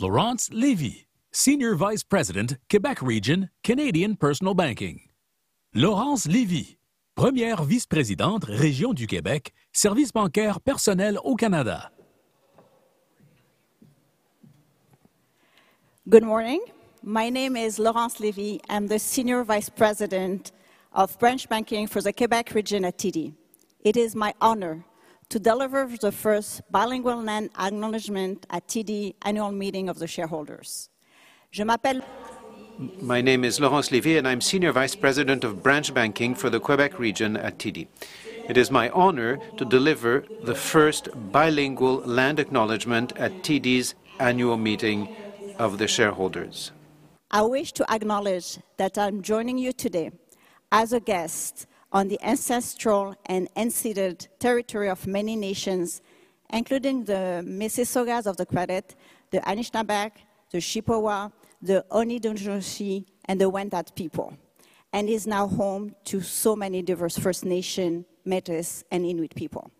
Laurence Lévy, Senior Vice President, Québec Region, Canadian Personal Banking. Laurence Lévy, Première Vice-Présidente, Région du Québec, Service bancaire personnel au Canada. Good morning. My name is Laurence Lévy, I'm the Senior Vice President of Branch Banking for the Québec Région at TD. It is my honor to deliver the first bilingual land acknowledgement at TD annual meeting of the shareholders. My name is Laurence Lévy, and I'm Senior Vice President of Branch Banking for the Québec Région at TD. It is my honor to deliver the first bilingual land acknowledgement at TD's annual meeting of the shareholders. I wish to acknowledge that I'm joining you today as a guest on the ancestral and unceded territory of many nations, including the Mississaugas of the Credit, the Anishinaabeg, the Chippewa, the Oni Djinoshi, and the Wendat people, and is now home to so many diverse First Nation, Métis, and Inuit people.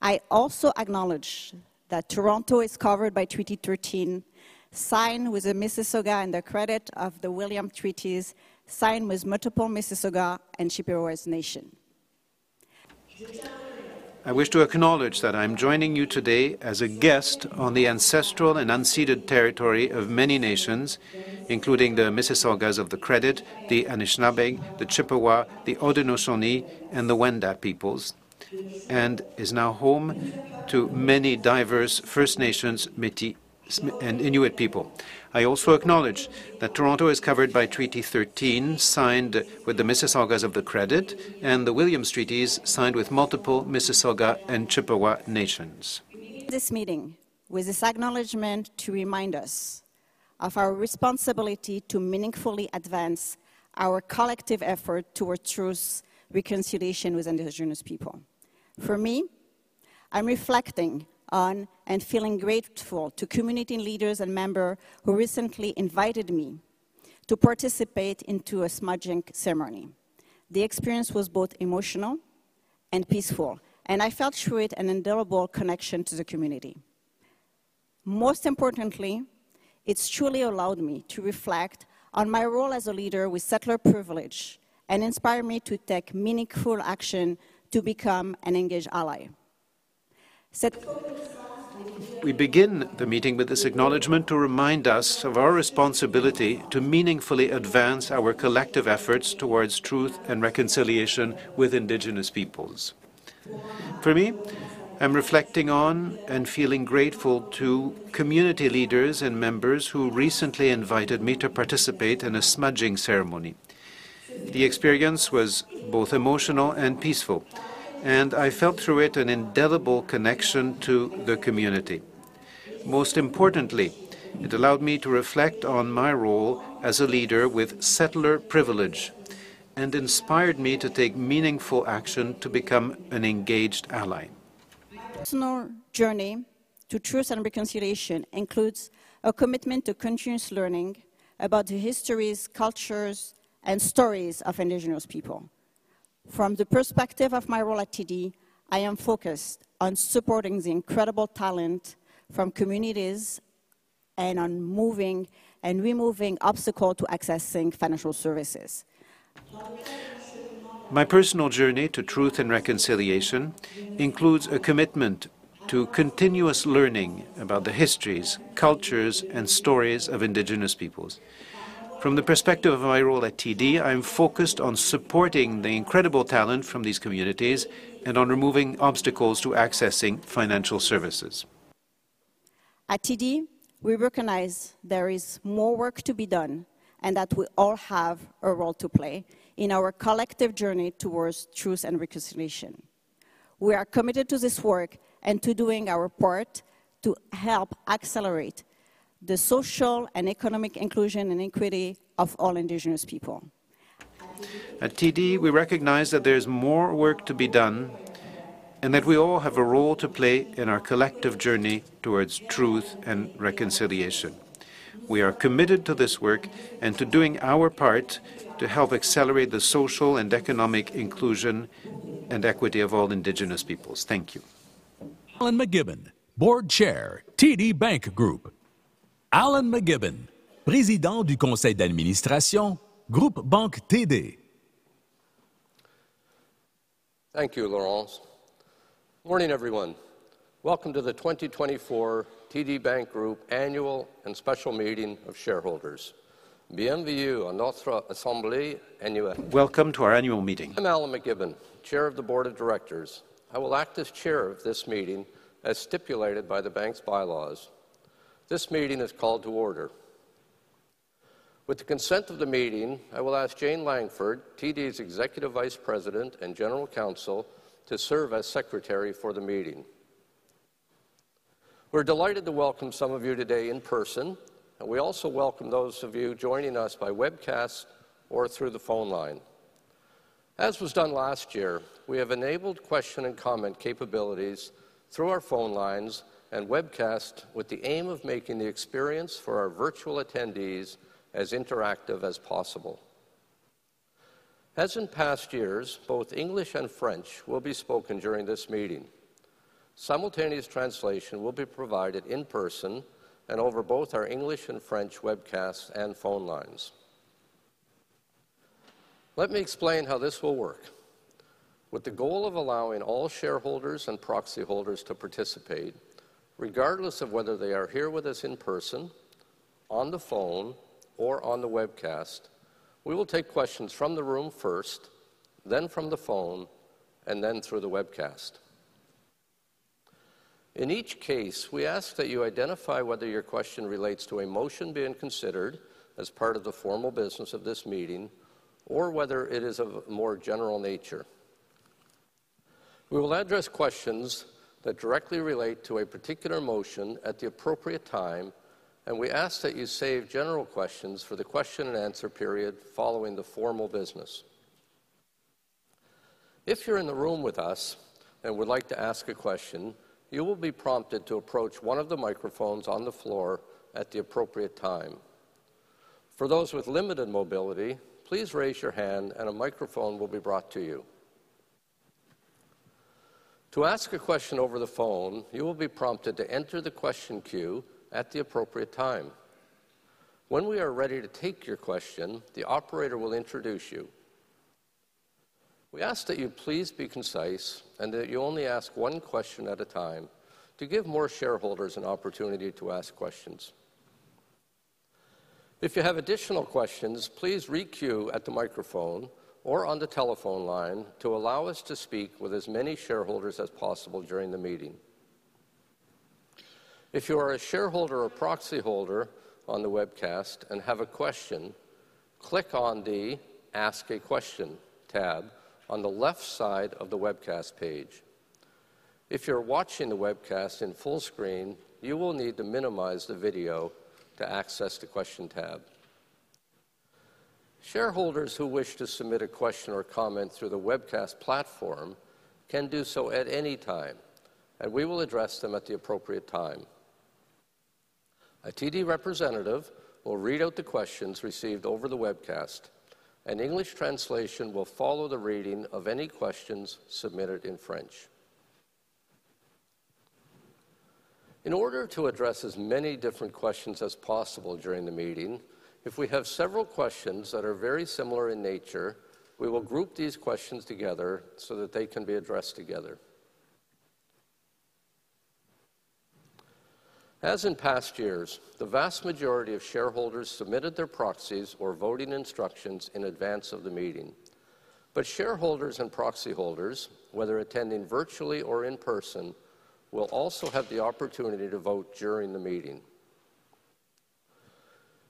I also acknowledge that Toronto is covered by Treaty 13, signed with the Mississaugas of the Credit, and the Williams Treaties, signed with multiple Mississauga and Chippewa nations. I wish to acknowledge that I'm joining you today as a guest on the ancestral and unceded territory of many nations, including the Mississaugas of the Credit, the Anishinaabeg, the Chippewa, the Odi Noshoni, and the Wendat peoples, and is now home to many diverse First Nations, Métis, and Inuit people. I also acknowledge that Toronto is covered by Treaty 13, signed with the Mississaugas of the Credit, and the Williams Treaties, signed with multiple Mississauga and Chippewa nations. This meeting was this acknowledgement to remind us of our responsibility to meaningfully advance our collective effort toward true reconciliation with Indigenous people. For me, I'm reflecting on and feeling grateful to community leaders and members who recently invited me to participate in a smudging ceremony. The experience was both emotional and peaceful, and I felt through it an indelible connection to the community. Most importantly, it's truly allowed me to reflect on my role as a leader with settler privilege and inspired me to take meaningful action to become an engaged ally. We begin the meeting with this acknowledgment to remind us of our responsibility to meaningfully advance our collective efforts towards truth and reconciliation with Indigenous peoples. For me, I'm reflecting on and feeling grateful to community leaders and members who recently invited me to participate in a smudging ceremony. The experience was both emotional and peaceful, and I felt through it an indelible connection to the community. Most importantly, it allowed me to reflect on my role as a leader with settler privilege and inspired me to take meaningful action to become an engaged ally. Personal journey to truth and reconciliation includes a commitment to continuous learning about the histories, cultures, and stories of Indigenous people. From the perspective of my role at TD, I am focused on supporting the incredible talent from communities and on moving and removing obstacles to accessing financial services. My personal journey to truth and reconciliation includes a commitment to continuous learning about the histories, cultures, and stories of Indigenous peoples. From the perspective of my role at TD, I'm focused on supporting the incredible talent from these communities and on removing obstacles to accessing financial services. At TD, we recognize there is more work to be done and that we all have a role to play in our collective journey towards truth and reconciliation. We are committed to this work and to doing our part to help accelerate the social and economic inclusion and equity of all Indigenous people. At TD, we recognize that there is more work to be done and that we all have a role to play in our collective journey towards truth and reconciliation. We are committed to this work and to doing our part to help accelerate the social and economic inclusion and equity of all Indigenous peoples. Thank you. Alan MacGibbon, Board Chair, TD Bank Group. Alan MacGibbon, Président du Conseil d'administration, Groupe Banque TD. Thank you, Laurence. Morning, everyone. Welcome to the 2024 TD Bank Group annual and special meeting of shareholders. Bienvenue à notre assemblée annuelle. Welcome to our annual meeting. I'm Alan MacGibbon, Chair of the Board of Directors. I will act as Chair of this meeting as stipulated by the bank's bylaws. This meeting is called to order. With the consent of the meeting, I will ask Jane Langford, TD's Executive Vice President and General Counsel, to serve as Secretary for the meeting. We're delighted to welcome some of you today in person, and we also welcome those of you joining us by webcast or through the phone line. As was done last year, we have enabled question and comment capabilities through our phone lines and webcast with the aim of making the experience for our virtual attendees as interactive as possible. As in past years, both English and French will be spoken during this meeting. Simultaneous translation will be provided in person and over both our English and French webcasts and phone lines. Let me explain how this will work. With the goal of allowing all shareholders and proxy holders to participate, regardless of whether they are here with us in person, on the phone, or on the webcast, we will take questions from the room first, then from the phone, and then through the webcast. In each case, we ask that you identify whether your question relates to a motion being considered as part of the formal business of this meeting or whether it is of a more general nature. We will address questions that directly relate to a particular motion at the appropriate time, and we ask that you save general questions for the question and answer period following the formal business. If you're in the room with us and would like to ask a question, you will be prompted to approach one of the microphones on the floor at the appropriate time. For those with limited mobility, please raise your hand and a microphone will be brought to you. To ask a question over the phone, you will be prompted to enter the question queue at the appropriate time. When we are ready to take your question, the operator will introduce you. We ask that you please be concise and that you only ask one question at a time to give more shareholders an opportunity to ask questions. If you have additional questions, please re-queue at the microphone or on the telephone line to allow us to speak with as many shareholders as possible during the meeting. If you are a shareholder or proxy holder on the webcast and have a question, click on the Ask a Question tab on the left side of the webcast page. If you're watching the webcast in full screen, you will need to minimize the video to access the Question tab. Shareholders who wish to submit a question or comment through the webcast platform can do so at any time, and we will address them at the appropriate time. A TD representative will read out the questions received over the webcast, and English translation will follow the reading of any questions submitted in French. In order to address as many different questions as possible during the meeting, if we have several questions that are very similar in nature, we will group these questions together so that they can be addressed together. As in past years, the vast majority of shareholders submitted their proxies or voting instructions in advance of the meeting, but shareholders and proxy holders, whether attending virtually or in person, will also have the opportunity to vote during the meeting.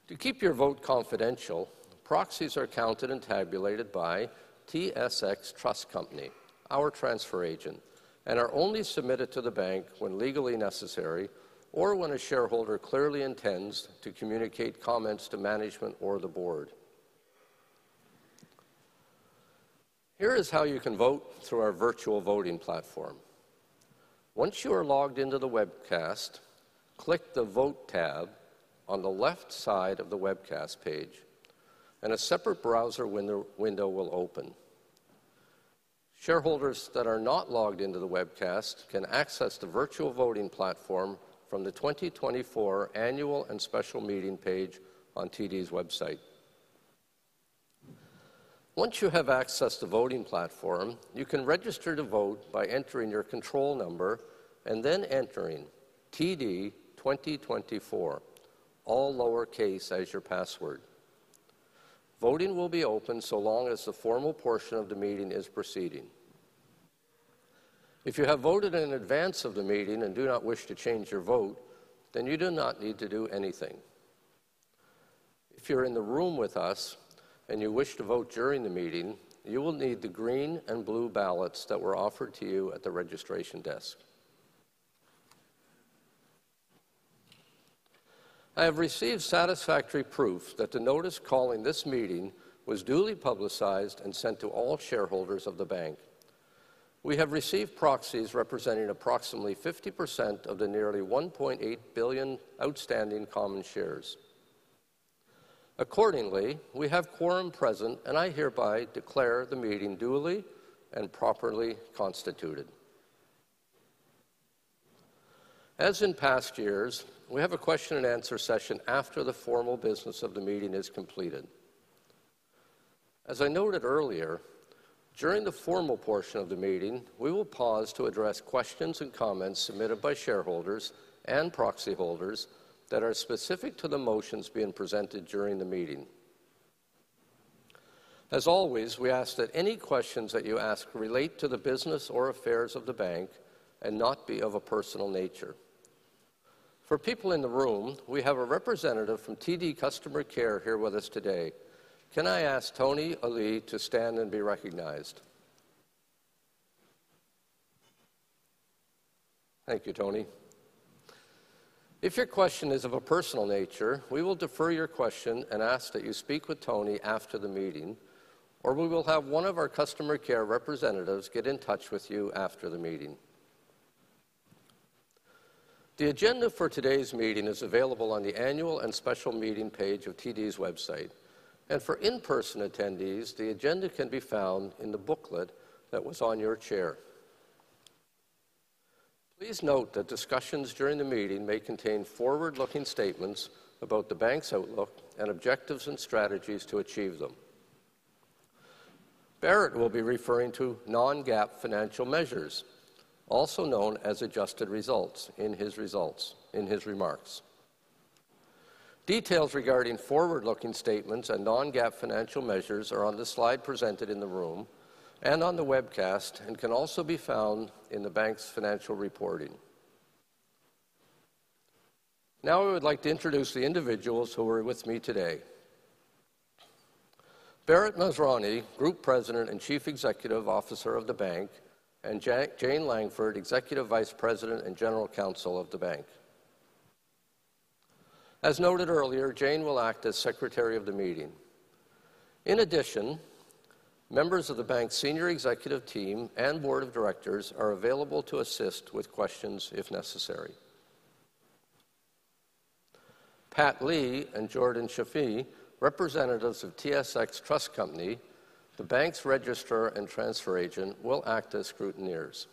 To keep your vote confidential, proxies are counted and tabulated by TSX Trust Company, our transfer agent, and are only submitted to the bank when legally necessary or when a shareholder clearly intends to communicate comments to management or the board. Here is how you can vote through our virtual voting platform. Once you are logged into the webcast, click the Vote tab on the left side of the webcast page, and a separate browser window will open. Shareholders that are not logged into the webcast can access the virtual voting platform from the 2024 annual and special meeting page on TD's website. Once you have accessed the voting platform, you can register to vote by entering your control number and then entering TD2024, all lowercase as your password. Voting will be open so long as the formal portion of the meeting is proceeding. If you have voted in advance of the meeting and do not wish to change your vote, then you do not need to do anything. If you're in the room with us and you wish to vote during the meeting, you will need the green and blue ballots that were offered to you at the registration desk. I have received satisfactory proof that the notice calling this meeting was duly publicized and sent to all shareholders of the bank. We have received proxies representing approximately 50% of the nearly 1.8 billion outstanding common shares. Accordingly, we have quorum present, and I hereby declare the meeting duly and properly constituted. As in past years, we have a question and answer session after the formal business of the meeting is completed. As I noted earlier, during the formal portion of the meeting, we will pause to address questions and comments submitted by shareholders and proxy holders that are specific to the motions being presented during the meeting. As always, we ask that any questions that you ask relate to the business or affairs of the bank and not be of a personal nature. For people in the room, we have a representative from TD Customer Care here with us today. Can I ask Tony Ali to stand and be recognized? Thank you, Tony. If your question is of a personal nature, we will defer your question and ask that you speak with Tony after the meeting, or we will have one of our customer care representatives get in touch with you after the meeting. The agenda for today's meeting is available on the annual and special meeting page of TD's website, and for in-person attendees, the agenda can be found in the booklet that was on your chair. Please note that discussions during the meeting may contain forward-looking statements about the bank's outlook and objectives and strategies to achieve them. Bharat will be referring to non-GAAP financial measures, also known as adjusted results, in his results, in his remarks. Details regarding forward-looking statements and non-GAAP financial measures are on the slide presented in the room and on the webcast and can also be found in the bank's financial reporting. Now I would like to introduce the individuals who are with me today. Bharat Masrani, Group President and Chief Executive Officer of the bank, and Jane Langford, Executive Vice President and General Counsel of the bank. As noted earlier, Jane will act as Secretary of the meeting. In addition, members of the bank's senior executive team and board of directors are available to assist with questions if necessary. Pat Lee and Jordan Scaffidi, representatives of TSX Trust Company, the bank's Register and Transfer Agent, will act as scrutineers.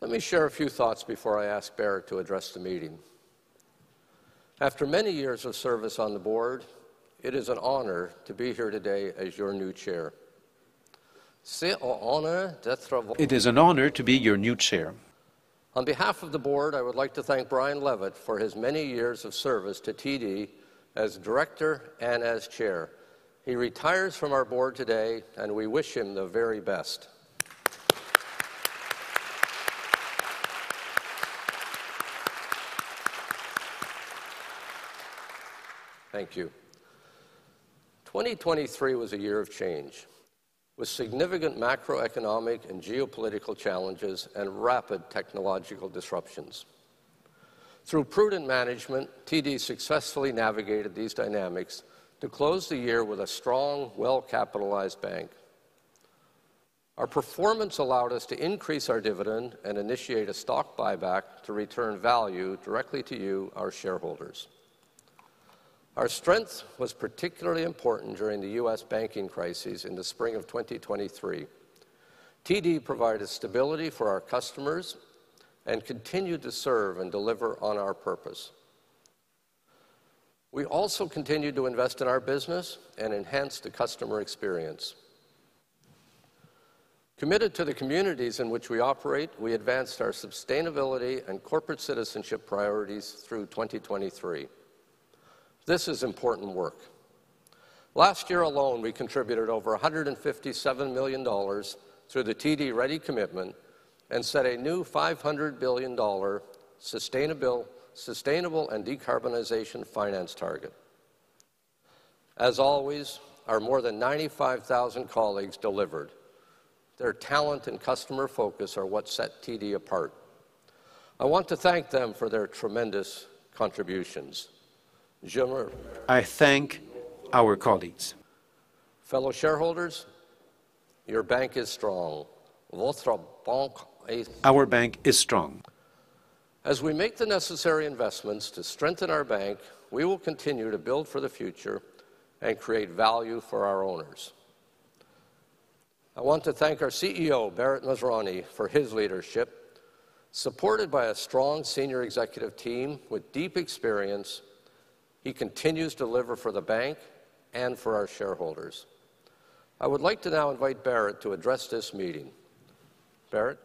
Let me share a few thoughts before I ask Bharat to address the meeting. After many years of service on the board, it is an honor to be here today as your new Chair. C'est un honneur d'être. It is an honor to be your new Chair. On behalf of the board, I would like to thank Brian Levitt for his many years of service to TD as Director and as Chair. He retires from our board today, and we wish him the very best. Thank you. 2023 was a year of change with significant macroeconomic and geopolitical challenges and rapid technological disruptions. Through prudent management, TD successfully navigated these dynamics to close the year with a strong, well-capitalized bank. Our performance allowed us to increase our dividend and initiate a stock buyback to return value directly to you, our shareholders. Our strength was particularly important during the U.S. banking crises in the spring of 2023. TD provided stability for our customers and continued to serve and deliver on our purpose. We also continue to invest in our business and enhance the customer experience. Committed to the communities in which we operate, we advanced our sustainability and corporate citizenship priorities through 2023. This is important work. Last year alone, we contributed over 157 million dollars through the TD Ready Commitment and set a new 500 billion dollar Sustainable and Decarbonization Finance Target. As always, our more than 95,000 colleagues delivered. Their talent and customer focus are what set TD apart. I want to thank them for their tremendous contributions. Je me. I thank our colleagues. Fellow shareholders, your bank is strong. Votre banque est. Our bank is strong. As we make the necessary investments to strengthen our bank, we will continue to build for the future and create value for our owners. I want to thank our CEO, Bharat Masrani, for his leadership. Supported by a strong senior executive team with deep experience, he continues to deliver for the bank and for our shareholders. I would like to now invite Bharat to address this meeting. Bharat.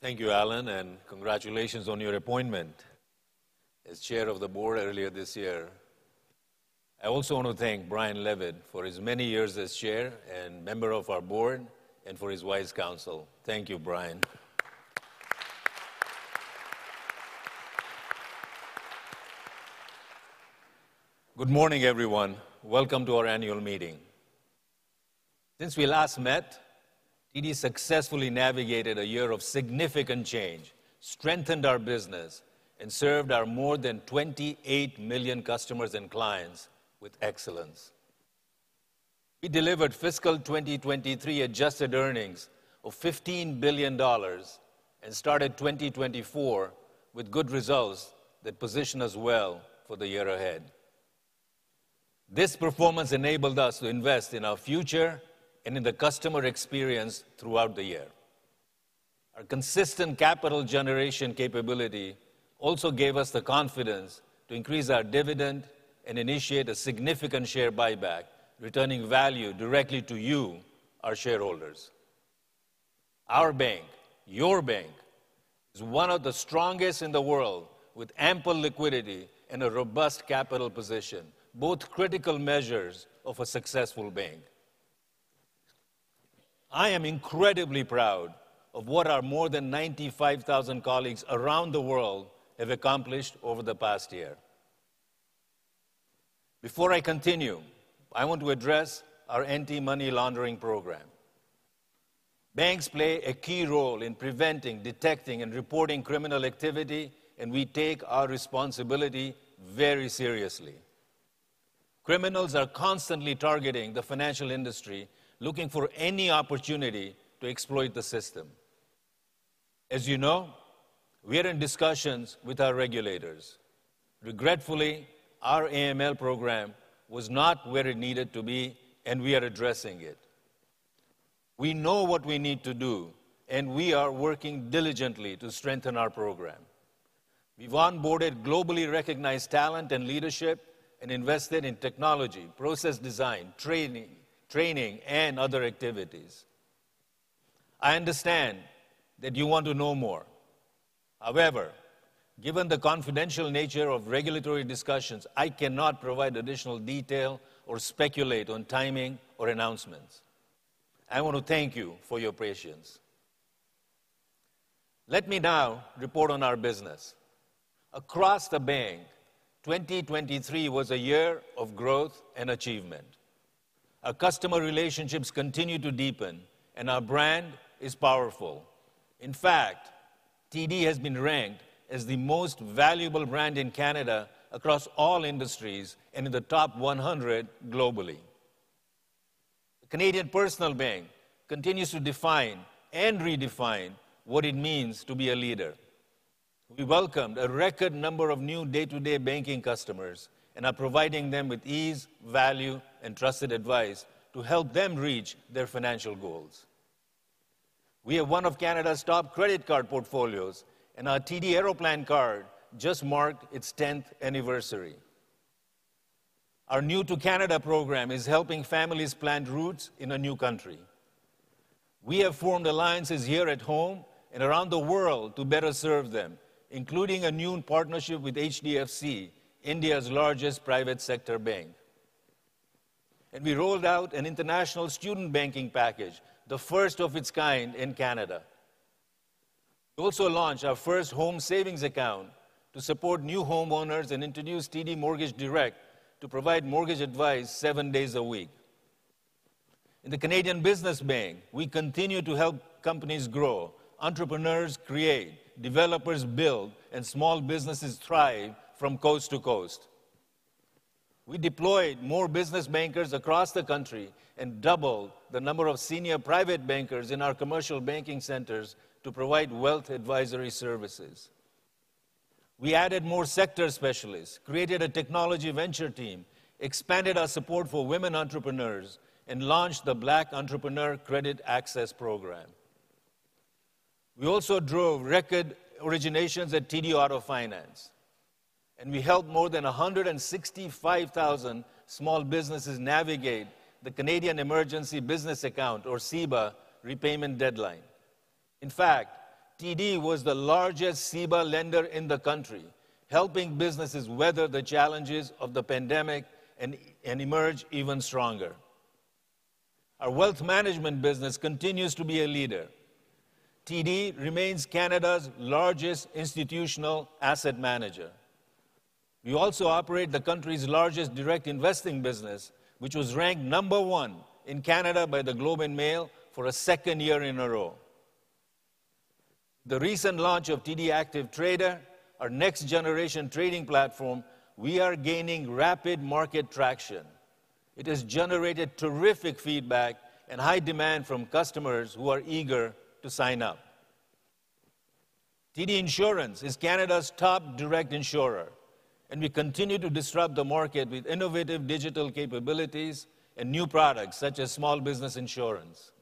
Thank you, Alan, and congratulations on your appointment as Chair of the Board earlier this year. I also want to thank Brian Levitt for his many years as Chair and member of our board and for his wise counsel. Thank you, Brian. Good morning, everyone. Welcome to our annual meeting. Since we last met, TD successfully navigated a year of significant change, strengthened our business, and served our more than 28 million customers and clients with excellence. We delivered fiscal 2023 Adjusted Earnings of 15 billion dollars and started 2024 with good results that position us well for the year ahead. This performance enabled us to invest in our future and in the customer experience throughout the year. Our consistent capital generation capability also gave us the confidence to increase our dividend and initiate a significant share buyback, returning value directly to you, our shareholders. Our bank, your bank, is one of the strongest in the world with ample liquidity and a robust capital position, both critical measures of a successful bank. I am incredibly proud of what our more than 95,000 colleagues around the world have accomplished over the past year. Before I continue, I want to address our anti-money laundering program. Banks play a key role in preventing, detecting, and reporting criminal activity, and we take our responsibility very seriously. Criminals are constantly targeting the financial industry, looking for any opportunity to exploit the system. As you know, we are in discussions with our regulators. Regretfully, our AML program was not where it needed to be, and we are addressing it. We know what we need to do, and we are working diligently to strengthen our program. We've onboarded globally recognized talent and leadership and invested in technology, process design, training, and other activities. I understand that you want to know more. However, given the confidential nature of regulatory discussions, I cannot provide additional detail or speculate on timing or announcements. I want to thank you for your patience. Let me now report on our business. Across the bank, 2023 was a year of growth and achievement. Our customer relationships continue to deepen, and our brand is powerful. In fact, TD has been ranked as the most valuable brand in Canada across all industries and in the top 100 globally. The Canadian Personal Bank continues to define and redefine what it means to be a leader. We welcomed a record number of new day-to-day banking customers and are providing them with ease, value, and trusted advice to help them reach their financial goals. We are one of Canada's top credit card portfolios, and our TD Aeroplan Card just marked its 10th anniversary. Our New to Canada Program is helping families plant roots in a new country. We have formed alliances here at home and around the world to better serve them, including a new partnership with HDFC, India's largest private sector bank. We rolled out an international student banking package, the first of its kind in Canada. We also launched our First Home Savings Account to support new homeowners and introduced TD Mortgage Direct to provide mortgage advice seven days a week. In the Canadian Business Bank, we continue to help companies grow, entrepreneurs create, developers build, and small businesses thrive from coast to coast. We deployed more business bankers across the country and doubled the number of senior private bankers in our commercial banking centers to provide wealth advisory services. We added more sector specialists, created a technology venture team, expanded our support for women entrepreneurs, and launched the Black Entrepreneur Credit Access Program. We also drove record originations at TD Auto Finance, and we helped more than 165,000 small businesses navigate the Canada Emergency Business Account, or CEBA, repayment deadline. In fact, TD was the largest CEBA lender in the country, helping businesses weather the challenges of the pandemic and emerge even stronger. Our wealth management business continues to be a leader. TD remains Canada's largest institutional asset manager. We also operate the country's largest direct investing business, which was ranked number 1 in Canada by the Globe and Mail for a second year in a row. With the recent launch of TD Active Trader, our next-generation trading platform, we are gaining rapid market traction. It has generated terrific feedback and high demand from customers who are eager to sign up. TD Insurance is Canada's top direct insurer, and we continue to disrupt the market with innovative digital capabilities and new products such as small business insurance.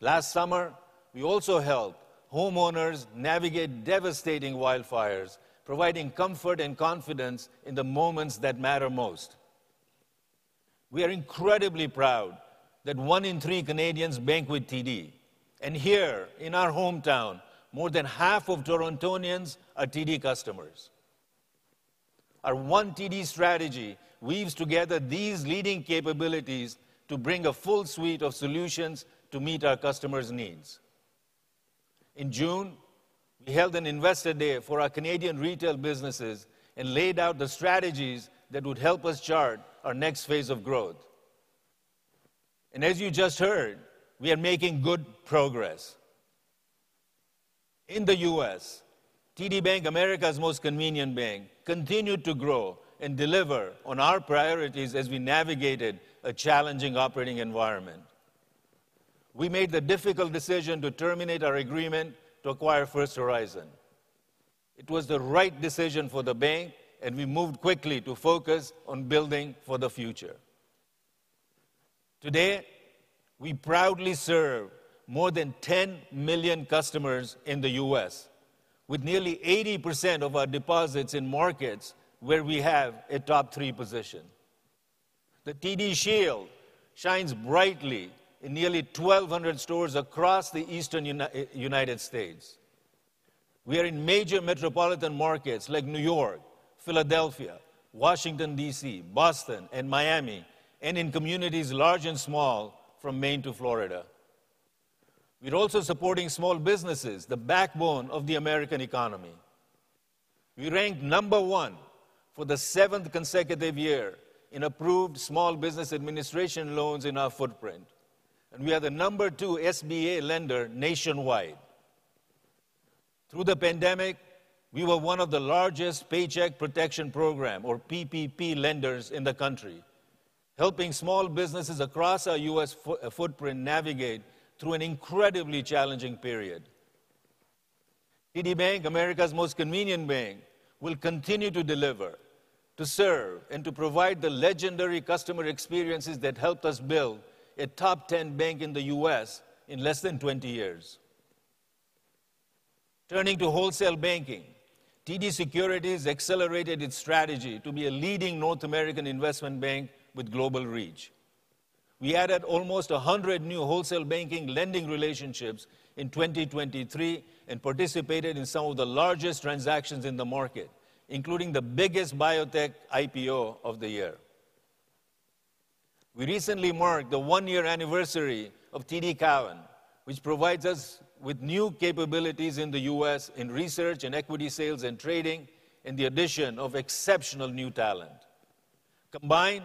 Last summer, we also helped homeowners navigate devastating wildfires, providing comfort and confidence in the moments that matter most. We are incredibly proud that one in three Canadians bank with TD, and here in our hometown, more than half of Torontonians are TD customers. Our One TD strategy weaves together these leading capabilities to bring a full suite of solutions to meet our customers' needs. In June, we held an investor day for our Canadian retail businesses and laid out the strategies that would help us chart our next phase of growth. As you just heard, we are making good progress. In the U.S., TD Bank, America's most convenient bank, continued to grow and deliver on our priorities as we navigated a challenging operating environment. We made the difficult decision to terminate our agreement to acquire First Horizon. It was the right decision for the bank, and we moved quickly to focus on building for the future. Today, we proudly serve more than 10 million customers in the U.S., with nearly 80% of our deposits in markets where we have a top three position. The TD Shield shines brightly in nearly 1,200 stores across the Eastern United States. We are in major metropolitan markets like New York, Philadelphia, Washington, D.C., Boston, and Miami, and in communities large and small from Maine to Florida. We're also supporting small businesses, the backbone of the American economy. We ranked number 1 for the 7th consecutive year in approved small business administration loans in our footprint, and we are the number 2 SBA lender nationwide. Through the pandemic, we were one of the largest paycheck protection programs, or PPP, lenders in the country, helping small businesses across our U.S. footprint navigate through an incredibly challenging period. TD Bank, America's most convenient bank, will continue to deliver, to serve, and to provide the legendary customer experiences that helped us build a top 10 bank in the U.S. in less than 20 years. Turning to wholesale banking, TD Securities accelerated its strategy to be a leading North American investment bank with global reach. We added almost 100 new wholesale banking lending relationships in 2023 and participated in some of the largest transactions in the market, including the biggest biotech IPO of the year. We recently marked the 1-year anniversary of TD Cowen, which provides us with new capabilities in the U.S. in research and equity sales and trading, in the addition of exceptional new talent. Combined,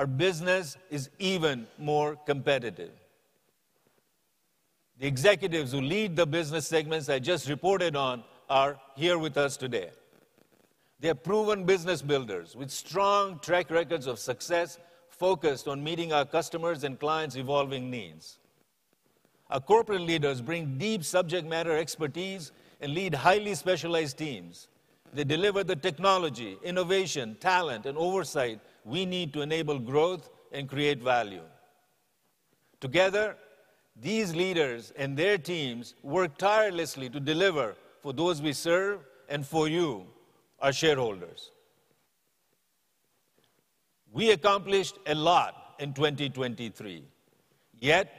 our business is even more competitive. The executives who lead the business segments I just reported on are here with us today. They are proven business builders with strong track records of success focused on meeting our customers' and clients' evolving needs. Our corporate leaders bring deep subject matter expertise and lead highly specialized teams. They deliver the technology, innovation, talent, and oversight we need to enable growth and create value. Together, these leaders and their teams work tirelessly to deliver for those we serve and for you, our shareholders. We accomplished a lot in 2023. Yet,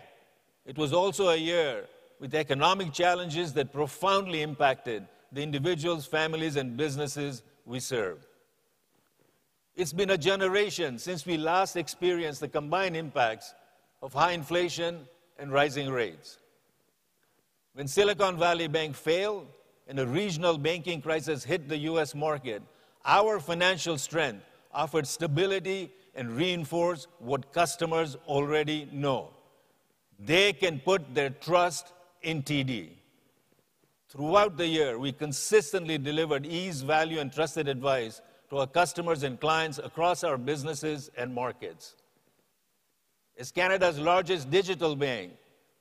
it was also a year with economic challenges that profoundly impacted the individuals, families, and businesses we serve. It's been a generation since we last experienced the combined impacts of high inflation and rising rates. When Silicon Valley Bank failed and a regional banking crisis hit the U.S. market, our financial strength offered stability and reinforced what customers already know: they can put their trust in TD. Throughout the year, we consistently delivered ease, value, and trusted advice to our customers and clients across our businesses and markets. As Canada's largest digital bank,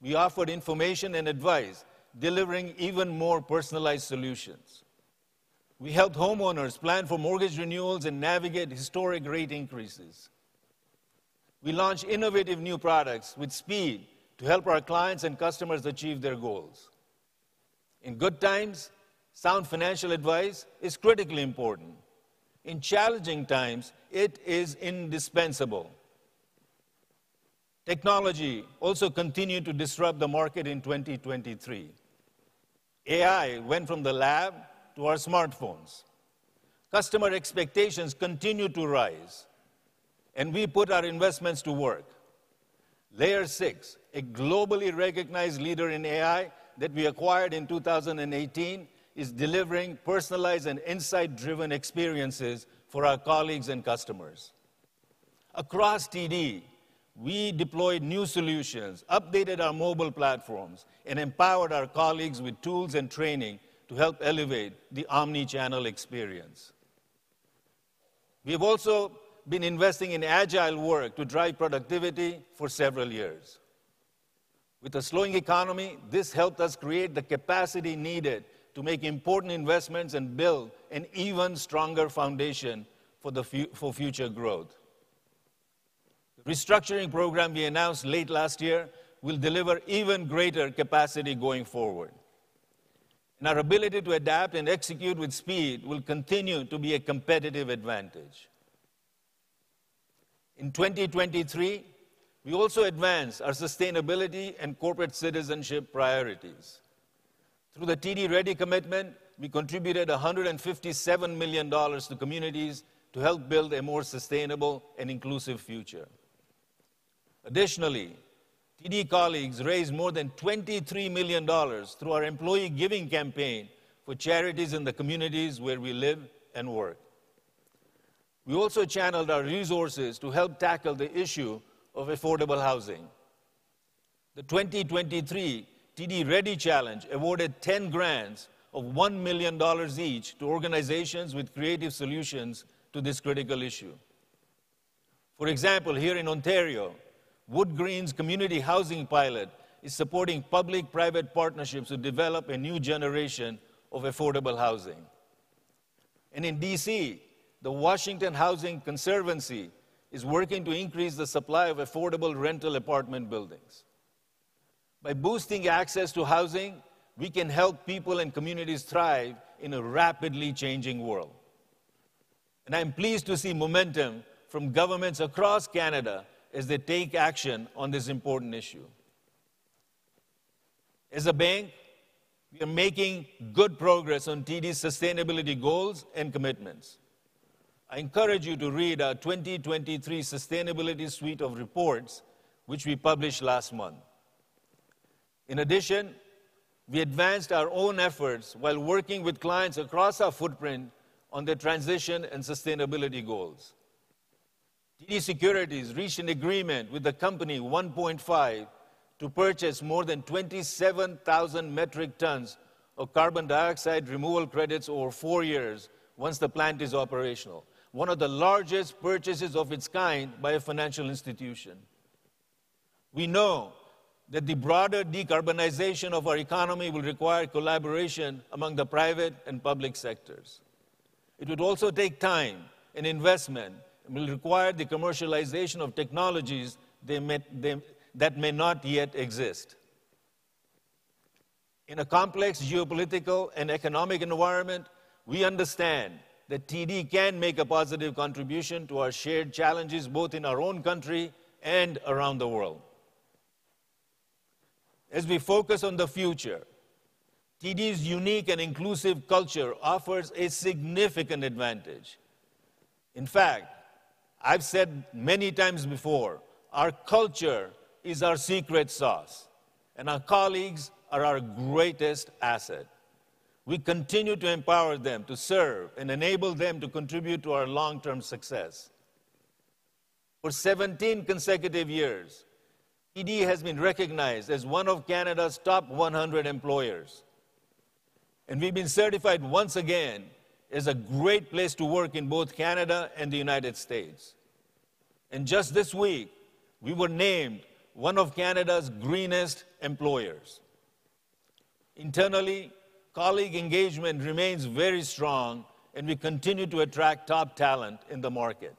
we offered information and advice, delivering even more personalized solutions. We helped homeowners plan for mortgage renewals and navigate historic rate increases. We launched innovative new products with speed to help our clients and customers achieve their goals. In good times, sound financial advice is critically important. In challenging times, it is indispensable. Technology also continued to disrupt the market in 2023. AI went from the lab to our smartphones. Customer expectations continued to rise, and we put our investments to work. Layer 6, a globally recognized leader in AI that we acquired in 2018, is delivering personalized and insight-driven experiences for our colleagues and customers. Across TD, we deployed new solutions, updated our mobile platforms, and empowered our colleagues with tools and training to help elevate the omnichannel experience. We have also been investing in agile work to drive productivity for several years. With a slowing economy, this helped us create the capacity needed to make important investments and build an even stronger foundation for future growth. The restructuring program we announced late last year will deliver even greater capacity going forward. Our ability to adapt and execute with speed will continue to be a competitive advantage. In 2023, we also advanced our sustainability and corporate citizenship priorities. Through the TD Ready Commitment, we contributed 157 million dollars to communities to help build a more sustainable and inclusive future. Additionally, TD colleagues raised more than 23 million dollars through our employee giving campaign for charities in the communities where we live and work. We also channeled our resources to help tackle the issue of affordable housing. The 2023 TD Ready Challenge awarded 10 grants of 1 million dollars each to organizations with creative solutions to this critical issue. For example, here in Ontario, WoodGreen's community housing pilot is supporting public-private partnerships to develop a new generation of affordable housing. And in D.C., the Washington Housing Conservancy is working to increase the supply of affordable rental apartment buildings. By boosting access to housing, we can help people and communities thrive in a rapidly changing world. I am pleased to see momentum from governments across Canada as they take action on this important issue. As a bank, we are making good progress on TD's sustainability goals and commitments. I encourage you to read our 2023 sustainability suite of reports, which we published last month. In addition, we advanced our own efforts while working with clients across our footprint on their transition and sustainability goals. TD Securities reached an agreement with the company 1PointFive to purchase more than 27,000 metric tons of carbon dioxide removal credits over four years once the plant is operational, one of the largest purchases of its kind by a financial institution. We know that the broader decarbonization of our economy will require collaboration among the private and public sectors. It would also take time and investment and will require the commercialization of technologies that may not yet exist. In a complex geopolitical and economic environment, we understand that TD can make a positive contribution to our shared challenges both in our own country and around the world. As we focus on the future, TD's unique and inclusive culture offers a significant advantage. In fact, I've said many times before, our culture is our secret sauce, and our colleagues are our greatest asset. We continue to empower them to serve and enable them to contribute to our long-term success. For 17 consecutive years, TD has been recognized as one of Canada's top 100 employers. We've been certified once again as a great place to work in both Canada and the United States. Just this week, we were named one of Canada's greenest employers. Internally, colleague engagement remains very strong, and we continue to attract top talent in the market.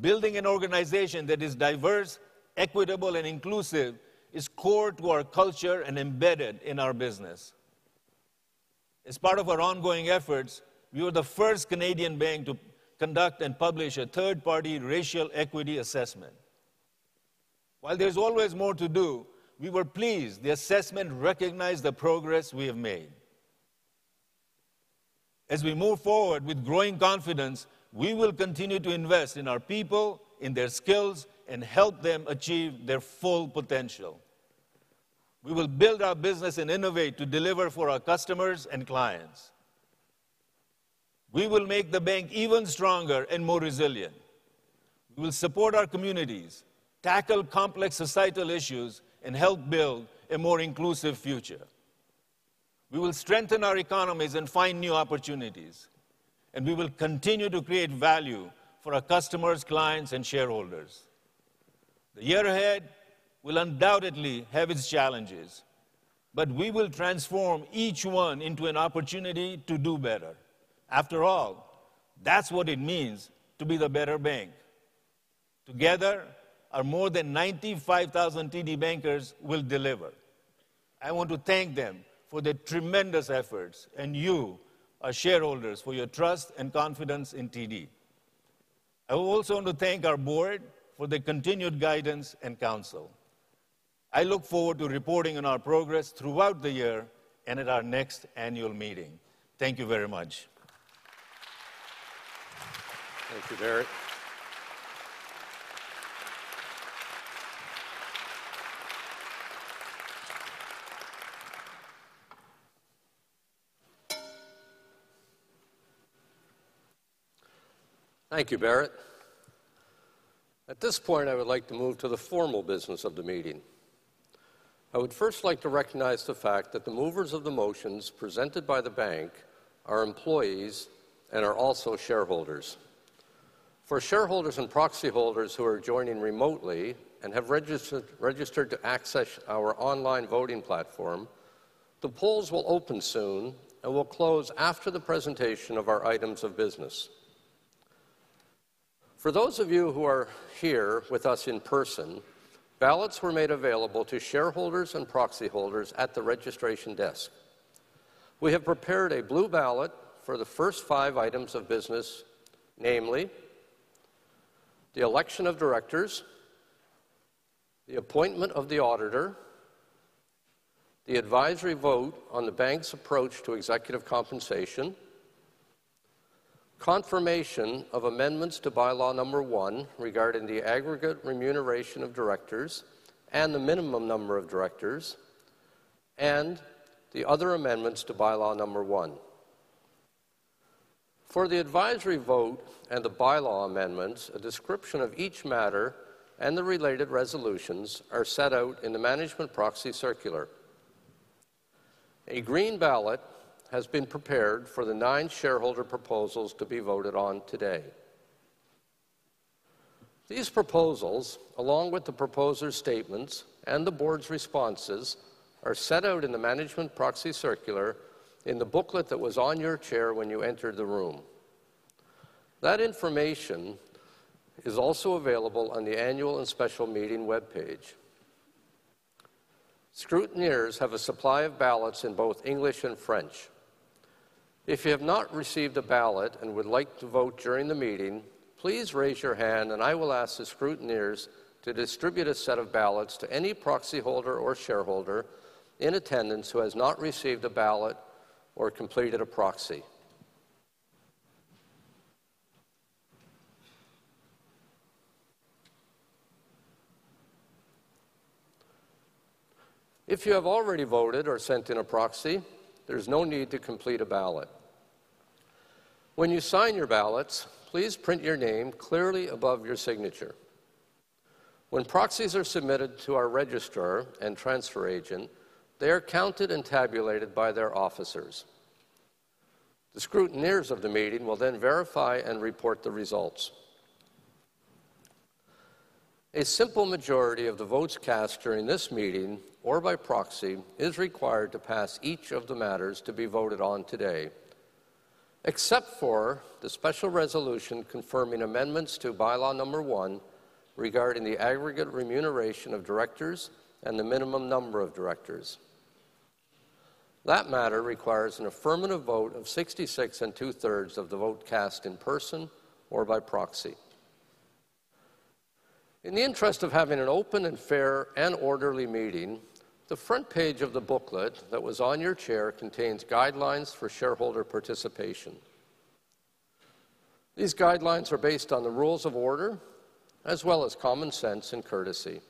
Building an organization that is diverse, equitable, and inclusive is core to our culture and embedded in our business. As part of our ongoing efforts, we were the first Canadian bank to conduct and publish a third-party racial equity assessment. While there is always more to do, we were pleased the assessment recognized the progress we have made. As we move forward with growing confidence, we will continue to invest in our people, in their skills, and help them achieve their full potential. We will build our business and innovate to deliver for our customers and clients. We will make the bank even stronger and more resilient. We will support our communities, tackle complex societal issues, and help build a more inclusive future. We will strengthen our economies and find new opportunities. And we will continue to create value for our customers, clients, and shareholders. The year ahead will undoubtedly have its challenges. But we will transform each one into an opportunity to do better. After all, that's what it means to be the better bank. Together, our more than 95,000 TD bankers will deliver. I want to thank them for their tremendous efforts, and you, our shareholders, for your trust and confidence in TD. I also want to thank our board for their continued guidance and counsel. I look forward to reporting on our progress throughout the year and at our next annual meeting. Thank you very much. Thank you, Derek. Thank you, Bharat. At this point, I would like to move to the formal business of the meeting. I would first like to recognize the fact that the movers of the motions presented by the bank are employees and are also shareholders. For shareholders and proxy holders who are joining remotely and have registered to access our online voting platform, the polls will open soon and will close after the presentation of our items of business. For those of you who are here with us in person, ballots were made available to shareholders and proxy holders at the registration desk. We have prepared a blue ballot for the first five items of business, namely: the election of directors, the appointment of the auditor, the advisory vote on the bank's approach to executive compensation, confirmation of amendments to Bylaw Number One regarding the aggregate remuneration of directors and the minimum number of directors, and the other amendments to Bylaw Number One. For the advisory vote and the bylaw amendments, a description of each matter and the related resolutions are set out in the Management Proxy Circular. A green ballot has been prepared for the nine shareholder proposals to be voted on today. These proposals, along with the proposer's statements and the board's responses, are set out in the Management Proxy Circular in the booklet that was on your chair when you entered the room. That information is also available on the annual and special meeting web page. Scrutineers have a supply of ballots in both English and French. If you have not received a ballot and would like to vote during the meeting, please raise your hand, and I will ask the scrutineers to distribute a set of ballots to any proxy holder or shareholder in attendance who has not received a ballot or completed a proxy. If you have already voted or sent in a proxy, there is no need to complete a ballot. When you sign your ballots, please print your name clearly above your signature. When proxies are submitted to our registrar and transfer agent, they are counted and tabulated by their officers. The scrutineers of the meeting will then verify and report the results. A simple majority of the votes cast during this meeting or by proxy is required to pass each of the matters to be voted on today, except for the special resolution confirming amendments to Bylaw Number 1 regarding the aggregate remuneration of directors and the minimum number of directors. That matter requires an affirmative vote of 66 2/3% of the vote cast in person or by proxy. In the interest of having an open and fair and orderly meeting, the front page of the booklet that was on your chair contains guidelines for shareholder participation. These guidelines are based on the rules of order, as well as common sense and courtesy.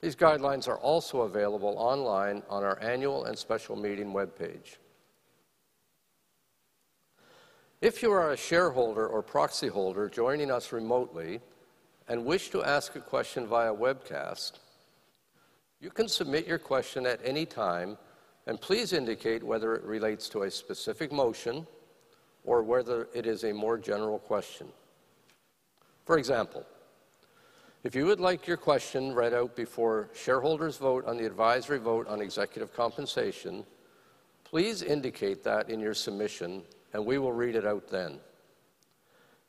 These guidelines are also available online on our annual and special meeting web page. If you are a shareholder or proxy holder joining us remotely and wish to ask a question via webcast, you can submit your question at any time, and please indicate whether it relates to a specific motion or whether it is a more general question. For example, if you would like your question read out before shareholders vote on the advisory vote on executive compensation, please indicate that in your submission, and we will read it out then.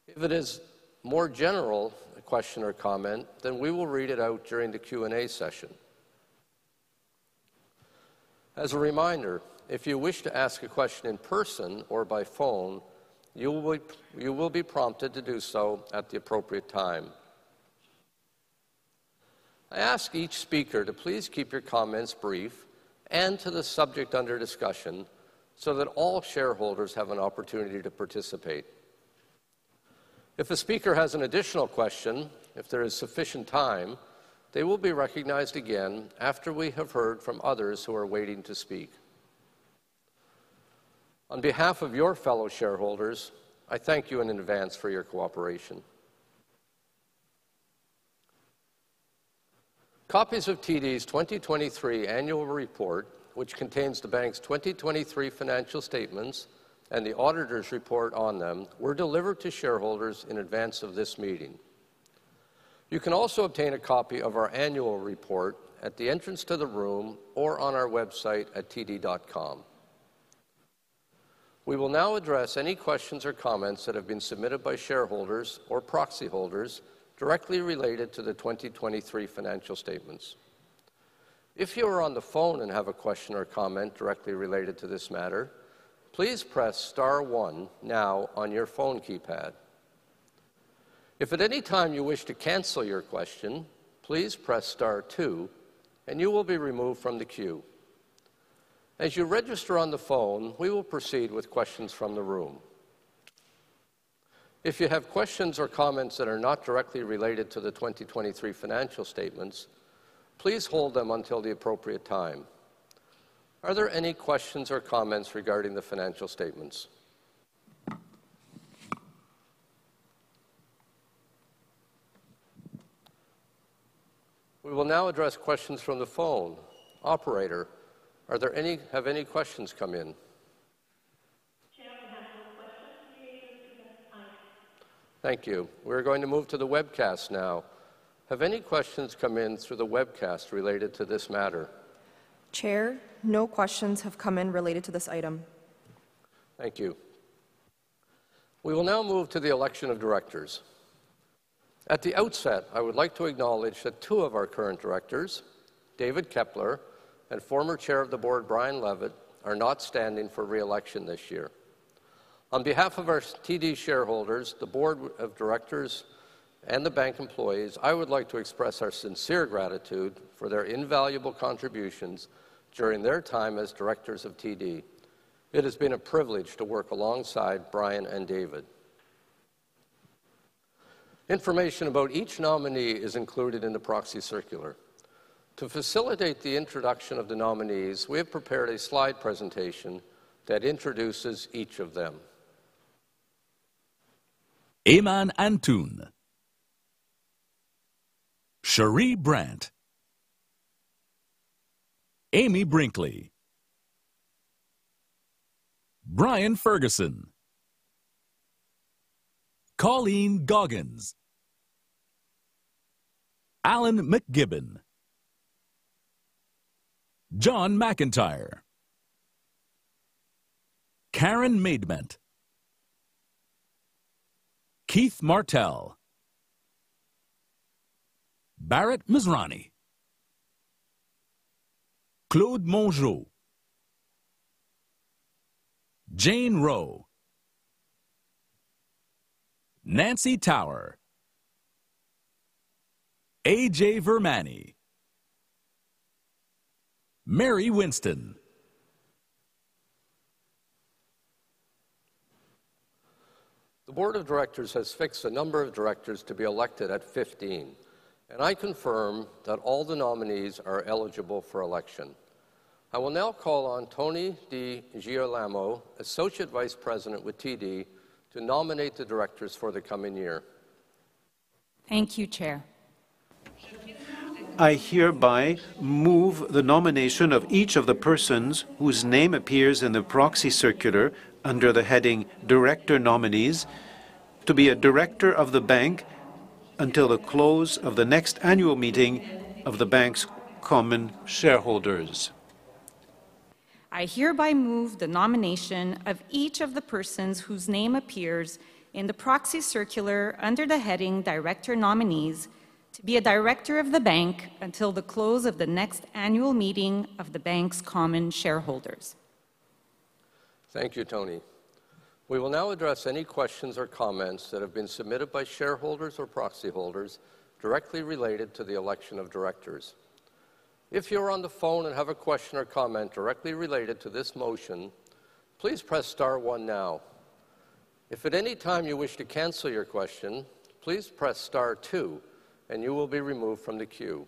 If it is more general, a question or comment, then we will read it out during the Q&A session. As a reminder, if you wish to ask a question in person or by phone, you will be prompted to do so at the appropriate time. I ask each speaker to please keep your comments brief and to the subject under discussion so that all shareholders have an opportunity to participate. If a speaker has an additional question, if there is sufficient time, they will be recognized again after we have heard from others who are waiting to speak. On behalf of your fellow shareholders, I thank you in advance for your cooperation. Copies of TD's 2023 annual report, which contains the bank's 2023 financial statements and the auditor's report on them, were delivered to shareholders in advance of this meeting. You can also obtain a copy of our annual report at the entrance to the room or on our website at td.com. We will now address any questions or comments that have been submitted by shareholders or proxy holders directly related to the 2023 financial statements. If you are on the phone and have a question or comment directly related to this matter, please press Star One now on your phone keypad. If at any time you wish to cancel your question, please press star 2, and you will be removed from the queue. As you register on the phone, we will proceed with questions from the room. If you have questions or comments that are not directly related to the 2023 financial statements, please hold them until the appropriate time. Are there any questions or comments regarding the financial statements? We will now address questions from the phone. Operator, are there any? Have any questions come in? Chair, we have no questions. You may go to the next slide. Thank you. We are going to move to the webcast now. Have any questions come in through the webcast related to this matter? Chair, no questions have come in related to this item. Thank you. We will now move to the election of directors. At the outset, I would like to acknowledge that two of our current directors, David Kepler and former chair of the board Brian Levitt, are not standing for reelection this year. On behalf of our TD shareholders, the board of directors, and the bank employees, I would like to express our sincere gratitude for their invaluable contributions during their time as directors of TD. It has been a privilege to work alongside Brian and David. Information about each nominee is included in the proxy circular. To facilitate the introduction of the nominees, we have prepared a slide presentation that introduces each of them. Ayman Antoun. Cherie Brant. Amy Brinkley. Brian Ferguson. Colleen Goggins. Alan MacGibbon. John MacIntyre. Karen Maidment. Keith Martell. Bharat Masrani. Claude Mongeau. Jane Rowe. Nancy Tower. Ajay Virmani. Mary Winston. The board of directors has fixed a number of directors to be elected at 15, and I confirm that all the nominees are eligible for election. I will now call on Tony Di Girolamo, Associate Vice President with TD, to nominate the directors for the coming year. Thank you, Chair. I hereby move the nomination of each of the persons whose name appears in the proxy circular under the heading Director Nominees to be a director of the bank until the close of the next annual meeting of the bank's common shareholders. I hereby move the nomination of each of the persons whose name appears in the proxy circular under the heading Director Nominees to be a director of the bank until the close of the next annual meeting of the bank's common shareholders. Thank you, Tony. We will now address any questions or comments that have been submitted by shareholders or proxy holders directly related to the election of directors. If you are on the phone and have a question or comment directly related to this motion, please press Star One now. If at any time you wish to cancel your question, please press Star Two, and you will be removed from the queue.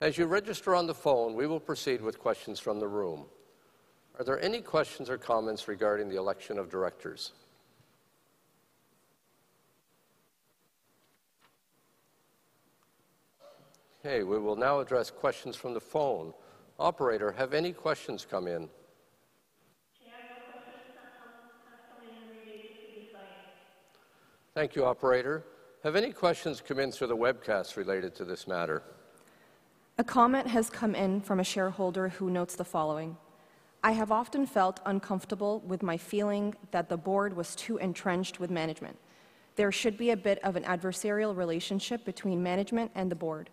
As you register on the phone, we will proceed with questions from the room. Are there any questions or comments regarding the election of directors? Okay, we will now address questions from the phone. Operator, have any questions come in? Chair, no questions have come in related to this item. Thank you, Operator. Have any questions come in through the webcast related to this matter? A comment has come in from a shareholder who notes the following: "I have often felt uncomfortable with my feeling that the board was too entrenched with management. There should be a bit of an adversarial relationship between management and the board.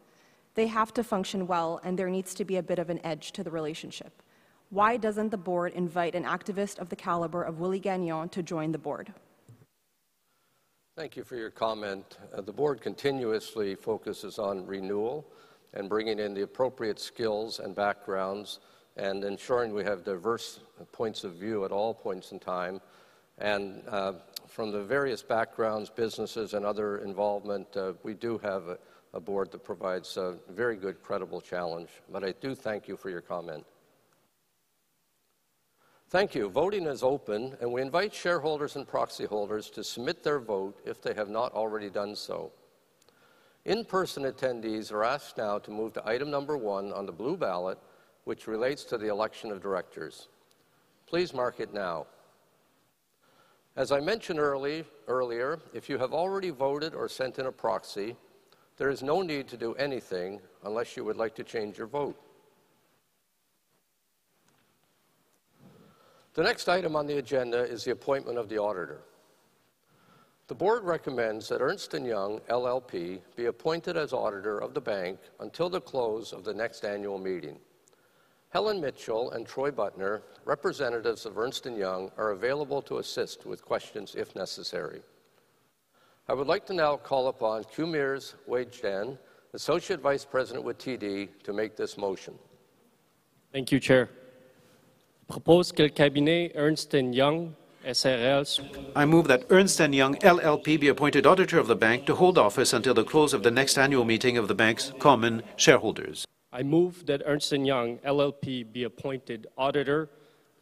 They have to function well, and there needs to be a bit of an edge to the relationship. Why doesn't the board invite an activist of the caliber of Willie Gagnon to join the board? Thank you for your comment. The board continuously focuses on renewal and bringing in the appropriate skills and backgrounds and ensuring we have diverse points of view at all points in time. And from the various backgrounds, businesses, and other involvement, we do have a board that provides a very good, credible challenge. But I do thank you for your comment. Thank you. Voting is open, and we invite shareholders and proxy holders to submit their vote if they have not already done so. In-person attendees are asked now to move to item number one on the blue ballot, which relates to the election of directors. Please mark it now. As I mentioned earlier, if you have already voted or sent in a proxy, there is no need to do anything unless you would like to change your vote. The next item on the agenda is the appointment of the auditor. The board recommends that Ernst & Young LLP be appointed as auditor of the bank until the close of the next annual meeting. Helen Mitchell and Troy Butner, representatives of Ernst & Young, are available to assist with questions if necessary. I would like to now call upon Qumers Wejdan, Associate Vice President with TD, to make this motion. Thank you, Chair. I move that Ernst & Young LLP be appointed auditor of the bank to hold office until the close of the next annual meeting of the bank's common shareholders. I move that Ernst & Young LLP be appointed auditor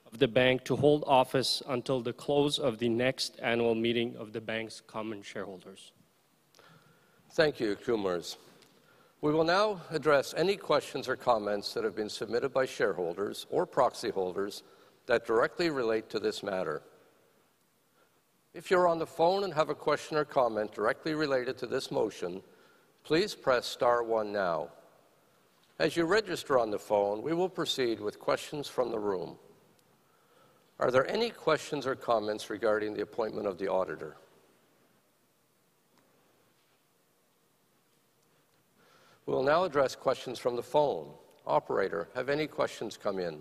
of the bank to hold office until the close of the next annual meeting of the bank's common shareholders. Thank you, Qumers. We will now address any questions or comments that have been submitted by shareholders or proxy holders that directly relate to this matter. If you are on the phone and have a question or comment directly related to this motion, please press Star One now. As you register on the phone, we will proceed with questions from the room. Are there any questions or comments regarding the appointment of the auditor? We will now address questions from the phone. Operator, have any questions come in?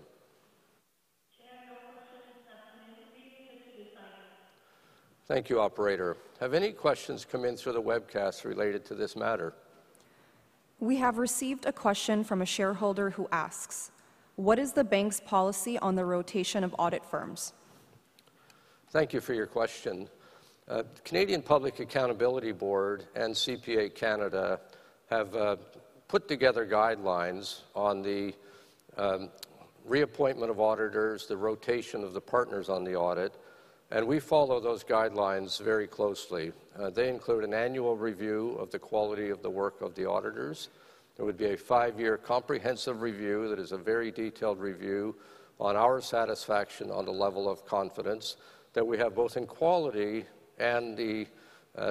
Chair, no questions have come in related to this item. Thank you, Operator. Have any questions come in through the webcast related to this matter? We have received a question from a shareholder who asks, "What is the bank's policy on the rotation of audit firms? Thank you for your question. The Canadian Public Accountability Board and CPA Canada have put together guidelines on the reappointment of auditors, the rotation of the partners on the audit, and we follow those guidelines very closely. They include an annual review of the quality of the work of the auditors. There would be a 5-year comprehensive review that is a very detailed review on our satisfaction on the level of confidence that we have both in quality and the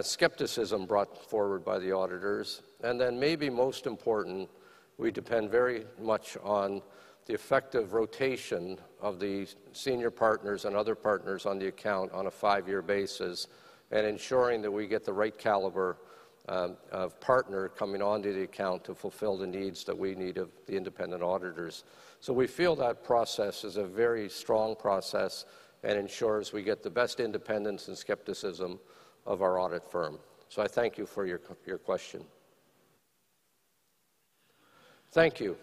skepticism brought forward by the auditors. And then maybe most important, we depend very much on the effective rotation of the senior partners and other partners on the account on a 5-year basis and ensuring that we get the right caliber of partner coming onto the account to fulfill the needs that we need of the independent auditors. So we feel that process is a very strong process and ensures we get the best independence and skepticism of our audit firm. So I thank you for your question. Thank you.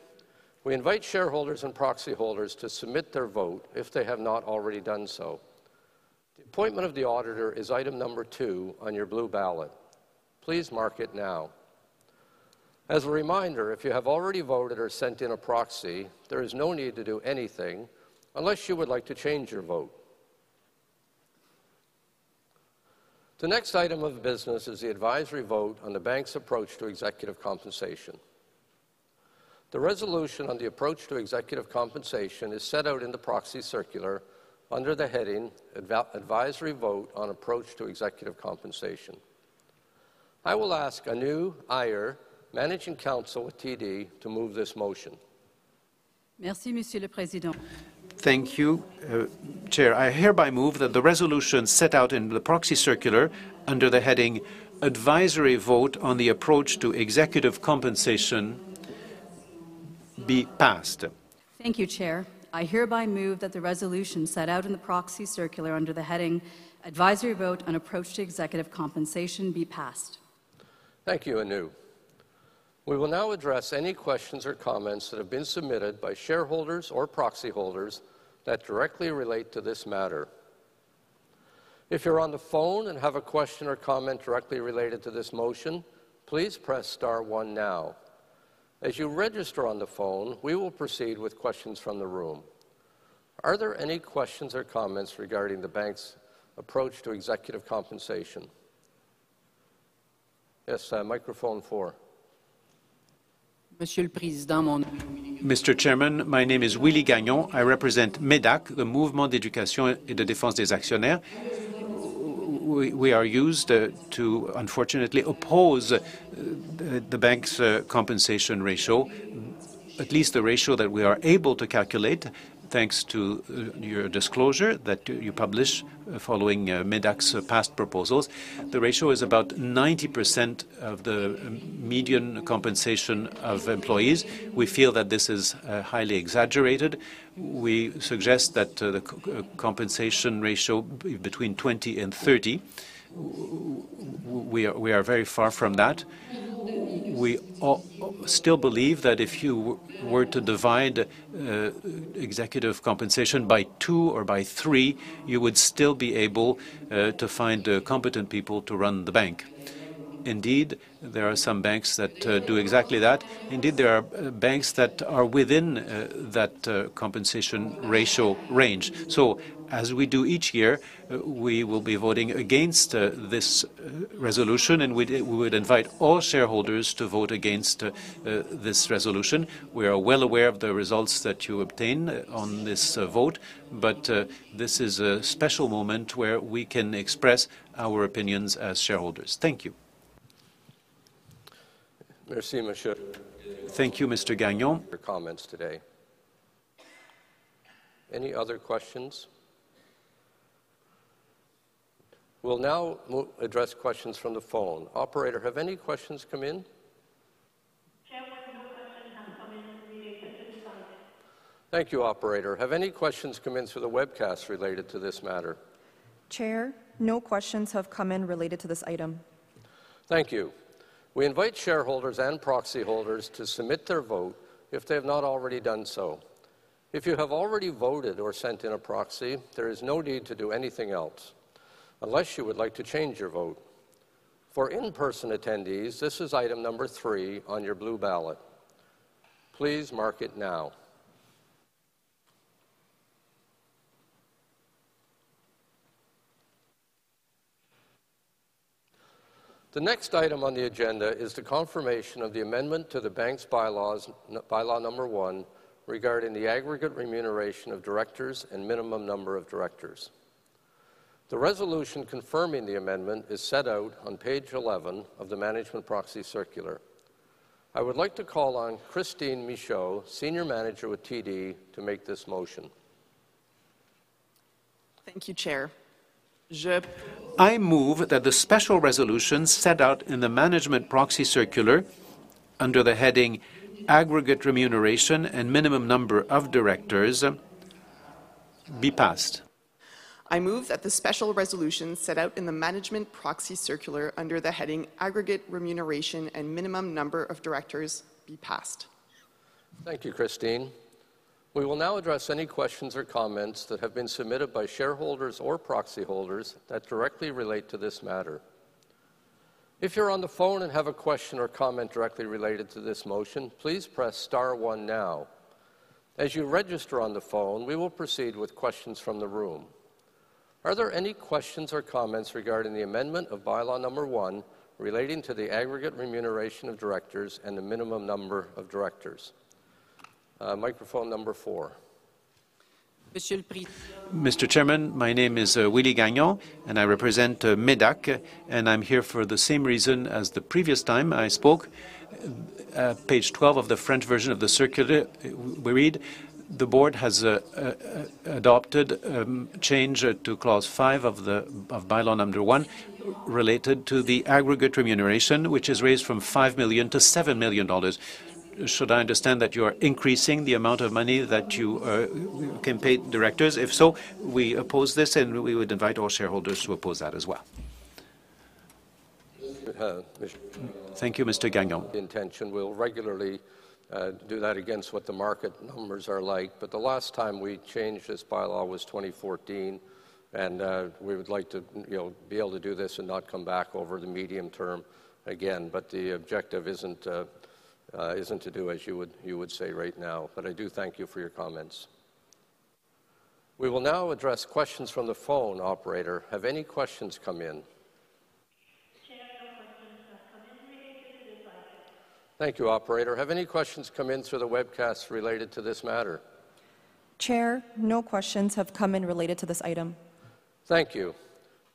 We invite shareholders and proxy holders to submit their vote if they have not already done so. The appointment of the auditor is item number 2 on your blue ballot. Please mark it now. As a reminder, if you have already voted or sent in a proxy, there is no need to do anything unless you would like to change your vote. The next item of business is the advisory vote on the bank's approach to executive compensation. The resolution on the approach to executive compensation is set out in the proxy circular under the heading Advisory Vote on Approach to Executive Compensation. I will ask Anu Iyer, Managing Counsel with TD, to move this motion. Thank you, Chair. I hereby move that the resolution set out in the proxy circular under the heading Advisory Vote on the Approach to Executive Compensation be passed. Thank you, Chair. I hereby move that the resolution set out in the proxy circular under the heading Advisory Vote on Approach to Executive Compensation be passed. Thank you, Anu. We will now address any questions or comments that have been submitted by shareholders or proxy holders that directly relate to this matter. If you're on the phone and have a question or comment directly related to this motion, please press Star One now. As you register on the phone, we will proceed with questions from the room. Are there any questions or comments regarding the bank's approach to executive compensation? Yes, microphone four. Mr. Chairman, my name is Willie Gagnon. I represent MEDAC, the Mouvement d'éducation et de défense des actionnaires. We are used to, unfortunately, oppose the bank's compensation ratio, at least the ratio that we are able to calculate thanks to your disclosure that you published following MEDAC's past proposals. The ratio is about 90% of the median compensation of employees. We feel that this is highly exaggerated. We suggest that the compensation ratio be between 20 and 30. We are very far from that. We still believe that if you were to divide executive compensation by two or by three, you would still be able to find competent people to run the bank. Indeed, there are some banks that do exactly that. Indeed, there are banks that are within that compensation ratio range. So as we do each year, we will be voting against this resolution, and we would invite all shareholders to vote against this resolution. We are well aware of the results that you obtain on this vote, but this is a special moment where we can express our opinions as shareholders. Thank you. Thank you, Mr. Gagnon. Comments today. Any other questions? We'll now address questions from the phone. Operator, have any questions come in? Chairman, no questions have come in related to this item. Thank you, Operator. Have any questions come in through the webcast related to this matter? Chair, no questions have come in related to this item. Thank you. We invite shareholders and proxy holders to submit their vote if they have not already done so. If you have already voted or sent in a proxy, there is no need to do anything else unless you would like to change your vote. For in-person attendees, this is item number three on your blue ballot. Please mark it now. The next item on the agenda is the confirmation of the amendment to the bank's bylaws, Bylaw Number One, regarding the aggregate remuneration of directors and minimum number of directors. The resolution confirming the amendment is set out on page 11 of the Management Proxy Circular. I would like to call on Christine Michaud, Senior Manager with TD, to make this motion. Thank you, Chair. I move that the special resolution set out in the Management Proxy Circular under the heading Aggregate Remuneration and Minimum Number of Directors be passed. I move that the special resolution set out in the Management Proxy Circular under the heading Aggregate Remuneration and Minimum Number of Directors be passed. Thank you, Christine. We will now address any questions or comments that have been submitted by shareholders or proxy holders that directly relate to this matter. If you're on the phone and have a question or comment directly related to this motion, please press Star One now. As you register on the phone, we will proceed with questions from the room. Are there any questions or comments regarding the amendment of bylaw number 1 relating to the aggregate remuneration of directors and the minimum number of directors? Microphone number 4. Mr. Chairman, my name is Willie Gagnon, and I represent MÉDAC, and I'm here for the same reason as the previous time I spoke. Page 12 of the French version of the circular, we read, "The board has adopted a change to clause five of Bylaw Number One related to the aggregate remuneration, which is raised from 5 million to 7 million dollars." Should I understand that you are increasing the amount of money that you can pay directors? If so, we oppose this, and we would invite all shareholders to oppose that as well. Thank you, Mr. Gagnon. Intention. We'll regularly do that against what the market numbers are like. But the last time we changed this bylaw was 2014, and we would like to be able to do this and not come back over the medium term again. But the objective isn't to do as you would say right now. But I do thank you for your comments. We will now address questions from the phone, Operator. Have any questions come in? Chair, no questions have come in related to this item. Thank you, Operator. Have any questions come in through the webcast related to this matter? Chair, no questions have come in related to this item. Thank you.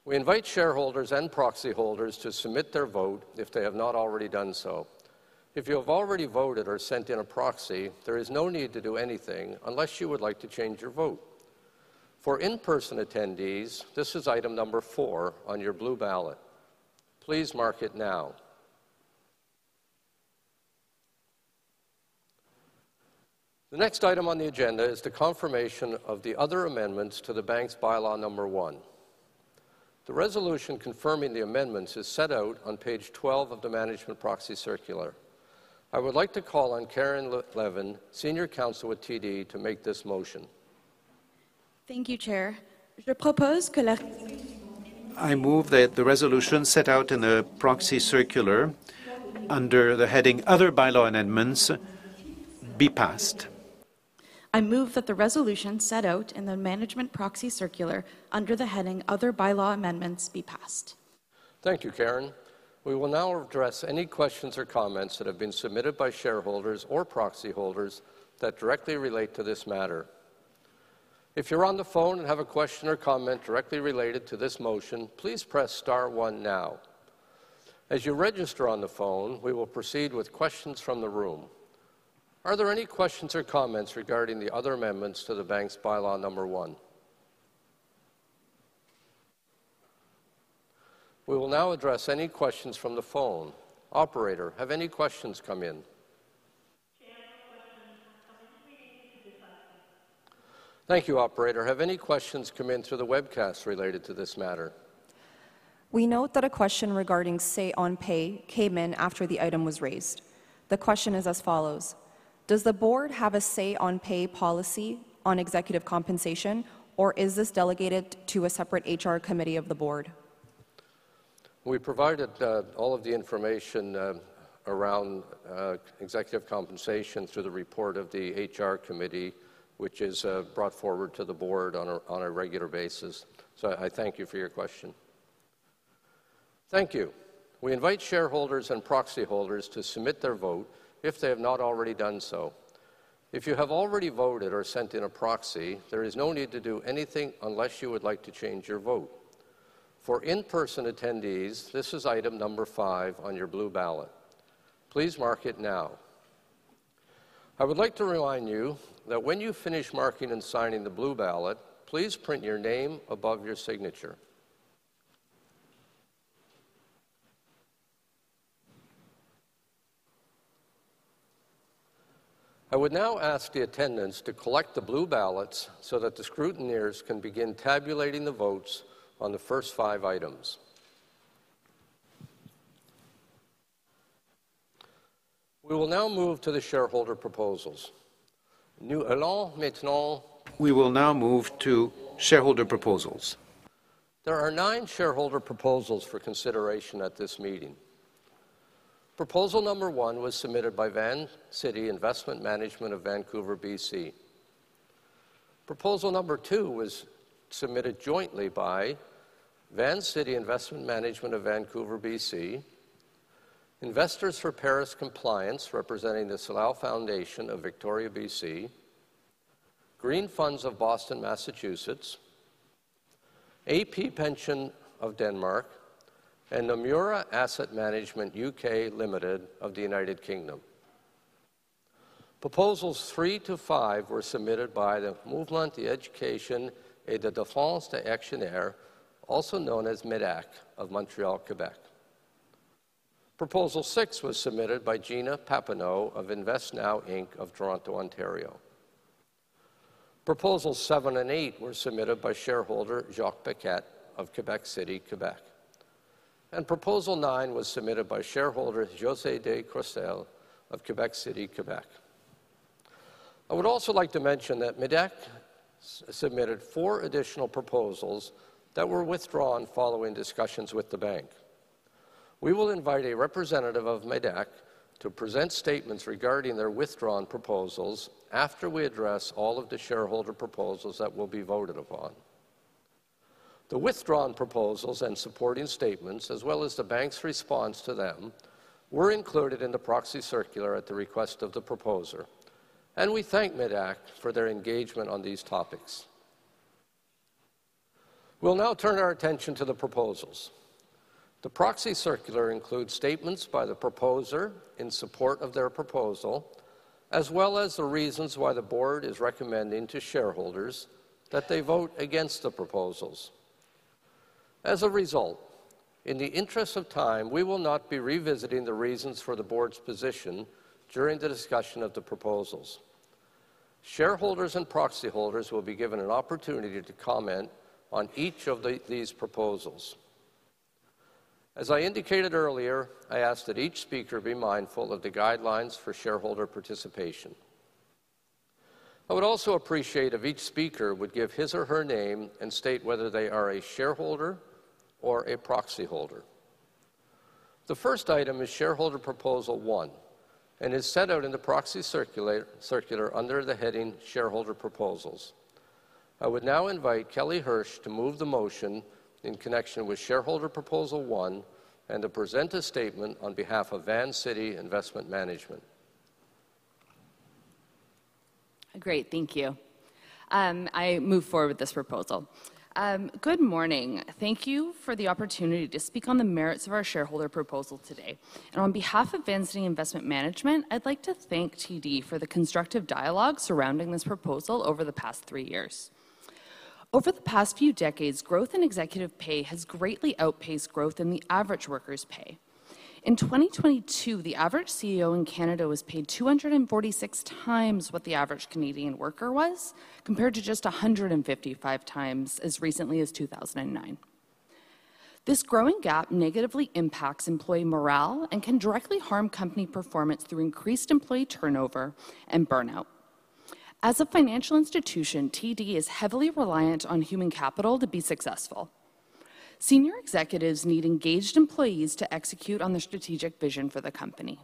We invite shareholders and proxy holders to submit their vote if they have not already done so. If you have already voted or sent in a proxy, there is no need to do anything unless you would like to change your vote. For in-person attendees, this is item number 4 on your blue ballot. Please mark it now. The next item on the agenda is the confirmation of the other amendments to the bank's bylaw number 1. The resolution confirming the amendments is set out on page 12 of the Management Proxy Circular. I would like to call on Karen Levin, Senior Counsel with TD, to make this motion. Thank you, Chair. I move that the resolution set out in the proxy circular under the heading Other Bylaw Amendments be passed. I move that the resolution set out in the Management Proxy Circular under the heading Other Bylaw Amendments be passed. Thank you, Karen. We will now address any questions or comments that have been submitted by shareholders or proxy holders that directly relate to this matter. If you're on the phone and have a question or comment directly related to this motion, please press Star One now. As you register on the phone, we will proceed with questions from the room. Are there any questions or comments regarding the other amendments to the bank's Bylaw Number One? We will now address any questions from the phone. Operator, have any questions come in? Chair, no questions have come in related to this item. Thank you, Operator. Have any questions come in through the webcast related to this matter? We note that a question regarding say-on-pay came in after the item was raised. The question is as follows: Does the board have a say-on-pay policy on executive compensation, or is this delegated to a separate HR committee of the board? We provided all of the information around executive compensation through the report of the HR Committee, which is brought forward to the Board on a regular basis. I thank you for your question. Thank you. We invite shareholders and proxy holders to submit their vote if they have not already done so. If you have already voted or sent in a proxy, there is no need to do anything unless you would like to change your vote. For in-person attendees, this is item number five on your blue ballot. Please mark it now. I would like to remind you that when you finish marking and signing the blue ballot, please print your name above your signature. I would now ask the attendants to collect the blue ballots so that the scrutineers can begin tabulating the votes on the first five items. We will now move to the shareholder proposals. We will now move to shareholder proposals. There are nine shareholder proposals for consideration at this meeting. Proposal number one was submitted by Vancity Investment Management of Vancouver, BC. Proposal number two was submitted jointly by Vancity Investment Management of Vancouver, BC, Investors for Paris Compliance representing the Salal Foundation of Victoria, BC, Green Century Capital Management of Boston, Massachusetts, AP Pension of Denmark, and Nomura Asset Management UK Limited of the United Kingdom. Proposals three to five were submitted by the Mouvement d'éducation et de défense des actionnaires, also known as MÉDAC, of Montreal, Québec. Proposal six was submitted by Gina Pappano of InvestNow, Inc., of Toronto, Ontario. Proposals seven and eight were submitted by shareholder Jacques Paquette of Québec City, Québec. Proposal nine was submitted by shareholder Josée Descroiselles of Québec City, Québec. I would also like to mention that MÉDAC submitted four additional proposals that were withdrawn following discussions with the bank. We will invite a representative of MÉDAC to present statements regarding their withdrawn proposals after we address all of the shareholder proposals that will be voted upon. The withdrawn proposals and supporting statements, as well as the bank's response to them, were included in the proxy circular at the request of the proposer, and we thank MÉDAC for their engagement on these topics. We'll now turn our attention to the proposals. The proxy circular includes statements by the proposer in support of their proposal, as well as the reasons why the board is recommending to shareholders that they vote against the proposals. As a result, in the interest of time, we will not be revisiting the reasons for the board's position during the discussion of the proposals. Shareholders and proxy holders will be given an opportunity to comment on each of these proposals. As I indicated earlier, I ask that each speaker be mindful of the guidelines for shareholder participation. I would also appreciate if each speaker would give his or her name and state whether they are a shareholder or a proxy holder. The first item is shareholder proposal one and is set out in the proxy circular under the heading Shareholder Proposals. I would now invite Kelly Hirsch to move the motion in connection with shareholder proposal one and to present a statement on behalf of Vancity Investment Management. Great. Thank you. I move forward with this proposal. Good morning. Thank you for the opportunity to speak on the merits of our shareholder proposal today. On behalf of Vancity Investment Management, I'd like to thank TD for the constructive dialogue surrounding this proposal over the past three years. Over the past few decades, growth in executive pay has greatly outpaced growth in the average worker's pay. In 2022, the average CEO in Canada was paid 246 times what the average Canadian worker was, compared to just 155 times as recently as 2009. This growing gap negatively impacts employee morale and can directly harm company performance through increased employee turnover and burnout. As a financial institution, TD is heavily reliant on human capital to be successful. Senior executives need engaged employees to execute on the strategic vision for the company.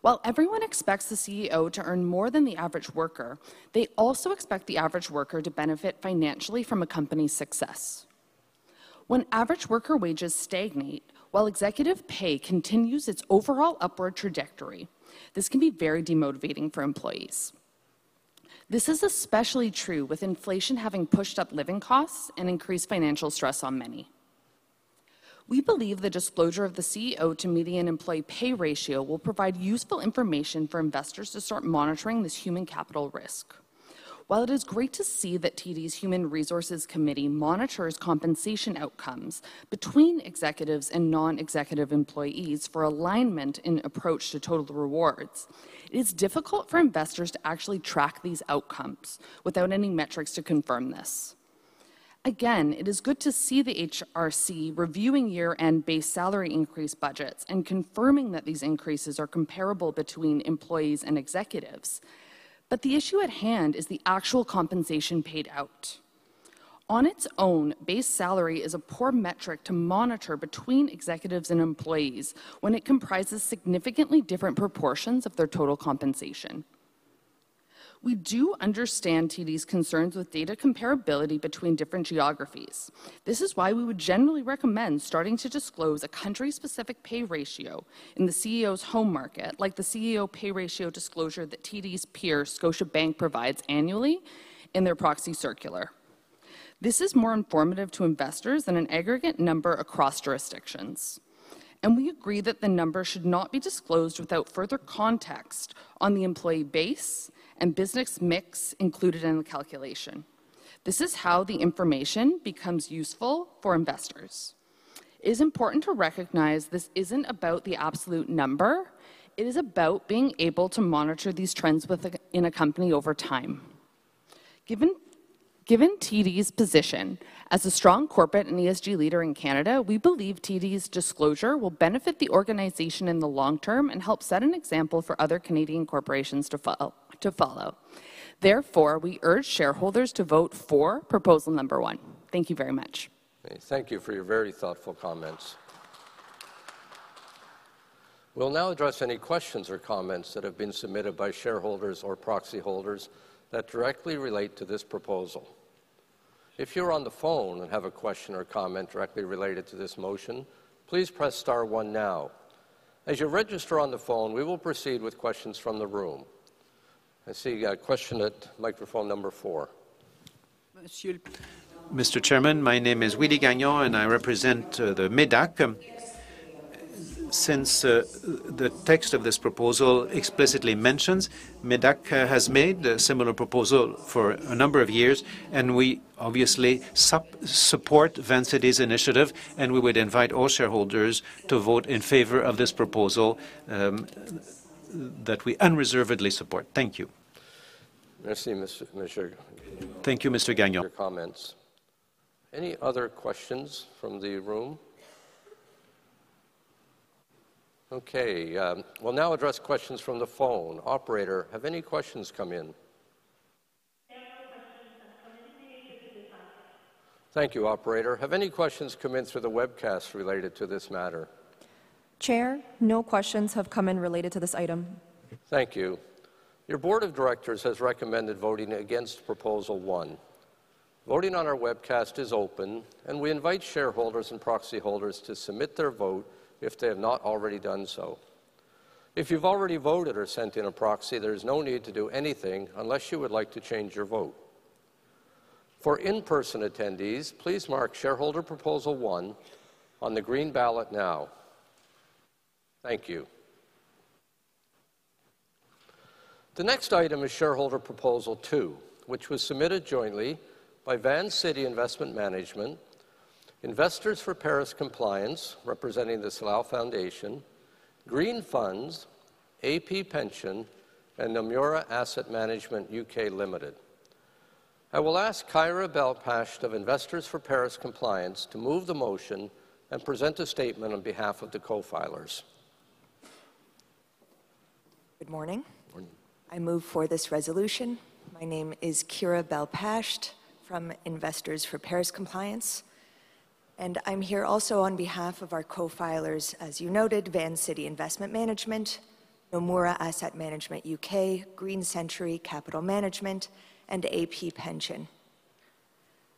While everyone expects the CEO to earn more than the average worker, they also expect the average worker to benefit financially from a company's success. When average worker wages stagnate, while executive pay continues its overall upward trajectory, this can be very demotivating for employees. This is especially true with inflation having pushed up living costs and increased financial stress on many. We believe the disclosure of the CEO to median employee pay ratio will provide useful information for investors to start monitoring this human capital risk. While it is great to see that TD's Human Resources Committee monitors compensation outcomes between executives and non-executive employees for alignment in approach to total rewards, it is difficult for investors to actually track these outcomes without any metrics to confirm this. Again, it is good to see the HRC reviewing year-end base salary increase budgets and confirming that these increases are comparable between employees and executives. But the issue at hand is the actual compensation paid out. On its own, base salary is a poor metric to monitor between executives and employees when it comprises significantly different proportions of their total compensation. We do understand TD's concerns with data comparability between different geographies. This is why we would generally recommend starting to disclose a country-specific pay ratio in the CEO's home market, like the CEO pay ratio disclosure that TD's peer, Scotiabank, provides annually in their proxy circular. This is more informative to investors than an aggregate number across jurisdictions. We agree that the number should not be disclosed without further context on the employee base and business mix included in the calculation. This is how the information becomes useful for investors. It is important to recognize this isn't about the absolute number. It is about being able to monitor these trends in a company over time. Given TD's position as a strong corporate and ESG leader in Canada, we believe TD's disclosure will benefit the organization in the long term and help set an example for other Canadian corporations to follow. Therefore, we urge shareholders to vote for proposal number one. Thank you very much. Thank you for your very thoughtful comments. We'll now address any questions or comments that have been submitted by shareholders or proxy holders that directly relate to this proposal. If you're on the phone and have a question or comment directly related to this motion, please press Star One now. As you register on the phone, we will proceed with questions from the room. I see a question at microphone number four. Mr. Chairman, my name is Willie Gagnon, and I represent the MÉDAC. Since the text of this proposal explicitly mentions MÉDAC has made a similar proposal for a number of years, and we obviously support Vancity's initiative, and we would invite all shareholders to vote in favor of this proposal that we unreservedly support. Thank you. Thank you, Mr. Gagnon. Any other questions from the room? Okay. We'll now address questions from the phone. Operator, have any questions come in? Chair, no questions have come in related to this item. Thank you, Operator. Have any questions come in through the webcast related to this matter? Chair, no questions have come in related to this item. Thank you. Your board of directors has recommended voting against proposal one. Voting on our webcast is open, and we invite shareholders and proxy holders to submit their vote if they have not already done so. If you've already voted or sent in a proxy, there is no need to do anything unless you would like to change your vote. For in-person attendees, please mark shareholder proposal one on the green ballot now. Thank you. The next item is shareholder proposal two, which was submitted jointly by Vancity Investment Management, Investors for Paris Compliance representing the Salal Foundation, Green Century Capital Management, AP Pension, and Nomura Asset Management UK Limited. I will ask Kyra Bell-Pasht of Investors for Paris Compliance to move the motion and present a statement on behalf of the co-filers. Good morning. Morning. I move for this resolution. My name is Kyra Bell-Pasht from Investors for Paris Compliance, and I'm here also on behalf of our co-filers, as you noted, Vancity Investment Management, Nomura Asset Management UK, Green Century Capital Management, and AP Pension.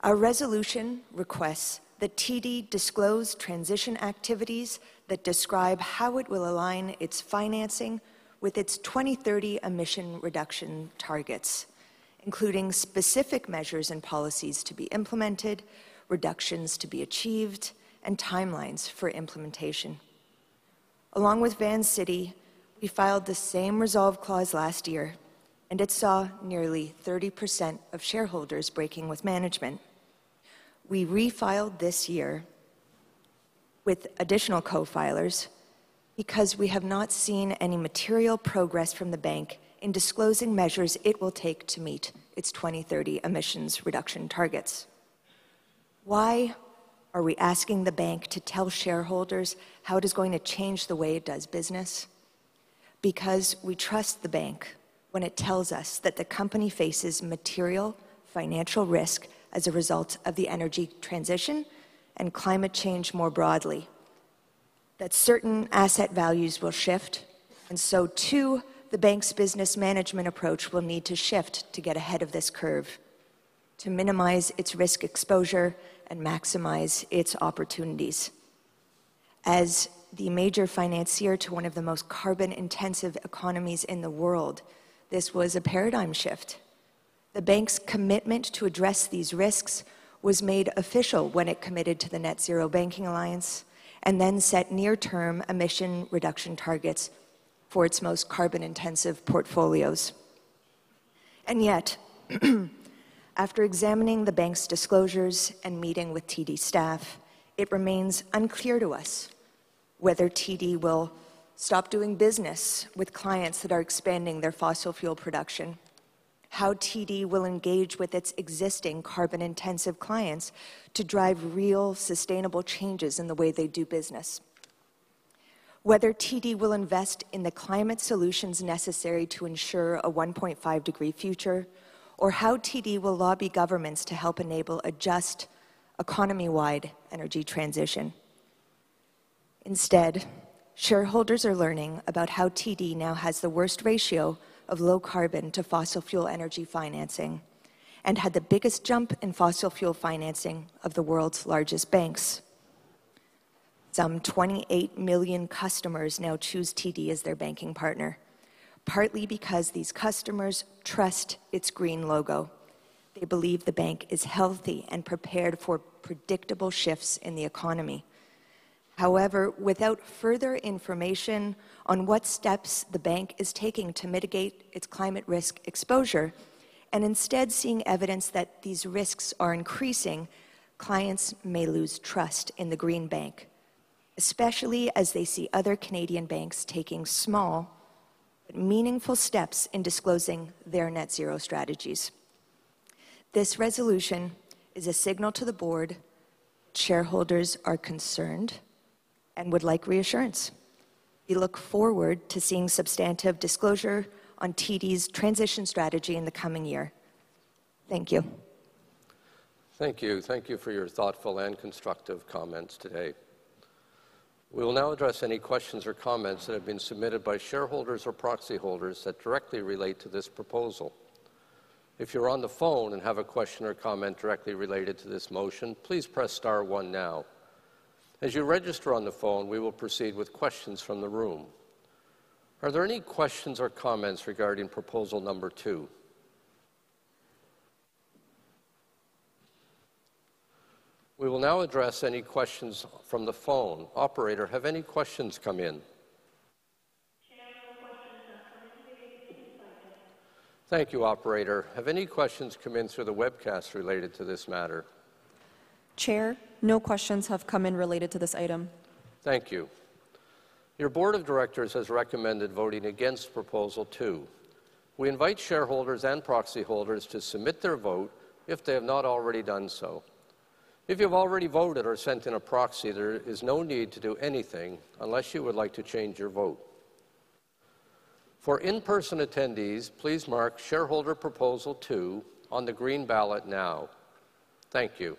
Our resolution requests that TD disclose transition activities that describe how it will align its financing with its 2030 emission reduction targets, including specific measures and policies to be implemented, reductions to be achieved, and timelines for implementation. Along with Vancity, we filed the same resolve clause last year, and it saw nearly 30% of shareholders breaking with management. We refiled this year with additional co-filers because we have not seen any material progress from the bank in disclosing measures it will take to meet its 2030 emissions reduction targets. Why are we asking the bank to tell shareholders how it is going to change the way it does business? Because we trust the bank when it tells us that the company faces material financial risk as a result of the energy transition and climate change more broadly, that certain asset values will shift, and so too, the bank's business management approach will need to shift to get ahead of this curve, to minimize its risk exposure and maximize its opportunities. As the major financier to one of the most carbon-intensive economies in the world, this was a paradigm shift. The bank's commitment to address these risks was made official when it committed to the Net-Zero Banking Alliance and then set near-term emission reduction targets for its most carbon-intensive portfolios. And yet, after examining the bank's disclosures and meeting with TD staff, it remains unclear to us whether TD will stop doing business with clients that are expanding their fossil fuel production, how TD will engage with its existing carbon-intensive clients to drive real, sustainable changes in the way they do business, whether TD will invest in the climate solutions necessary to ensure a 1.5-degree future, or how TD will lobby governments to help enable a just economy-wide energy transition. Instead, shareholders are learning about how TD now has the worst ratio of low carbon to fossil fuel energy financing and had the biggest jump in fossil fuel financing of the world's largest banks. Some 28 million customers now choose TD as their banking partner, partly because these customers trust its green logo. They believe the bank is healthy and prepared for predictable shifts in the economy. However, without further information on what steps the bank is taking to mitigate its climate risk exposure and instead seeing evidence that these risks are increasing, clients may lose trust in the Green Bank, especially as they see other Canadian banks taking small but meaningful steps in disclosing their net zero strategies. This resolution is a signal to the board that shareholders are concerned and would like reassurance. We look forward to seeing substantive disclosure on TD's transition strategy in the coming year. Thank you. Thank you. Thank you for your thoughtful and constructive comments today. We will now address any questions or comments that have been submitted by shareholders or proxy holders that directly relate to this proposal. If you're on the phone and have a question or comment directly related to this motion, please press Star One now. As you register on the phone, we will proceed with questions from the room. Are there any questions or comments regarding proposal number two? We will now address any questions from the phone. Operator, have any questions come in? Chair, no questions have come in related to this item. Thank you, Operator. Have any questions come in through the webcast related to this matter? Chair, no questions have come in related to this item. Thank you. Your board of directors has recommended voting against proposal two. We invite shareholders and proxy holders to submit their vote if they have not already done so. If you've already voted or sent in a proxy, there is no need to do anything unless you would like to change your vote. For in-person attendees, please mark shareholder proposal two on the green ballot now. Thank you.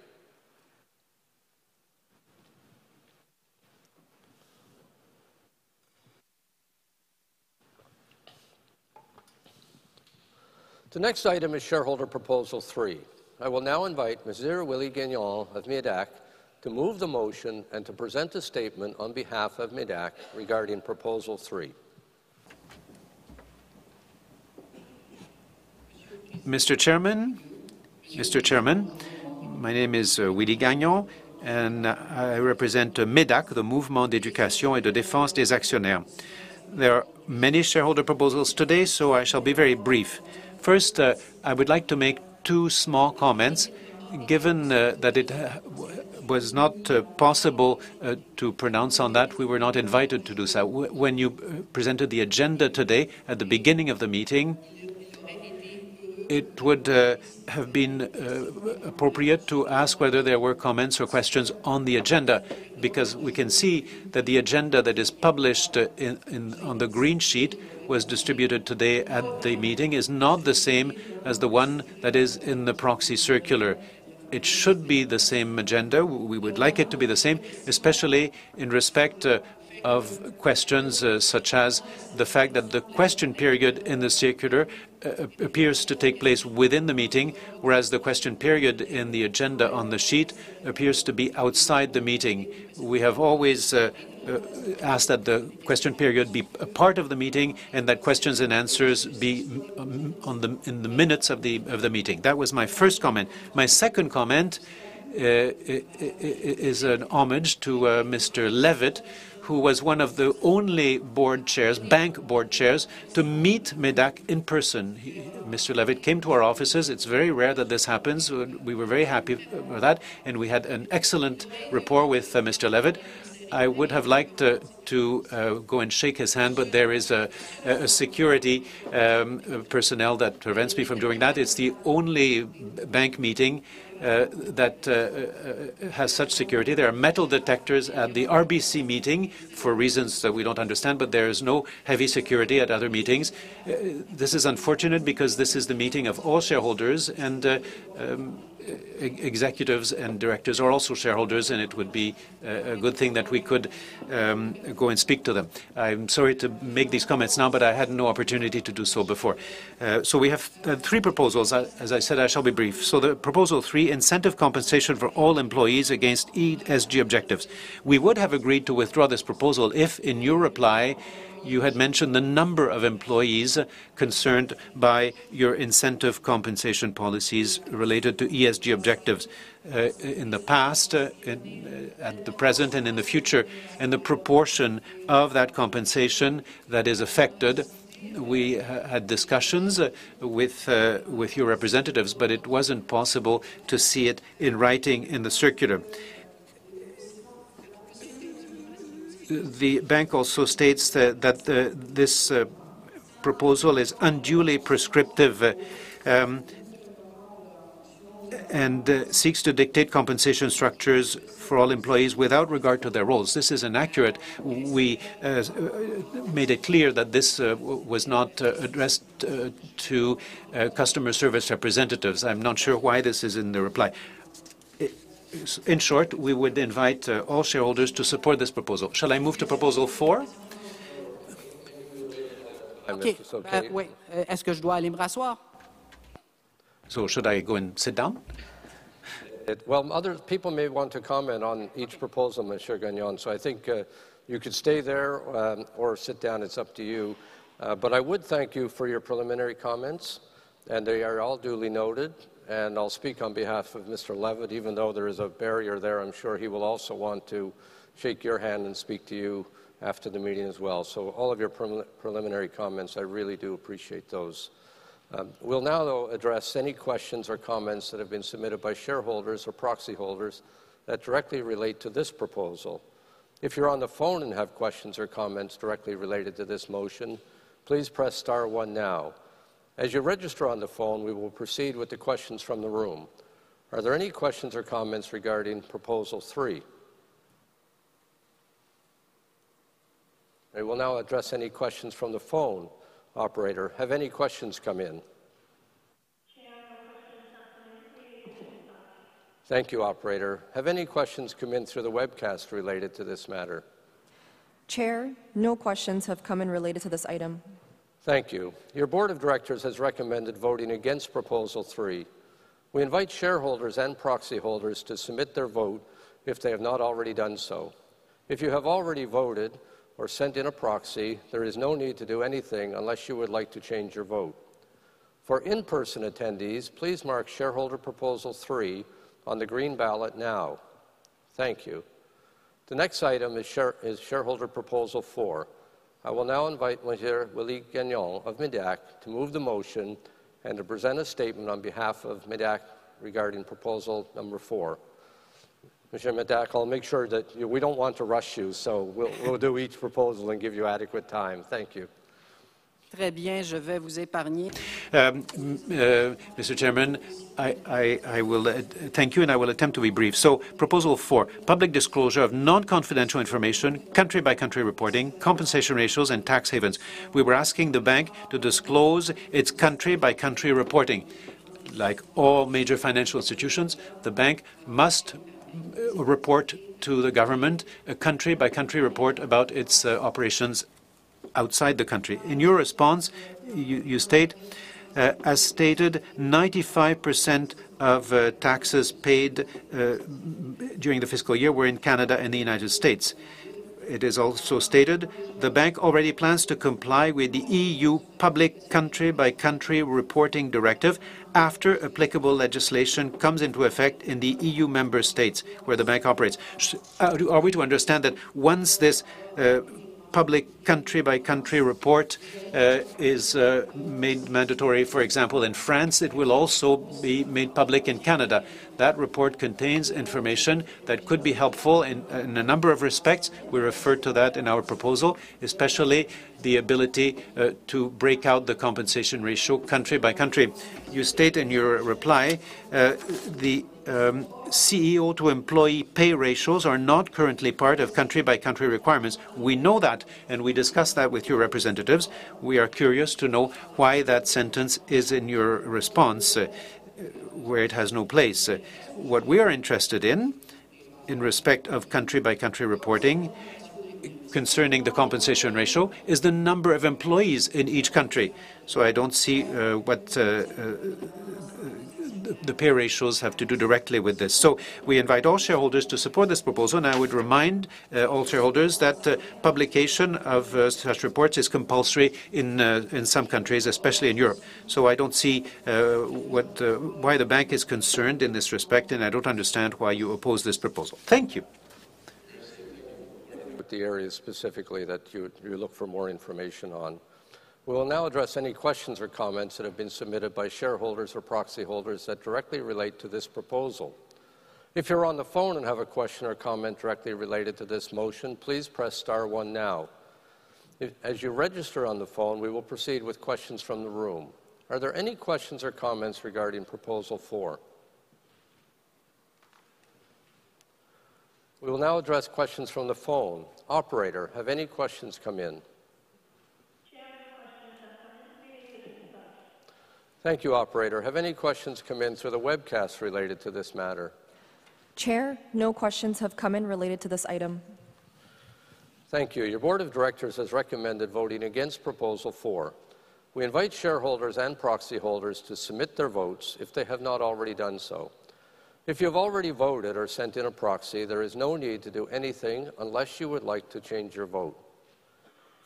The next item is shareholder proposal three. I will now invite Mr. Willie Gagnon of MÉDAC to move the motion and to present a statement on behalf of MÉDAC regarding proposal three. Mr. Chairman, my name is Willie Gagnon, and I represent MÉDAC, the Mouvement d'éducation et de défense des actionnaires. There are many shareholder proposals today, so I shall be very brief. First, I would like to make two small comments. Given that it was not possible to pronounce on that, we were not invited to do so. When you presented the agenda today at the beginning of the meeting, it would have been appropriate to ask whether there were comments or questions on the agenda because we can see that the agenda that is published on the green sheet was distributed today at the meeting is not the same as the one that is in the proxy circular. It should be the same agenda. We would like it to be the same, especially in respect of questions such as the fact that the question period in the circular appears to take place within the meeting, whereas the question period in the agenda on the sheet appears to be outside the meeting. We have always asked that the question period be a part of the meeting and that questions and answers be in the minutes of the meeting. That was my first comment. My second comment is an homage to Mr. Levitt, who was one of the only bank board chairs to meet MÉDAC in person. Mr. Levitt came to our offices. It's very rare that this happens. We were very happy about that, and we had an excellent rapport with Mr. Levitt. I would have liked to go and shake his hand, but there is a security personnel that prevents me from doing that. It's the only bank meeting that has such security. There are metal detectors at the RBC meeting for reasons that we don't understand, but there is no heavy security at other meetings. This is unfortunate because this is the meeting of all shareholders, and executives and directors are also shareholders, and it would be a good thing that we could go and speak to them. I'm sorry to make these comments now, but I had no opportunity to do so before. So we have three proposals. As I said, I shall be brief. So proposal three, incentive compensation for all employees against ESG objectives. We would have agreed to withdraw this proposal if, in your reply, you had mentioned the number of employees concerned by your incentive compensation policies related to ESG objectives in the past, at the present, and in the future, and the proportion of that compensation that is affected. We had discussions with your representatives, but it wasn't possible to see it in writing in the circular. The bank also states that this proposal is unduly prescriptive and seeks to dictate compensation structures for all employees without regard to their roles. This is inaccurate. We made it clear that this was not addressed to customer service representatives. I'm not sure why this is in the reply. In short, we would invite all shareholders to support this proposal. Shall I move to proposal four? Should I go and sit down? Well, other people may want to comment on each proposal, Mr. Gagnon, so I think you could stay there or sit down. It's up to you. I would thank you for your preliminary comments, and they are all duly noted. I'll speak on behalf of Mr. Levitt, even though there is a barrier there. I'm sure he will also want to shake your hand and speak to you after the meeting as well. All of your preliminary comments, I really do appreciate those. We'll now, though, address any questions or comments that have been submitted by shareholders or proxy holders that directly relate to this proposal. If you're on the phone and have questions or comments directly related to this motion, please press Star One now. As you register on the phone, we will proceed with the questions from the room. Are there any questions or comments regarding Proposal 3? I will now address any questions from the phone. Operator, have any questions come in? Chair, no questions have come in. Thank you, Operator. Have any questions come in through the webcast related to this matter? Chair, no questions have come in related to this item. Thank you. Your board of directors has recommended voting against proposal three. We invite shareholders and proxy holders to submit their vote if they have not already done so. If you have already voted or sent in a proxy, there is no need to do anything unless you would like to change your vote. For in-person attendees, please mark shareholder proposal three on the green ballot now. Thank you. The next item is shareholder proposal four. I will now invite Monsieur Willie Gagnon of MÉDAC to move the motion and to present a statement on behalf of MÉDAC regarding proposal number four. Monsieur MÉDAC, I'll make sure that we don't want to rush you, so we'll do each proposal and give you adequate time. Thank you. Mr. Chairman, I will thank you, and I will attempt to be brief. So proposal four, public disclosure of non-confidential information, country-by-country reporting, compensation ratios, and tax havens. We were asking the bank to disclose its country-by-country reporting. Like all major financial institutions, the bank must report to the government a country-by-country report about its operations outside the country. In your response, you state, "As stated, 95% of taxes paid during the fiscal year were in Canada and the United States." It is also stated, "The bank already plans to comply with the EU Public Country-by-Country Reporting Directive after applicable legislation comes into effect in the EU member states where the bank operates." Are we to understand that once this public country-by-country report is made mandatory, for example, in France, it will also be made public in Canada? That report contains information that could be helpful in a number of respects. We refer to that in our proposal, especially the ability to break out the compensation ratio country-by-country. You state in your reply, "The CEO-to-employee pay ratios are not currently part of country-by-country requirements." We know that, and we discussed that with your representatives. We are curious to know why that sentence is in your response, where it has no place. What we are interested in, in respect of country-by-country reporting concerning the compensation ratio, is the number of employees in each country. So I don't see what the pay ratios have to do directly with this. So we invite all shareholders to support this proposal. I would remind all shareholders that publication of such reports is compulsory in some countries, especially in Europe. I don't see why the bank is concerned in this respect, and I don't understand why you oppose this proposal. Thank you. The areas specifically that you look for more information on. We will now address any questions or comments that have been submitted by shareholders or proxy holders that directly relate to this proposal. If you're on the phone and have a question or comment directly related to this motion, please press star one now. As you register on the phone, we will proceed with questions from the room. Are there any questions or comments regarding proposal four? We will now address questions from the phone. Operator, have any questions come in? Chair, no questions have come in related to this item. Thank you, Operator. Have any questions come in through the webcast related to this matter? Chair, no questions have come in related to this item. Thank you. Your board of directors has recommended voting against proposal four. We invite shareholders and proxy holders to submit their votes if they have not already done so. If you have already voted or sent in a proxy, there is no need to do anything unless you would like to change your vote.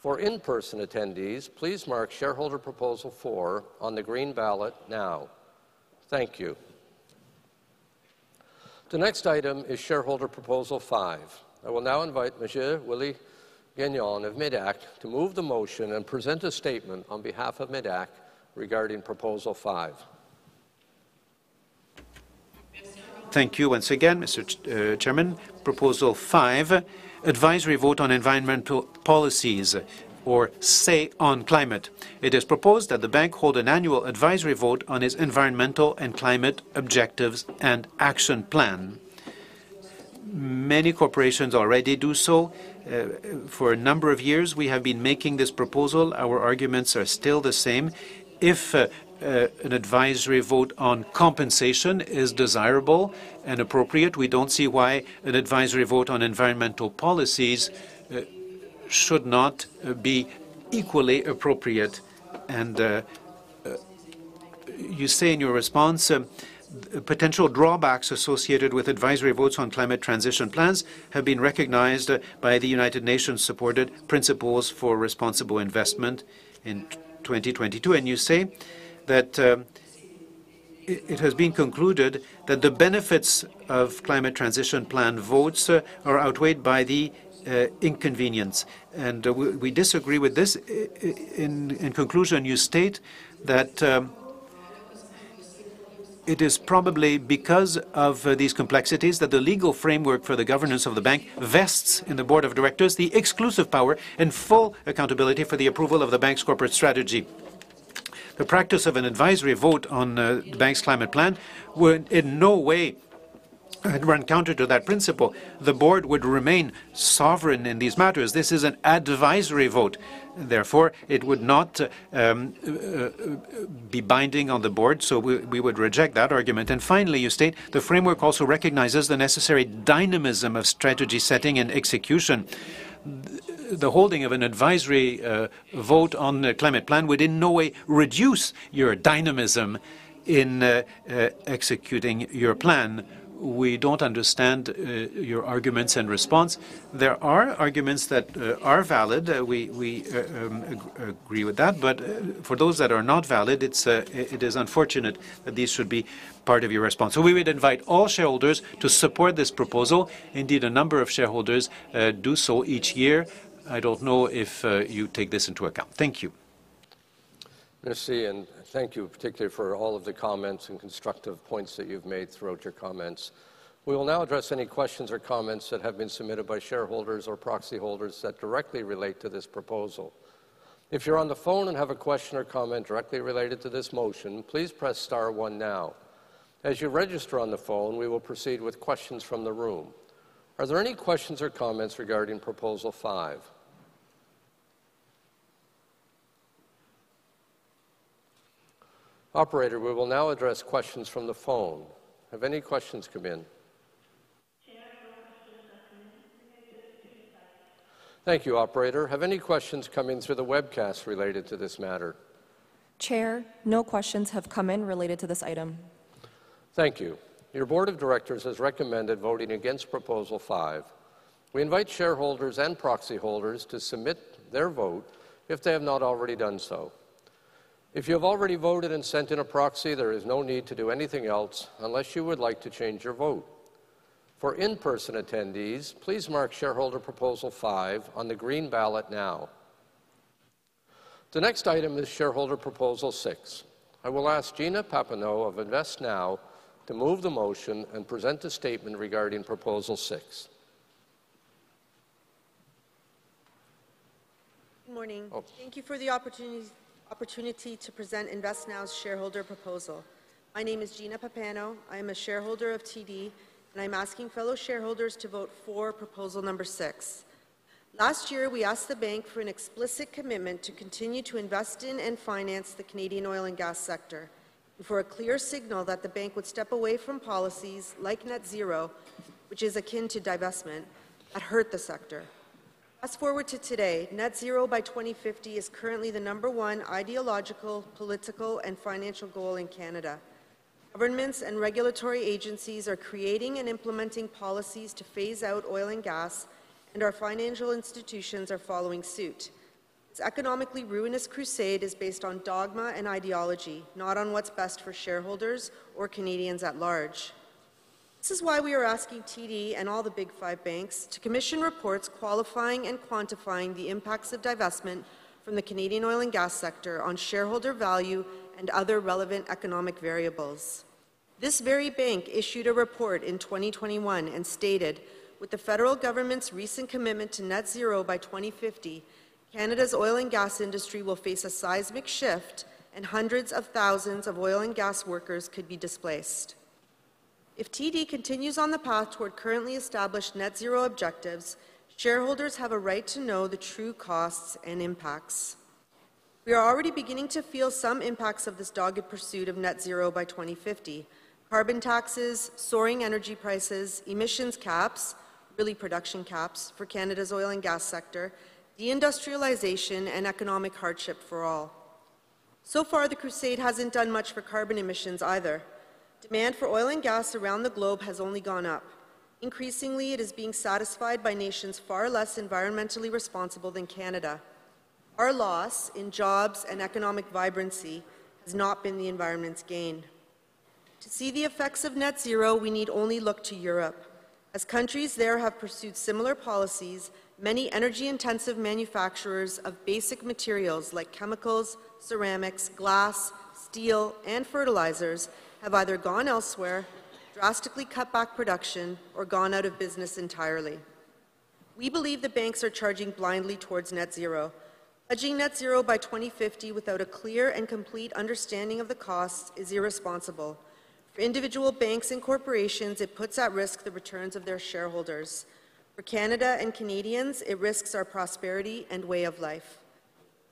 For in-person attendees, please mark shareholder proposal four on the green ballot now. Thank you. The next item is shareholder proposal five. I will now invite Monsieur Willie Gagnon of MÉDAC to move the motion and present a statement on behalf of MÉDAC regarding proposal five. Thank you once again, Mr. Chairman. Proposal five, advisory vote on environmental policies or say on climate. It is proposed that the bank hold an annual advisory vote on its environmental and climate objectives and action plan. Many corporations already do so. For a number of years, we have been making this proposal. Our arguments are still the same. If an advisory vote on compensation is desirable and appropriate, we don't see why an advisory vote on environmental policies should not be equally appropriate. And you say in your response, "Potential drawbacks associated with advisory votes on climate transition plans have been recognized by the United Nations-supported Principles for Responsible Investment in 2022." And you say that it has been concluded that the benefits of climate transition plan votes are outweighed by the inconvenience. We disagree with this. In conclusion, you state that it is probably because of these complexities that the legal framework for the governance of the bank vests in the board of directors the exclusive power and full accountability for the approval of the bank's corporate strategy. The practice of an advisory vote on the bank's climate plan would in no way run counter to that principle. The board would remain sovereign in these matters. This is an advisory vote. Therefore, it would not be binding on the board, so we would reject that argument. And finally, you state, "The framework also recognizes the necessary dynamism of strategy setting and execution." The holding of an advisory vote on the climate plan would in no way reduce your dynamism in executing your plan. We don't understand your arguments and response. There are arguments that are valid. We agree with that. But for those that are not valid, it is unfortunate that these should be part of your response. So we would invite all shareholders to support this proposal. Indeed, a number of shareholders do so each year. I don't know if you take this into account. Thank you. Merci, and thank you particularly for all of the comments and constructive points that you've made throughout your comments. We will now address any questions or comments that have been submitted by shareholders or proxy holders that directly relate to this proposal. If you're on the phone and have a question or comment directly related to this motion, please press Star One now. As you register on the phone, we will proceed with questions from the room. Are there any questions or comments regarding proposal five? Operator, we will now address questions from the phone. Have any questions come in? Chair, no questions have come in. We have just two minutes. Thank you, Operator. Have any questions coming through the webcast related to this matter? Chair, no questions have come in related to this item. Thank you. Your board of directors has recommended voting against proposal five. We invite shareholders and proxy holders to submit their vote if they have not already done so. If you have already voted and sent in a proxy, there is no need to do anything else unless you would like to change your vote. For in-person attendees, please mark shareholder proposal five on the green ballot now. The next item is shareholder proposal six. I will ask Gina Pappano of InvestNow to move the motion and present a statement regarding proposal six. Good morning. Thank you for the opportunity to present InvestNow's shareholder proposal. My name is Gina Pappano. I am a shareholder of TD, and I'm asking fellow shareholders to vote for proposal number six. Last year, we asked the bank for an explicit commitment to continue to invest in and finance the Canadian oil and gas sector. And for a clear signal that the bank would step away from policies like net zero, which is akin to divestment, that hurt the sector. Fast forward to today, net zero by 2050 is currently the number one ideological, political, and financial goal in Canada. Governments and regulatory agencies are creating and implementing policies to phase out oil and gas, and our financial institutions are following suit. This economically ruinous crusade is based on dogma and ideology, not on what's best for shareholders or Canadians at large. This is why we are asking TD and all the big five banks to commission reports qualifying and quantifying the impacts of divestment from the Canadian oil and gas sector on shareholder value and other relevant economic variables. This very bank issued a report in 2021 and stated, "With the federal government's recent commitment to net zero by 2050, Canada's oil and gas industry will face a seismic shift, and hundreds of thousands of oil and gas workers could be displaced." If TD continues on the path toward currently established net zero objectives, shareholders have a right to know the true costs and impacts. We are already beginning to feel some impacts of this dogged pursuit of net zero by 2050: carbon taxes, soaring energy prices, emissions caps, really, production caps, for Canada's oil and gas sector, deindustrialization, and economic hardship for all. So far, the crusade hasn't done much for carbon emissions either. Demand for oil and gas around the globe has only gone up. Increasingly, it is being satisfied by nations far less environmentally responsible than Canada. Our loss in jobs and economic vibrancy has not been the environment's gain. To see the effects of net zero, we need only look to Europe. As countries there have pursued similar policies, many energy-intensive manufacturers of basic materials like chemicals, ceramics, glass, steel, and fertilizers have either gone elsewhere, drastically cut back production, or gone out of business entirely. We believe the banks are charging blindly towards net zero. Pledging net zero by 2050 without a clear and complete understanding of the costs is irresponsible. For individual banks and corporations, it puts at risk the returns of their shareholders. For Canada and Canadians, it risks our prosperity and way of life.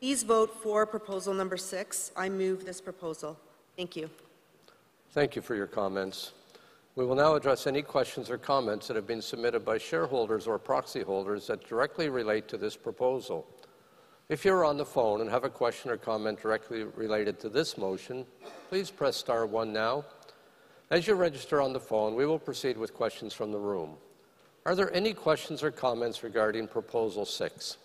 Please vote for proposal number 6. I move this proposal. Thank you. Thank you for your comments. We will now address any questions or comments that have been submitted by shareholders or proxy holders that directly relate to this proposal. If you're on the phone and have a question or comment directly related to this motion, please press Star One now. As you register on the phone, we will proceed with questions from the room. Are there any questions or comments regarding proposal six?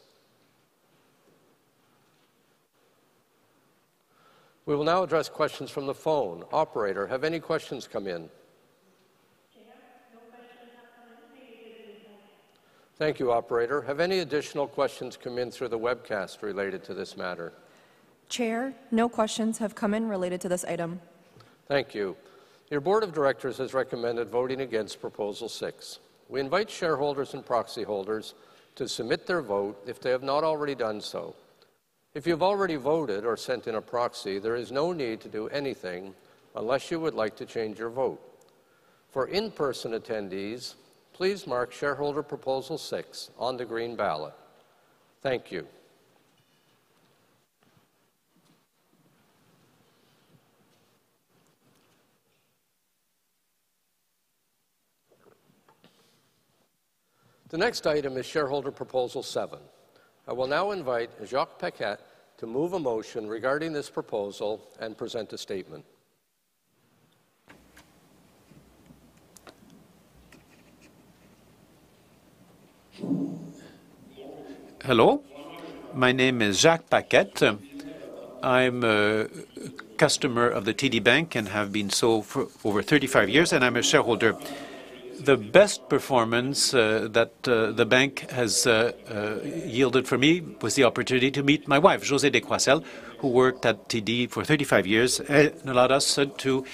We will now address questions from the phone. Operator, have any questions come in? Chair, no questions have come in related to this item. Thank you, Operator. Have any additional questions come in through the webcast related to this matter? Chair, no questions have come in related to this item. Thank you. Your board of directors has recommended voting against proposal six. We invite shareholders and proxy holders to submit their vote if they have not already done so. If you have already voted or sent in a proxy, there is no need to do anything unless you would like to change your vote. For in-person attendees, please mark shareholder proposal six on the green ballot. Thank you. The next item is shareholder proposal seven. I will now invite Jacques Paquette to move a motion regarding this proposal and present a statement. Hello. My name is Jacques Paquette. I'm a customer of the TD Bank and have been so for over 35 years, and I'm a shareholder. The best performance that the bank has yielded for me was the opportunity to meet my wife, Josée Descroiselles, who worked at TD for 35 years and allowed us to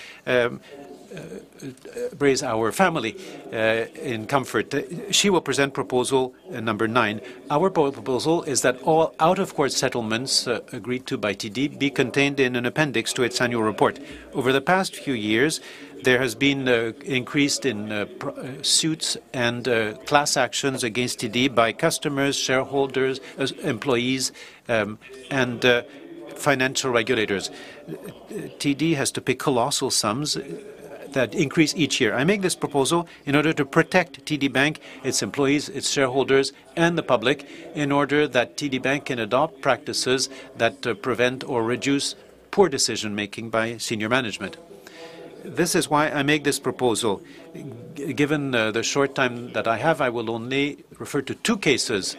raise our family in comfort. She will present proposal number nine. Our proposal is that all out-of-court settlements agreed to by TD be contained in an appendix to its annual report. Over the past few years, there has been an increase in suits and class actions against TD by customers, shareholders, employees, and financial regulators. TD has to pay colossal sums that increase each year. I make this proposal in order to protect TD Bank, its employees, its shareholders, and the public in order that TD Bank can adopt practices that prevent or reduce poor decision-making by senior management. This is why I make this proposal. Given the short time that I have, I will only refer to two cases.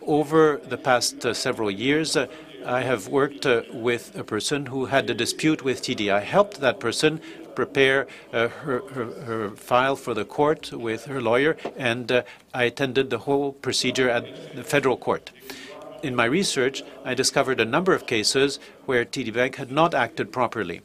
Over the past several years, I have worked with a person who had a dispute with TD. I helped that person prepare her file for the court with her lawyer, and I attended the whole procedure at the federal court. In my research, I discovered a number of cases where TD Bank had not acted properly.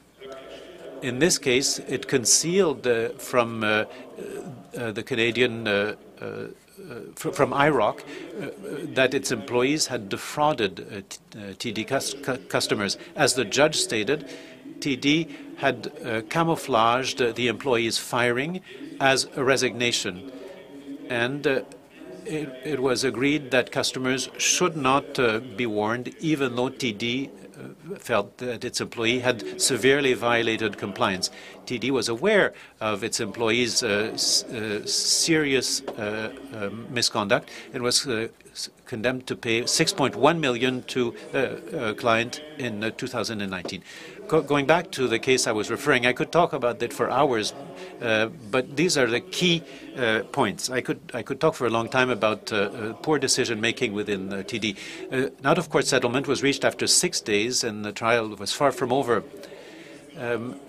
In this case, it concealed from IIROC that its employees had defrauded TD customers. As the judge stated, TD had camouflaged the employees' firing as a resignation. It was agreed that customers should not be warned even though TD felt that its employee had severely violated compliance. TD was aware of its employees' serious misconduct and was condemned to pay 6.1 million to a client in 2019. Going back to the case I was referring, I could talk about that for hours, but these are the key points. I could talk for a long time about poor decision-making within TD. An out-of-court settlement was reached after six days, and the trial was far from over.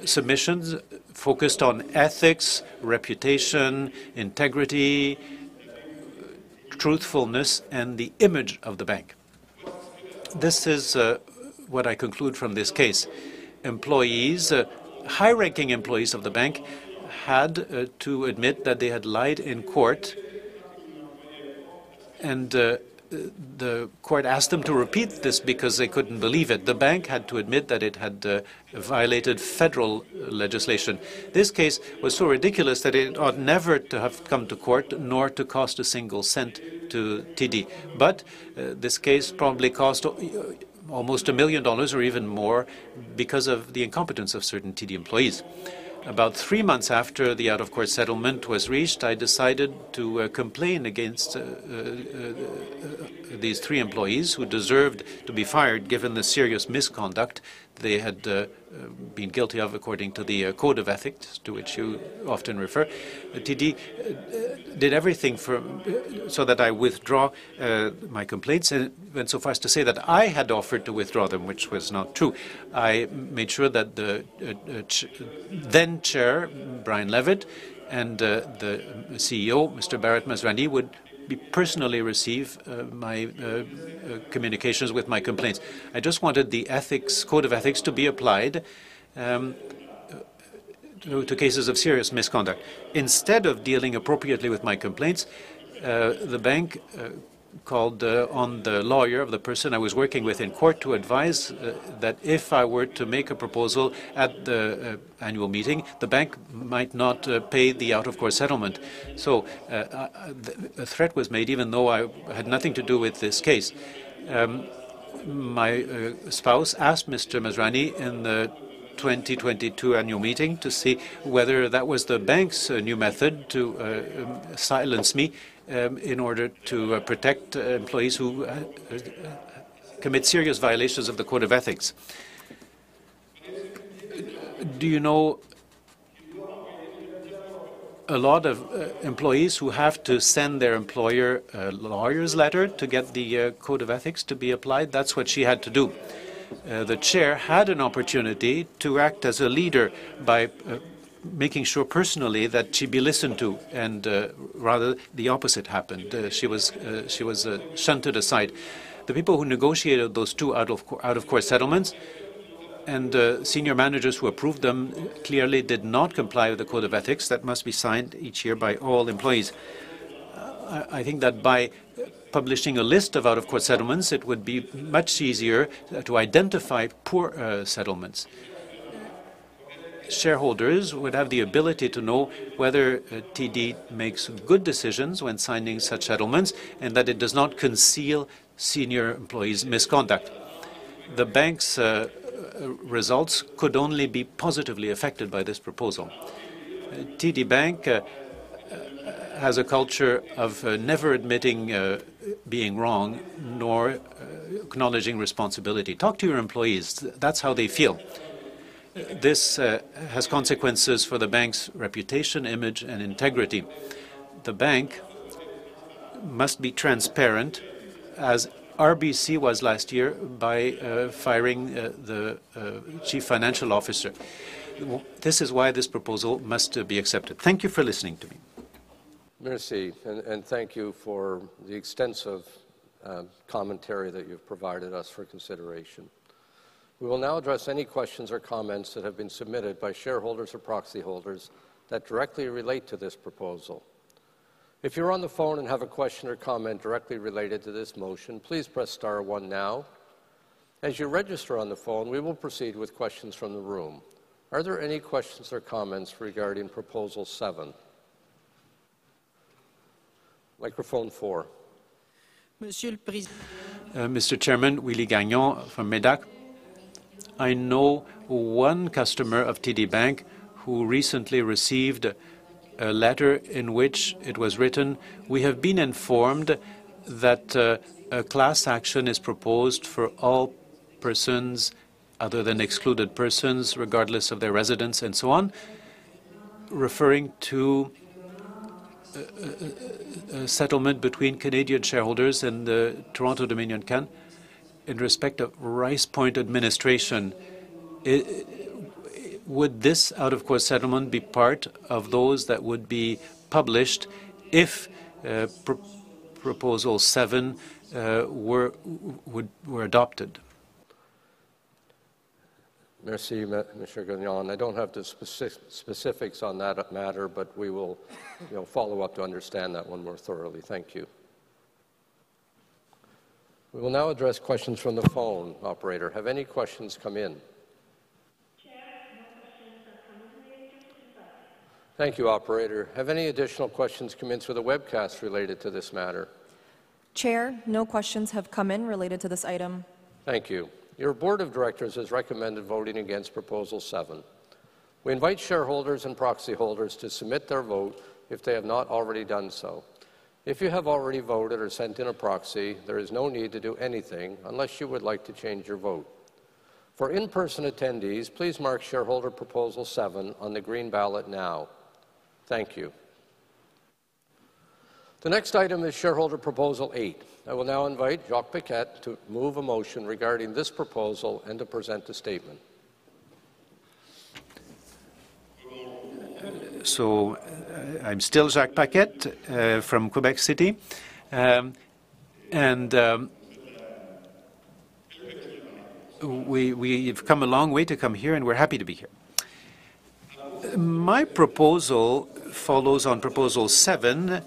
Submissions focused on ethics, reputation, integrity, truthfulness, and the image of the bank. This is what I conclude from this case. Employees, high-ranking employees of the bank, had to admit that they had lied in court, and the court asked them to repeat this because they couldn't believe it. The bank had to admit that it had violated federal legislation. This case was so ridiculous that it ought never to have come to court nor to cost a single cent to TD. But this case probably cost almost 1 million dollars or even more because of the incompetence of certain TD employees. About three months after the out-of-court settlement was reached, I decided to complain against these three employees who deserved to be fired given the serious misconduct they had been guilty of according to the Code of Ethics, to which you often refer. TD did everything so that I withdraw my complaints and went so far as to say that I had offered to withdraw them, which was not true. I made sure that the then-chair, Brian Levitt, and the CEO, Mr. Bharat Masrani, would personally receive my communications with my complaints. I just wanted the Code of Ethics to be applied to cases of serious misconduct. Instead of dealing appropriately with my complaints, the bank called on the lawyer of the person I was working with in court to advise that if I were to make a proposal at the annual meeting, the bank might not pay the out-of-court settlement. So a threat was made even though I had nothing to do with this case. My spouse asked Mr. Masrani in the 2022 annual meeting to see whether that was the bank's new method to silence me in order to protect employees who commit serious violations of the Code of Ethics. Do you know a lot of employees who have to send their employer a lawyer's letter to get the Code of Ethics to be applied? That's what she had to do. The chair had an opportunity to act as a leader by making sure personally that she'd be listened to. Rather, the opposite happened. She was shunted aside. The people who negotiated those two out-of-court settlements and senior managers who approved them clearly did not comply with the Code of Ethics that must be signed each year by all employees. I think that by publishing a list of out-of-court settlements, it would be much easier to identify poor settlements. Shareholders would have the ability to know whether TD makes good decisions when signing such settlements and that it does not conceal senior employees' misconduct. The bank's results could only be positively affected by this proposal. TD Bank has a culture of never admitting being wrong nor acknowledging responsibility. Talk to your employees. That's how they feel. This has consequences for the bank's reputation, image, and integrity. The bank must be transparent as RBC was last year by firing the chief financial officer. This is why this proposal must be accepted. Thank you for listening to me. Merci. Thank you for the extensive commentary that you've provided us for consideration. We will now address any questions or comments that have been submitted by shareholders or proxy holders that directly relate to this proposal. If you're on the phone and have a question or comment directly related to this motion, please press Star One now. As you register on the phone, we will proceed with questions from the room. Are there any questions or comments regarding proposal seven? Microphone four. Mr. Chairman, Willie Gagnon from MÉDAC. I know one customer of TD Bank who recently received a letter in which it was written, "We have been informed that a class action is proposed for all persons other than excluded persons, regardless of their residence," and so on, referring to a settlement between Canadian shareholders and the Toronto-Dominion Bank in respect of RicePoint Administration. Would this out-of-court settlement be part of those that would be published if proposal seven were adopted? Merci, Mr. Gagnon. I don't have the specifics on that matter, but we will follow up to understand that one more thoroughly. Thank you. We will now address questions from the phone, Operator. Have any questions come in? Chair, no questions have come in. May I adjust it to five? Thank you, Operator. Have any additional questions come in through the webcast related to this matter? Chair, no questions have come in related to this item. Thank you. Your board of directors has recommended voting against proposal seven. We invite shareholders and proxy holders to submit their vote if they have not already done so. If you have already voted or sent in a proxy, there is no need to do anything unless you would like to change your vote. For in-person attendees, please mark shareholder proposal seven on the green ballot now. Thank you. The next item is shareholder proposal eight. I will now invite Jacques Paquette to move a motion regarding this proposal and to present a statement. I'm still Jacques Paquette from Quebec City. We've come a long way to come here, and we're happy to be here. My proposal follows on proposal seven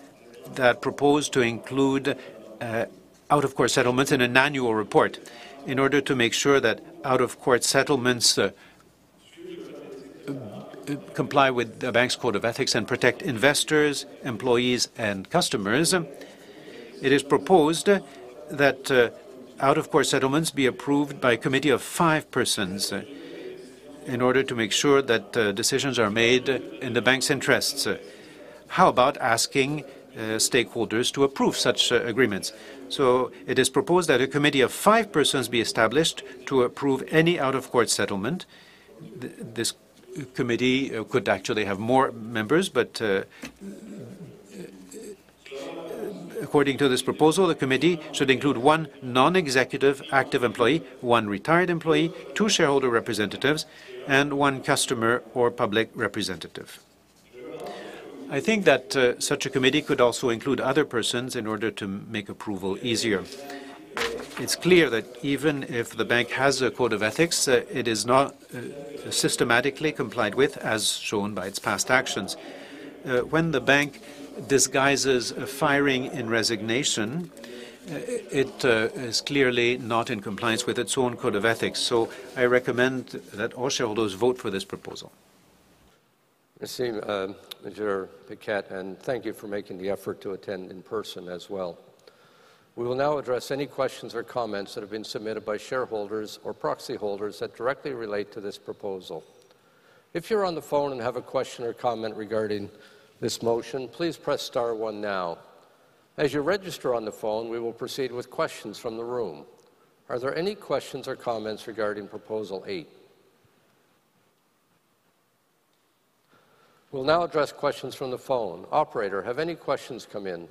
that proposed to include out-of-court settlements in an annual report in order to make sure that out-of-court settlements comply with the bank's Code of Ethics and protect investors, employees, and customers. It is proposed that out-of-court settlements be approved by a committee of five persons in order to make sure that decisions are made in the bank's interests. How about asking stakeholders to approve such agreements? It is proposed that a committee of five persons be established to approve any out-of-court settlement. This committee could actually have more members, but according to this proposal, the committee should include one non-executive active employee, one retired employee, two shareholder representatives, and one customer or public representative. I think that such a committee could also include other persons in order to make approval easier. It's clear that even if the bank has a Code of Ethics, it is not systematically complied with as shown by its past actions. When the bank disguises firing in resignation, it is clearly not in compliance with its own Code of Ethics. I recommend that all shareholders vote for this proposal. Merci, Mr. Paquette. Thank you for making the effort to attend in person as well. We will now address any questions or comments that have been submitted by shareholders or proxy holders that directly relate to this proposal. If you're on the phone and have a question or comment regarding this motion, please press star one now. As you register on the phone, we will proceed with questions from the room. Are there any questions or comments regarding proposal eight? We'll now address questions from the phone. Operator, have any questions come in?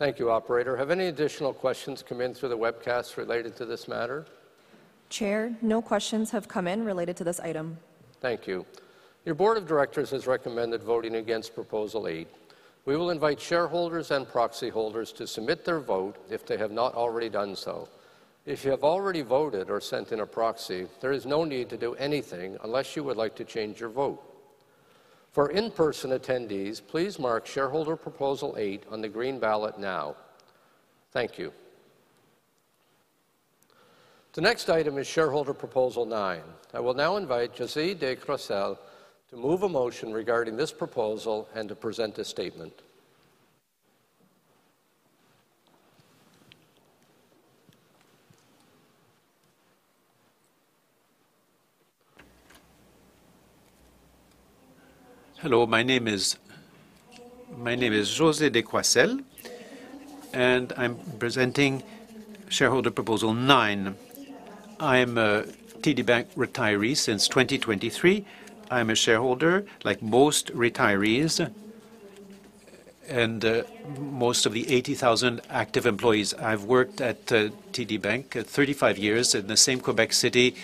Chair, no questions have come in. Please wait a second time. Thank you, Operator. Have any additional questions come in through the webcast related to this matter? Chair, no questions have come in related to this item. Thank you. Your board of directors has recommended voting against proposal eight. We will invite shareholders and proxy holders to submit their vote if they have not already done so. If you have already voted or sent in a proxy, there is no need to do anything unless you would like to change your vote. For in-person attendees, please mark shareholder proposal eight on the green ballot now. Thank you. The next item is shareholder proposal nine. I will now invite Josée Descroiselles to move a motion regarding this proposal and to present a statement. Hello. My name is Josée Descroiselles, and I'm presenting shareholder proposal nine. I'm a TD Bank retiree since 2023. I'm a shareholder like most retirees and most of the 80,000 active employees. I've worked at TD Bank 35 years in the same Québec City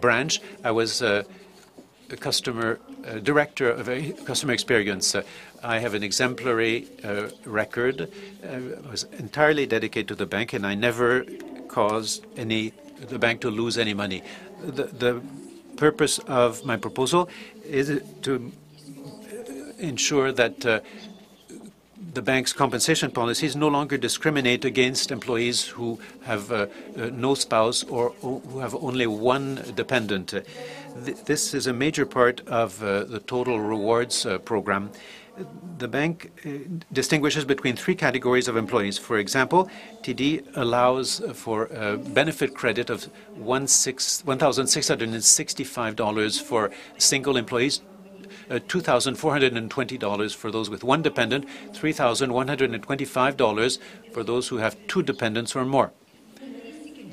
branch. I was a customer director of customer experience. I have an exemplary record. I was entirely dedicated to the bank, and I never caused the bank to lose any money. The purpose of my proposal is to ensure that the bank's compensation policies no longer discriminate against employees who have no spouse or who have only one dependent. This is a major part of the total rewards program. The bank distinguishes between three categories of employees. For example, TD allows for benefit credit of 1,665 dollars for single employees, 2,420 dollars for those with one dependent, and 3,125 dollars for those who have two dependents or more.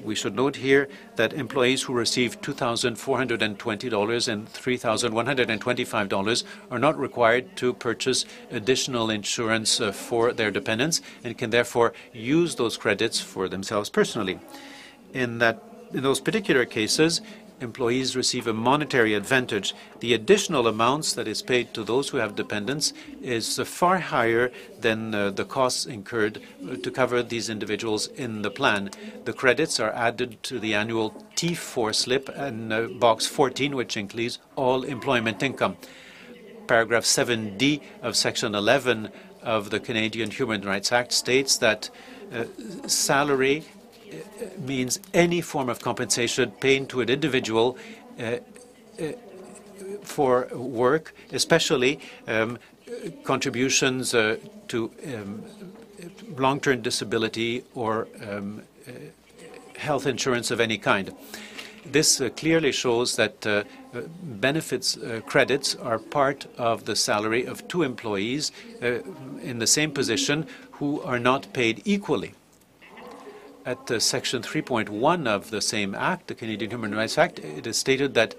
We should note here that employees who receive 2,420 dollars and 3,125 dollars are not required to purchase additional insurance for their dependents and can therefore use those credits for themselves personally. In those particular cases, employees receive a monetary advantage. The additional amounts that are paid to those who have dependents are far higher than the costs incurred to cover these individuals in the plan. The credits are added to the annual T4 slip in box 14, which includes all employment income. Paragraph 7D of Section 11 of the Canadian Human Rights Act states that salary means any form of compensation paid to an individual for work, especially contributions to long-term disability or health insurance of any kind. This clearly shows that benefits credits are part of the salary of two employees in the same position who are not paid equally. At Section 3.1 of the same act, the Canadian Human Rights Act, it is stated that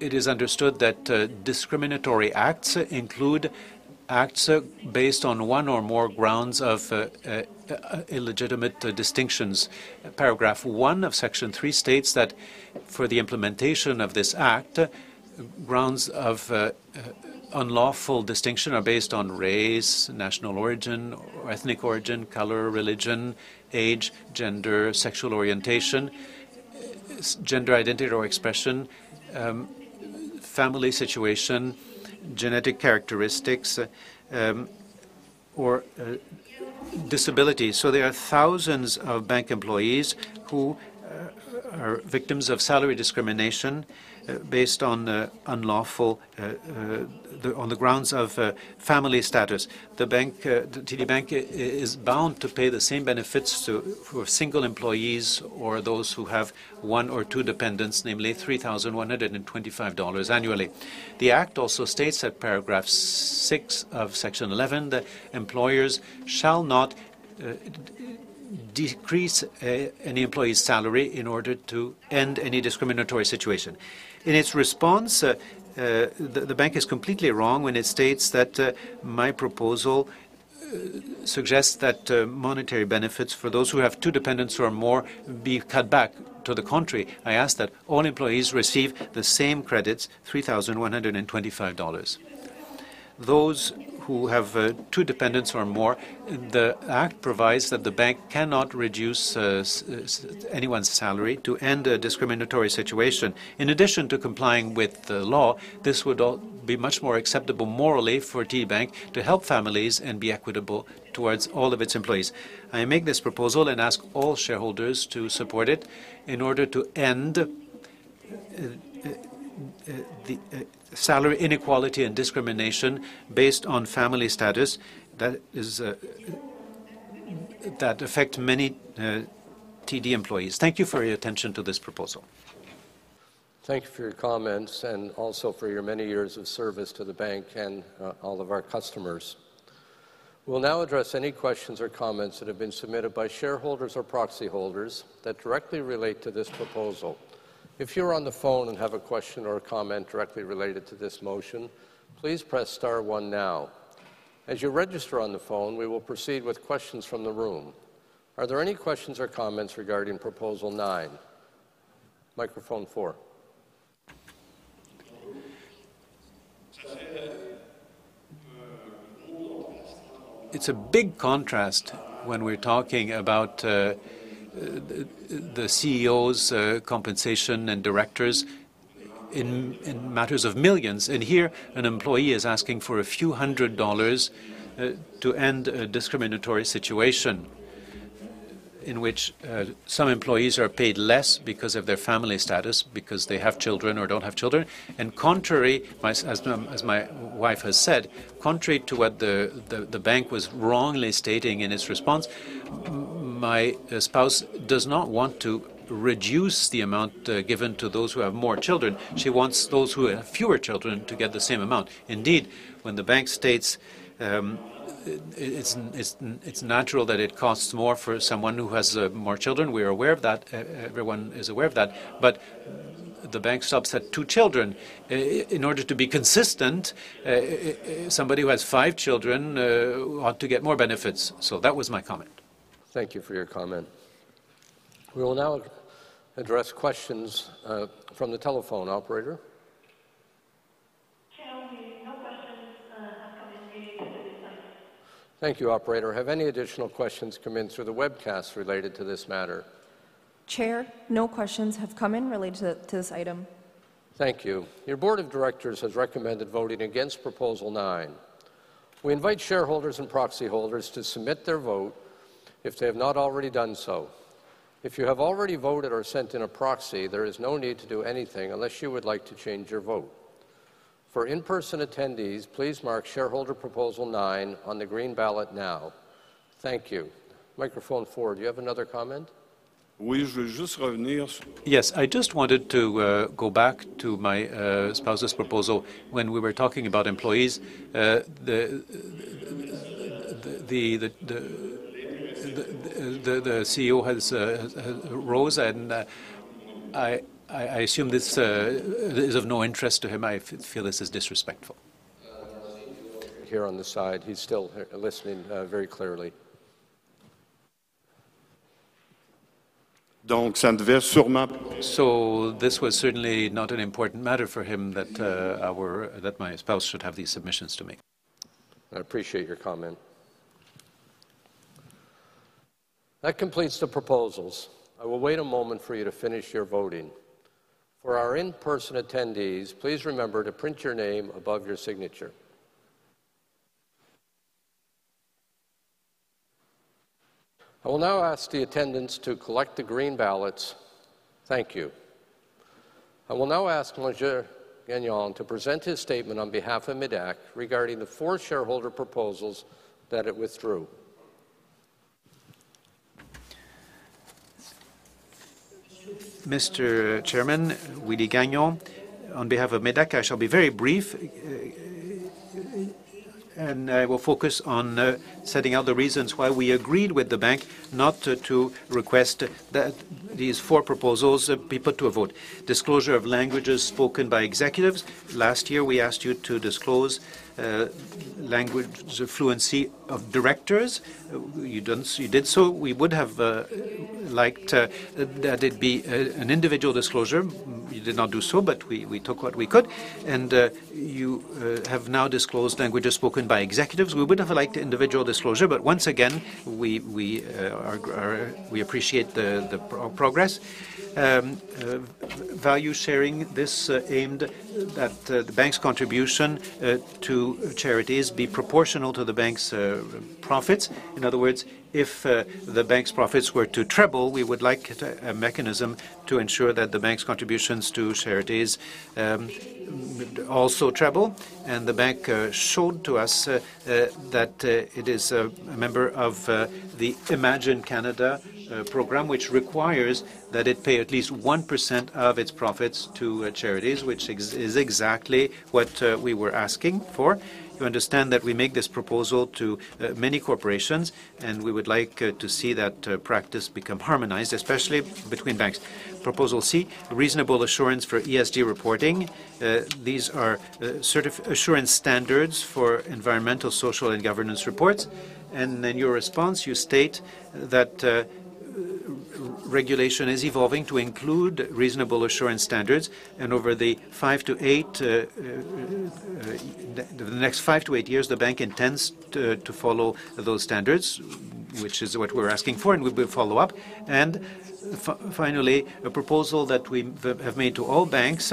it is understood that discriminatory acts include acts based on one or more grounds of illegitimate distinctions. Paragraph 1 of Section 3 states that for the implementation of this act, grounds of unlawful distinction are based on race, national origin, ethnic origin, color, religion, age, gender, sexual orientation, gender identity or expression, family situation, genetic characteristics, or disability. So there are thousands of bank employees who are victims of salary discrimination based on the grounds of family status. TD Bank is bound to pay the same benefits for single employees or those who have one or two dependents, namely 3,125 dollars annually. The act also states at paragraph 6 of Section 11 that employers shall not decrease any employee's salary in order to end any discriminatory situation. In its response, the bank is completely wrong when it states that my proposal suggests that monetary benefits for those who have two dependents or more be cut back. To the contrary, I ask that all employees receive the same credits, 3,125 dollars. Those who have two dependents or more, the act provides that the bank cannot reduce anyone's salary to end a discriminatory situation. In addition to complying with the law, this would be much more acceptable morally for TD Bank to help families and be equitable towards all of its employees. I make this proposal and ask all shareholders to support it in order to end the salary inequality and discrimination based on family status that affect many TD employees. Thank you for your attention to this proposal. Thank you for your comments and also for your many years of service to the bank and all of our customers. We'll now address any questions or comments that have been submitted by shareholders or proxy holders that directly relate to this proposal. If you're on the phone and have a question or a comment directly related to this motion, please press Star One now. As you register on the phone, we will proceed with questions from the room. Are there any questions or comments regarding proposal nine? Microphone four. It's a big contrast when we're talking about the CEO's compensation and directors in matters of millions. Here, an employee is asking for CAD a few hundred dollars to end a discriminatory situation in which some employees are paid less because of their family status, because they have children or don't have children. And contrary, as my wife has said, contrary to what the bank was wrongly stating in its response, my spouse does not want to reduce the amount given to those who have more children. She wants those who have fewer children to get the same amount. Indeed, when the bank states it's natural that it costs more for someone who has more children, we are aware of that. Everyone is aware of that. But the bank stops at two children. In order to be consistent, somebody who has five children ought to get more benefits. That was my comment. Thank you for your comment. We will now address questions from the telephone, Operator. Chair, no questions have come in related to this item. Thank you, Operator. Have any additional questions come in through the webcast related to this matter? Chair, no questions have come in related to this item. Thank you. Your board of directors has recommended voting against proposal 9. We invite shareholders and proxy holders to submit their vote if they have not already done so. If you have already voted or sent in a proxy, there is no need to do anything unless you would like to change your vote. For in-person attendees, please mark shareholder proposal 9 on the green ballot now. Thank you. Microphone 4. Do you have another comment? Yes. I just wanted to go back to my spouse's proposal. When we were talking about employees, the CEO has rose, and I assume this is of no interest to him. I feel this is disrespectful. Here on the side, he's still listening very clearly. This was certainly not an important matter for him that my spouse should have these submissions to make. I appreciate your comment. That completes the proposals. I will wait a moment for you to finish your voting. For our in-person attendees, please remember to print your name above your signature. I will now ask the attendants to collect the green ballots. Thank you. I will now ask Monsieur Gagnon to present his statement on behalf of MÉDAC regarding the four shareholder proposals that it withdrew. Mr. Chairman, Willie Gagnon, on behalf of MÉDAC, I shall be very brief, and I will focus on setting out the reasons why we agreed with the bank not to request these four proposals people to vote. Disclosure of languages spoken by executives. Last year, we asked you to disclose language fluency of directors. You did so. We would have liked that it be an individual disclosure. You did not do so, but we took what we could. And you have now disclosed languages spoken by executives. We would have liked an individual disclosure, but once again, we appreciate the progress. Value sharing. This aimed that the bank's contribution to charities be proportional to the bank's profits. In other words, if the bank's profits were to treble, we would like a mechanism to ensure that the bank's contributions to charities also treble. The bank showed to us that it is a member of the Imagine Canada program, which requires that it pay at least 1% of its profits to charities, which is exactly what we were asking for. You understand that we make this proposal to many corporations, and we would like to see that practice become harmonized, especially between banks. Proposal C, reasonable assurance for ESG reporting. These are assurance standards for environmental, social, and governance reports. In your response, you state that regulation is evolving to include reasonable assurance standards. Over the next 5-8 years, the bank intends to follow those standards, which is what we're asking for, and we will follow up. Finally, a proposal that we have made to all banks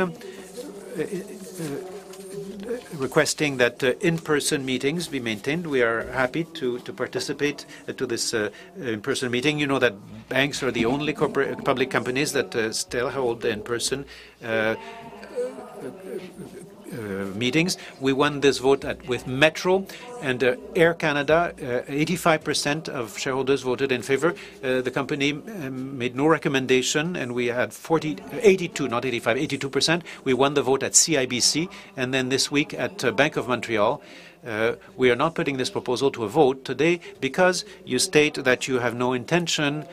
requesting that in-person meetings be maintained. We are happy to participate to this in-person meeting. You know that banks are the only public companies that still hold in-person meetings. We won this vote with Metro and Air Canada. 85% of shareholders voted in favor. The company made no recommendation, and we had 82%, not 85%, 82%. We won the vote at CIBC. And then this week at Bank of Montreal, we are not putting this proposal to a vote today because you state that you have no intention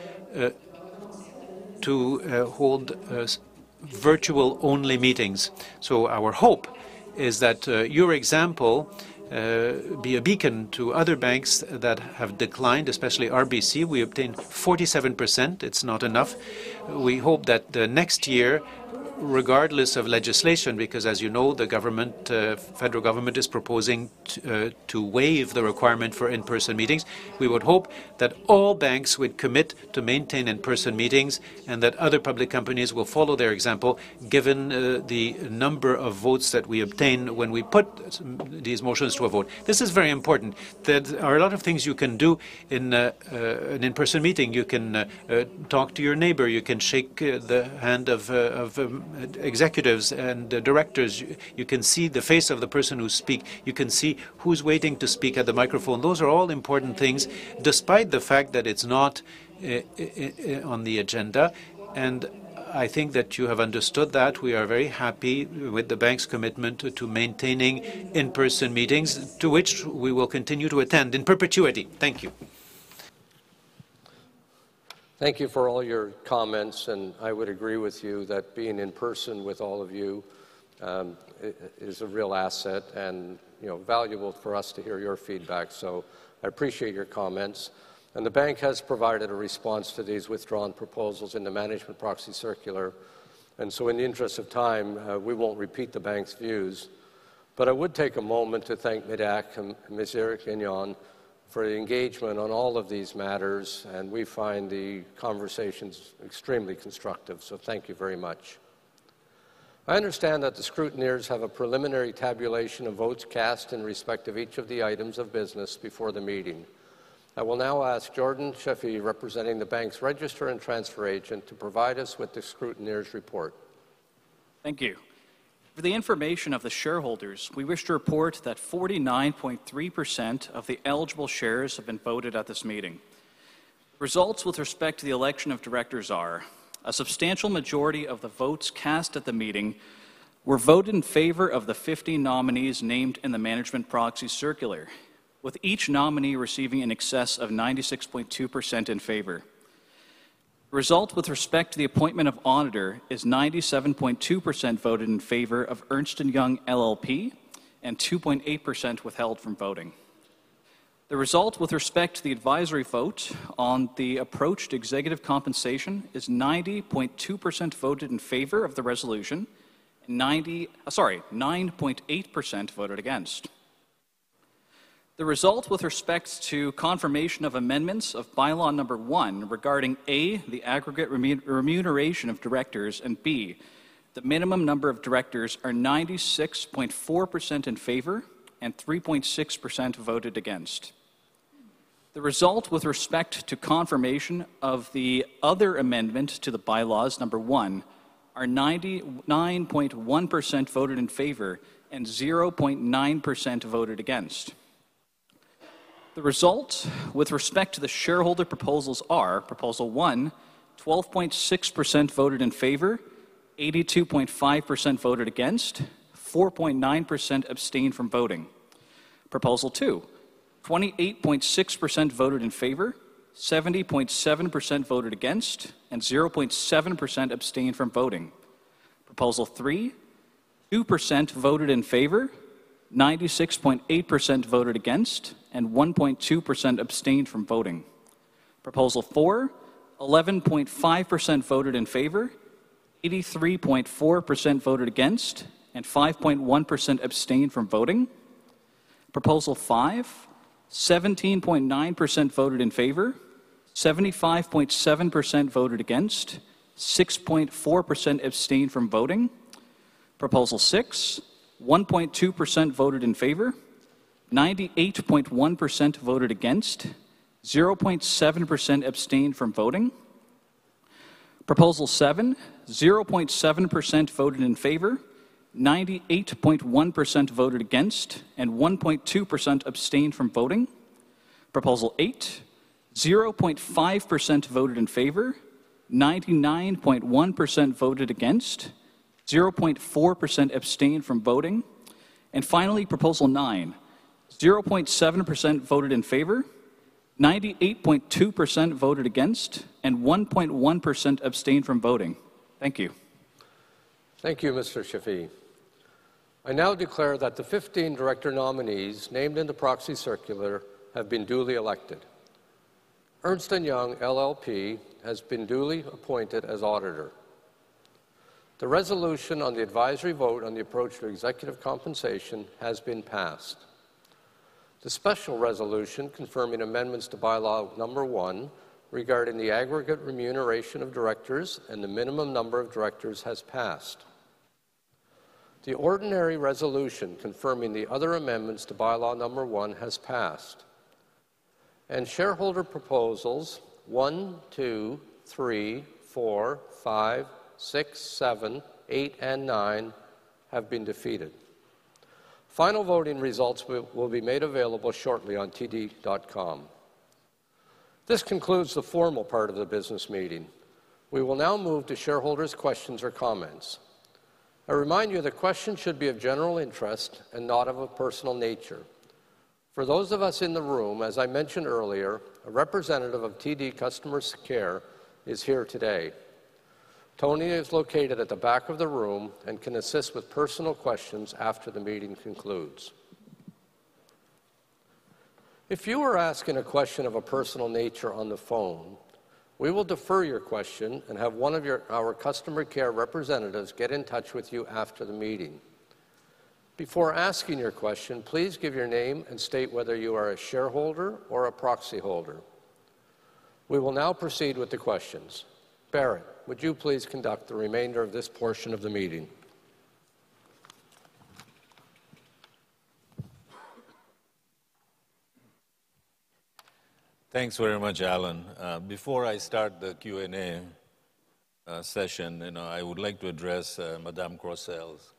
to hold virtual-only meetings. So our hope is that your example be a beacon to other banks that have declined, especially RBC. We obtained 47%. It's not enough. We hope that next year, regardless of legislation, because as you know, the federal government is proposing to waive the requirement for in-person meetings, we would hope that all banks would commit to maintain in-person meetings and that other public companies will follow their example given the number of votes that we obtain when we put these motions to a vote. This is very important. There are a lot of things you can do in an in-person meeting. You can talk to your neighbor. You can shake the hand of executives and directors. You can see the face of the person who speaks. You can see who's waiting to speak at the microphone. Those are all important things despite the fact that it's not on the agenda. I think that you have understood that. We are very happy with the bank's commitment to maintaining in-person meetings, to which we will continue to attend in perpetuity. Thank you. Thank you for all your comments. I would agree with you that being in person with all of you is a real asset and valuable for us to hear your feedback. I appreciate your comments. The bank has provided a response to these withdrawn proposals in the Management Proxy Circular. In the interest of time, we won't repeat the bank's views. But I would take a moment to thank MÉDAC and Monsieur Gagnon for the engagement on all of these matters. We find the conversations extremely constructive. Thank you very much. I understand that the scrutineers have a preliminary tabulation of votes cast in respect of each of the items of business before the meeting. I will now ask Jordan Scaffidi, representing the bank's register and transfer agent, to provide us with the scrutineer's report. Thank you. For the information of the shareholders, we wish to report that 49.3% of the eligible shares have been voted at this meeting. Results with respect to the election of directors are a substantial majority of the votes cast at the meeting were voted in favor of the 50 nominees named in the Management Proxy Circular, with each nominee receiving an excess of 96.2% in favor. Result with respect to the appointment of auditor is 97.2% voted in favor of Ernst & Young LLP and 2.8% withheld from voting. The result with respect to the advisory vote on the approached executive compensation is 90.2% voted in favor of the resolution and 90 sorry, 9.8% voted against. The result with respect to confirmation of amendments of Bylaw Number 1 regarding A, the aggregate remuneration of directors, and B, the minimum number of directors are 96.4% in favor and 3.6% voted against. The result with respect to confirmation of the other amendment to Bylaws Number 1 are 99.1% voted in favor and 0.9% voted against. The result with respect to the shareholder proposals are: Proposal 1, 12.6% voted in favor, 82.5% voted against, 4.9% abstained from voting. Proposal 2, 28.6% voted in favor, 70.7% voted against, and 0.7% abstained from voting. Proposal 3, 2% voted in favor, 96.8% voted against, and 1.2% abstained from voting. Proposal 4, 11.5% voted in favor, 83.4% voted against, and 5.1% abstained from voting. Proposal 5, 17.9% voted in favor, 75.7% voted against, 6.4% abstained from voting. Proposal 6, 1.2% voted in favor, 98.1% voted against, 0.7% abstained from voting. Proposal 7, 0.7% voted in favor, 98.1% voted against, and 1.2% abstained from voting. Proposal 8, 0.5% voted in favor, 99.1% voted against, 0.4% abstained from voting. And finally, proposal 9, 0.7% voted in favor, 98.2% voted against, and 1.1% abstained from voting. Thank you. Thank you, Mr. Scaffidi. I now declare that the 15 director nominees named in the proxy circular have been duly elected. Ernst & Young LLP has been duly appointed as auditor. The resolution on the advisory vote on the approach to executive compensation has been passed. The special resolution confirming amendments to bylaw number 1 regarding the aggregate remuneration of directors and the minimum number of directors has passed. The ordinary resolution confirming the other amendments to bylaw number 1 has passed. Shareholder proposals 1, 2, 3, 4, 5, 6, 7, 8, and 9 have been defeated. Final voting results will be made available shortly on TD.com. This concludes the formal part of the business meeting. We will now move to shareholders' questions or comments. I remind you the question should be of general interest and not of a personal nature. For those of us in the room, as I mentioned earlier, a representative of TD Customer Care is here today. Tony is located at the back of the room and can assist with personal questions after the meeting concludes. If you are asking a question of a personal nature on the phone, we will defer your question and have one of our customer care representatives get in touch with you after the meeting. Before asking your question, please give your name and state whether you are a shareholder or a proxy holder. We will now proceed with the questions. Bharat, would you please conduct the remainder of this portion of the meeting? Thanks very much, Alan. Before I start the Q&A session, I would like to address Madame Descroiselles'.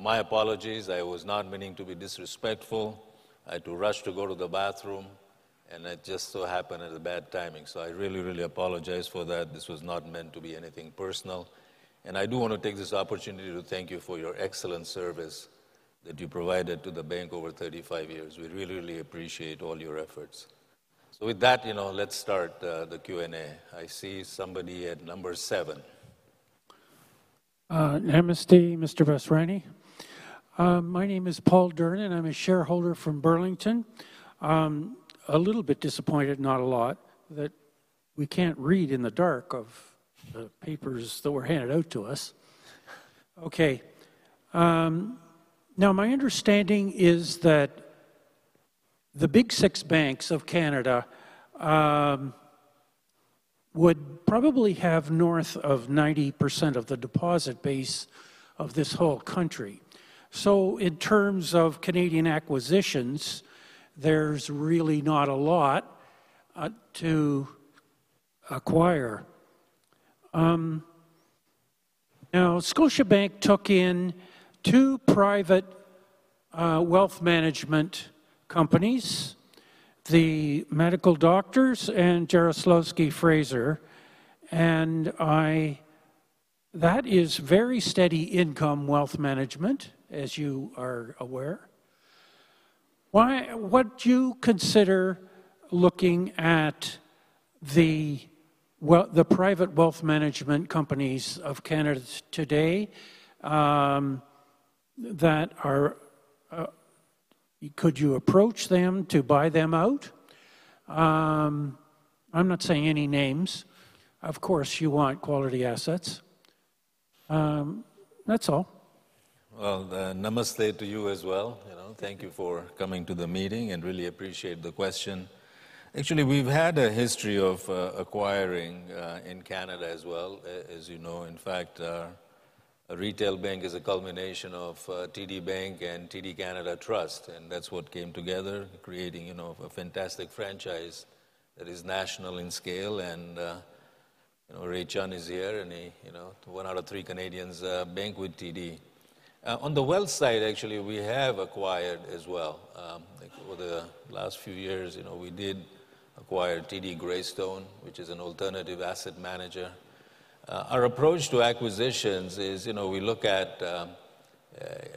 My apologies. I was not meaning to be disrespectful. I had to rush to go to the bathroom, and it just so happened at a bad timing. So I really, really apologize for that. This was not meant to be anything personal. And I do want to take this opportunity to thank you for your excellent service that you provided to the bank over 35 years. We really, really appreciate all your efforts. So with that, let's start the Q&A. I see somebody at number 7. Namaste, Mr. Masrani. My name is Paul Dern, and I'm a shareholder from Burlington. A little bit disappointed, not a lot, that we can't read in the dark of the papers that were handed out to us. Okay. Now, my understanding is that the big six banks of Canada would probably have north of 90% of the deposit base of this whole country. So in terms of Canadian acquisitions, there's really not a lot to acquire. Now, Scotiabank took in two private wealth management companies, the Medical Doctors and Jarislowsky Fraser. And that is very steady income wealth management, as you are aware. Would you consider looking at the private wealth management companies of Canada today that are could you approach them to buy them out? I'm not saying any names. Of course, you want quality assets. That's all. Well, namaste to you as well. Thank you for coming to the meeting and really appreciate the question. Actually, we've had a history of acquiring in Canada as well, as you know. In fact, a retail bank is a culmination of TD Bank and TD Canada Trust. That's what came together, creating a fantastic franchise that is national in scale. Ray Chun is here, and one out of three Canadians bank with TD. On the wealth side, actually, we have acquired as well. Over the last few years, we did acquire TD Greystone, which is an alternative asset manager. Our approach to acquisitions is we look at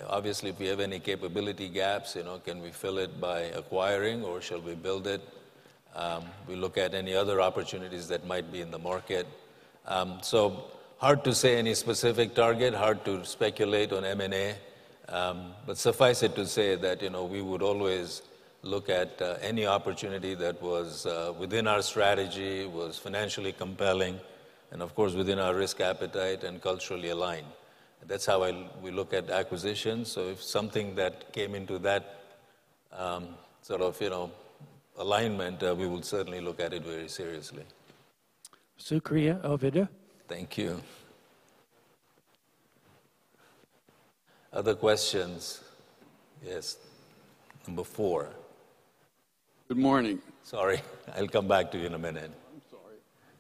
obviously, if we have any capability gaps, can we fill it by acquiring, or shall we build it? We look at any other opportunities that might be in the market. Hard to say any specific target, hard to speculate on M&A. But suffice it to say that we would always look at any opportunity that was within our strategy, was financially compelling, and of course, within our risk appetite and culturally aligned. That's how we look at acquisitions. If something that came into that sort of alignment, we will certainly look at it very seriously. Sukriya Ovida. Thank you. Other questions? Yes. Number 4. Good morning. Sorry. I'll come back to you in a minute. I'm sorry.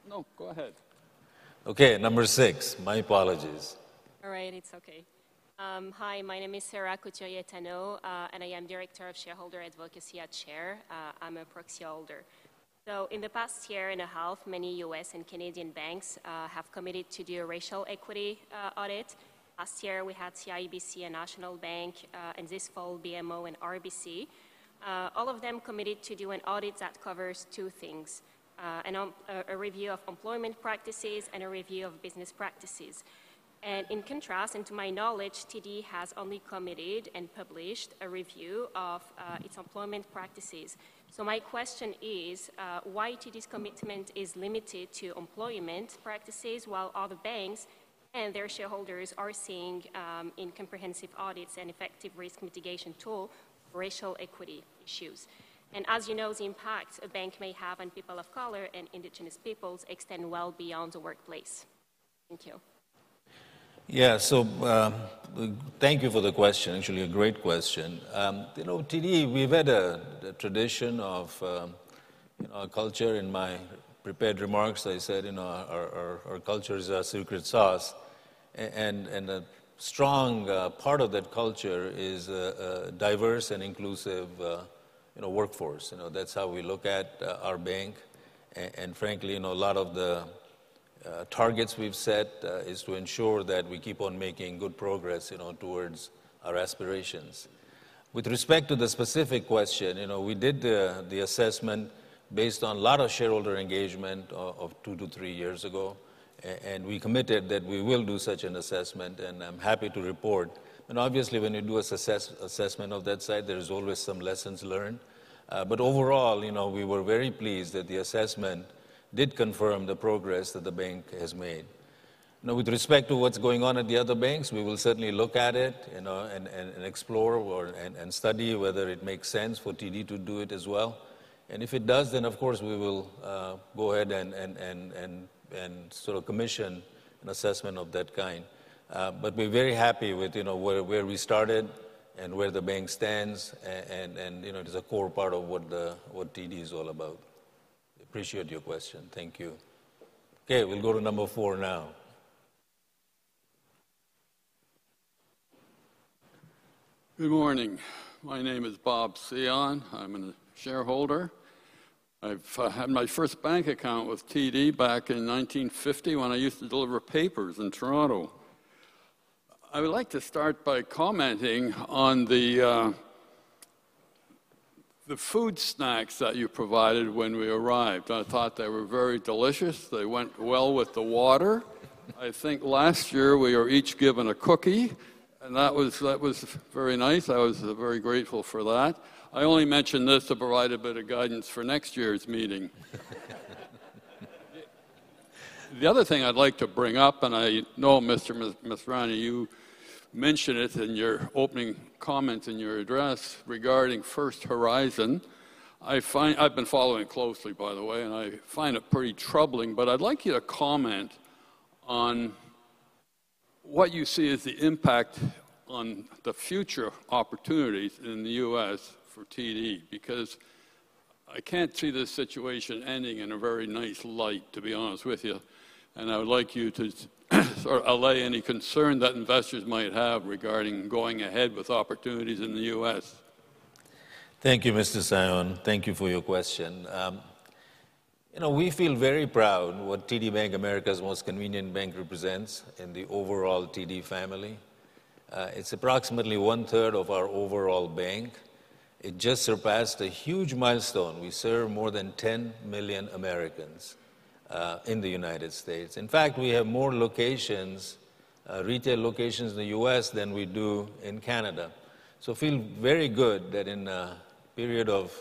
No, go ahead. Okay. Number six. My apologies. All right. It's okay. Hi. My name is Sarah Couturier-Tanoh, and I am Director of Shareholder Advocacy at SHARE. I'm a proxy holder. So in the past year and a half, many U.S. and Canadian banks have committed to do a racial equity audit. Last year, we had CIBC and National Bank, and this fall, BMO and RBC. All of them committed to do an audit that covers two things: a review of employment practices and a review of business practices. And in contrast, and to my knowledge, TD has only committed and published a review of its employment practices. So my question is, why is TD's commitment limited to employment practices while other banks and their shareholders are seeing comprehensive audits and effective risk mitigation tools for racial equity issues? As you know, the impact a bank may have on people of color and indigenous peoples extends well beyond the workplace. Thank you. Yeah. So thank you for the question. Actually, a great question. TD, we've had a tradition of our culture. In my prepared remarks, I said our culture is our secret sauce. And a strong part of that culture is a diverse and inclusive workforce. That's how we look at our bank. And frankly, a lot of the targets we've set is to ensure that we keep on making good progress towards our aspirations. With respect to the specific question, we did the assessment based on a lot of shareholder engagement of 2-3 years ago. And we committed that we will do such an assessment, and I'm happy to report. And obviously, when you do an assessment of that side, there is always some lessons learned. But overall, we were very pleased that the assessment did confirm the progress that the bank has made. Now, with respect to what's going on at the other banks, we will certainly look at it and explore and study whether it makes sense for TD to do it as well. And if it does, then of course, we will go ahead and sort of commission an assessment of that kind. But we're very happy with where we started and where the bank stands. And it is a core part of what TD is all about. I appreciate your question. Thank you. Okay. We'll go to number four now. Good morning. My name is Bob Sayon. I'm a shareholder. I've had my first bank account with TD back in 1950 when I used to deliver papers in Toronto. I would like to start by commenting on the food snacks that you provided when we arrived. I thought they were very delicious. They went well with the water. I think last year, we were each given a cookie, and that was very nice. I was very grateful for that. I only mentioned this to provide a bit of guidance for next year's meeting. The other thing I'd like to bring up, and I know, Mr. Masrani, you mentioned it in your opening comments in your address regarding First Horizon. I've been following closely, by the way, and I find it pretty troubling. But I'd like you to comment on what you see as the impact on the future opportunities in the U.S. for TD because I can't see this situation ending in a very nice light, to be honest with you. And I would like you to sort of allay any concern that investors might have regarding going ahead with opportunities in the U.S. Thank you, Mr. Sayon. Thank you for your question. We feel very proud what TD Bank, America's most convenient bank, represents in the overall TD family. It's approximately one-third of our overall bank. It just surpassed a huge milestone. We serve more than 10 million Americans in the United States. In fact, we have more retail locations in the U.S. than we do in Canada. So I feel very good that in a period of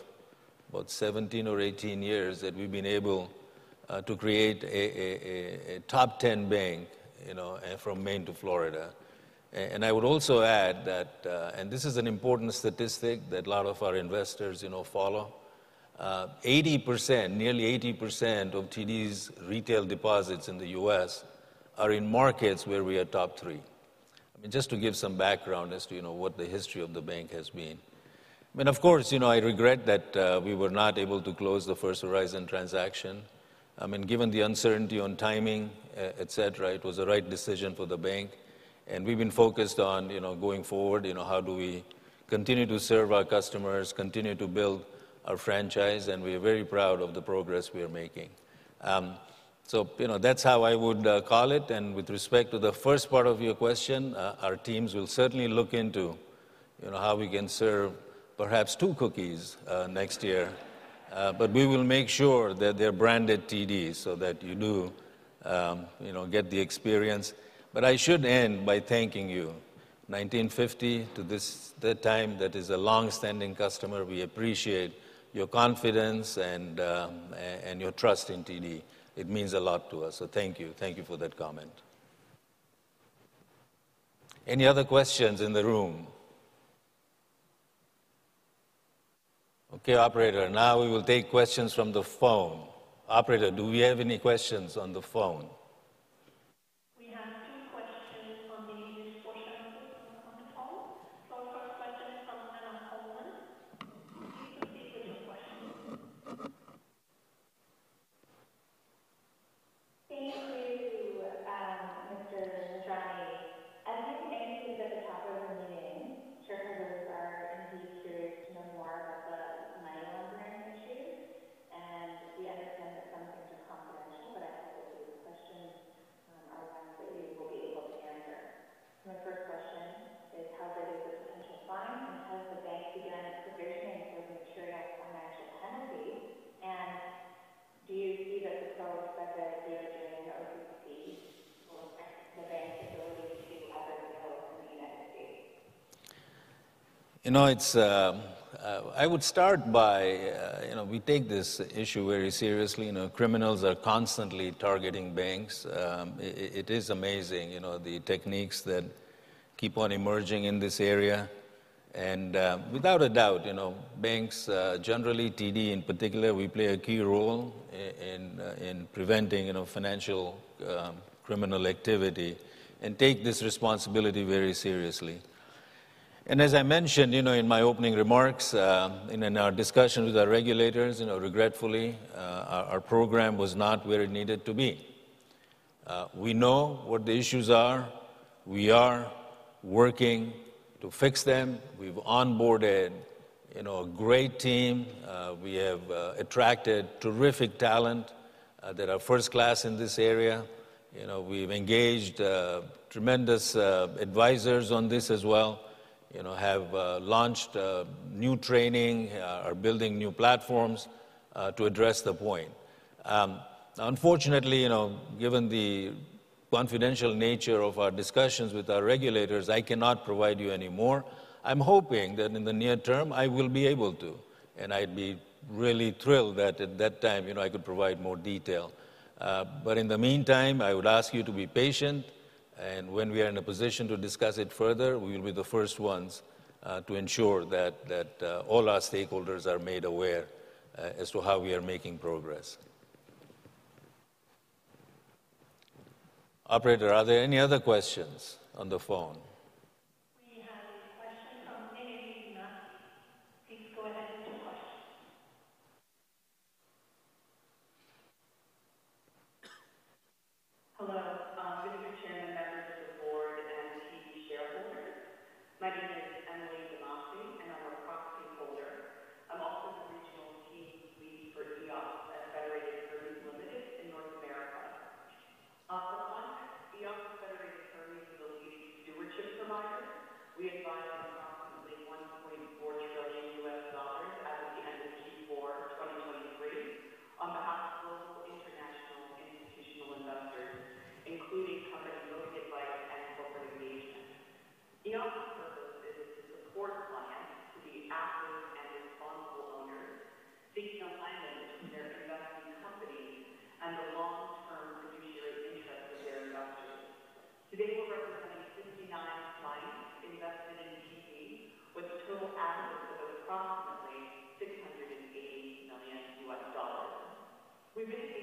about 17 or 18 years that we've been able to create a top 10 bank from Maine to Florida. And I would also add that and this is an important statistic that a lot of our investors follow. Nearly 80% of TD's retail deposits in the U.S. are in markets where we are top three. I mean, just to give some background as to what the history of the bank has been. I mean, of course, I regret that we were not able to close the First Horizon transaction. I mean, given the uncertainty on timing, etc., it was the right decision for the bank. We've been focused on going forward. How do we continue to serve our customers, continue to build our franchise? And we are very proud of the progress we are making. So that's how I would call it. And with respect to the first part of your question, our teams will certainly look into how we can serve perhaps two cookies next year. But we will make sure that they're branded TD so that you do get the experience. But I should end by thanking you. 1950 to the time, that is a longstanding customer. We appreciate your confidence and your trust in TD. It means a lot to us. So thank you. Thank you for that comment. Any other questions in the room? Okay. Operator, now we will take questions from the phone. Operator, do we have any questions on the phone? As I mentioned in my opening remarks, in our discussion with our regulators, regretfully, our program was not where it needed to be. We know what the issues are. We are working to fix them. We've onboarded a great team. We have attracted terrific talent that are first-class in this area. We've engaged tremendous advisors on this as well, have launched new training, are building new platforms to address the point. Unfortunately, given the confidential nature of our discussions with our regulators, I cannot provide you anymore. I'm hoping that in the near term, I will be able to. I'd be really thrilled that at that time, I could provide more detail. But in the meantime, I would ask you to be patient. When we are in a position to discuss it further, we will be the first ones to ensure that all our stakeholders are made aware as to how we are making progress. Operator, are there any other questions on the phone? We have a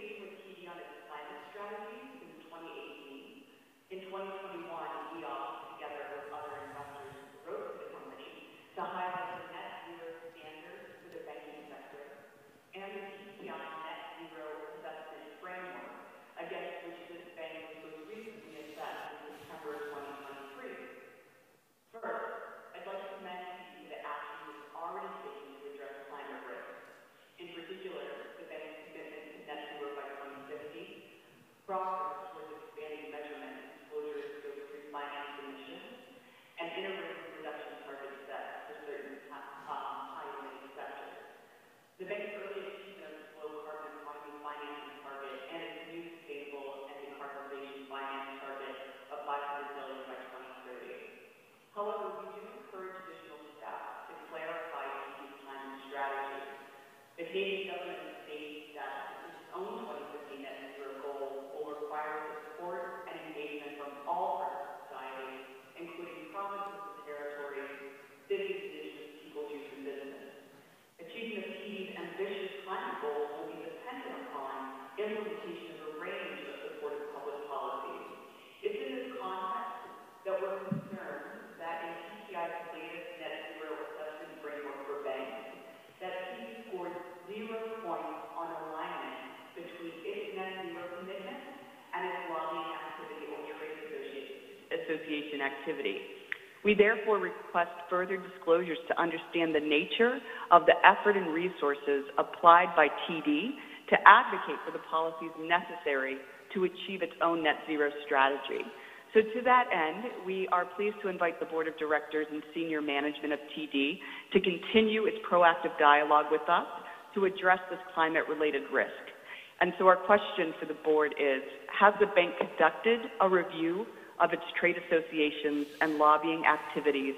of its trade associations and lobbying activities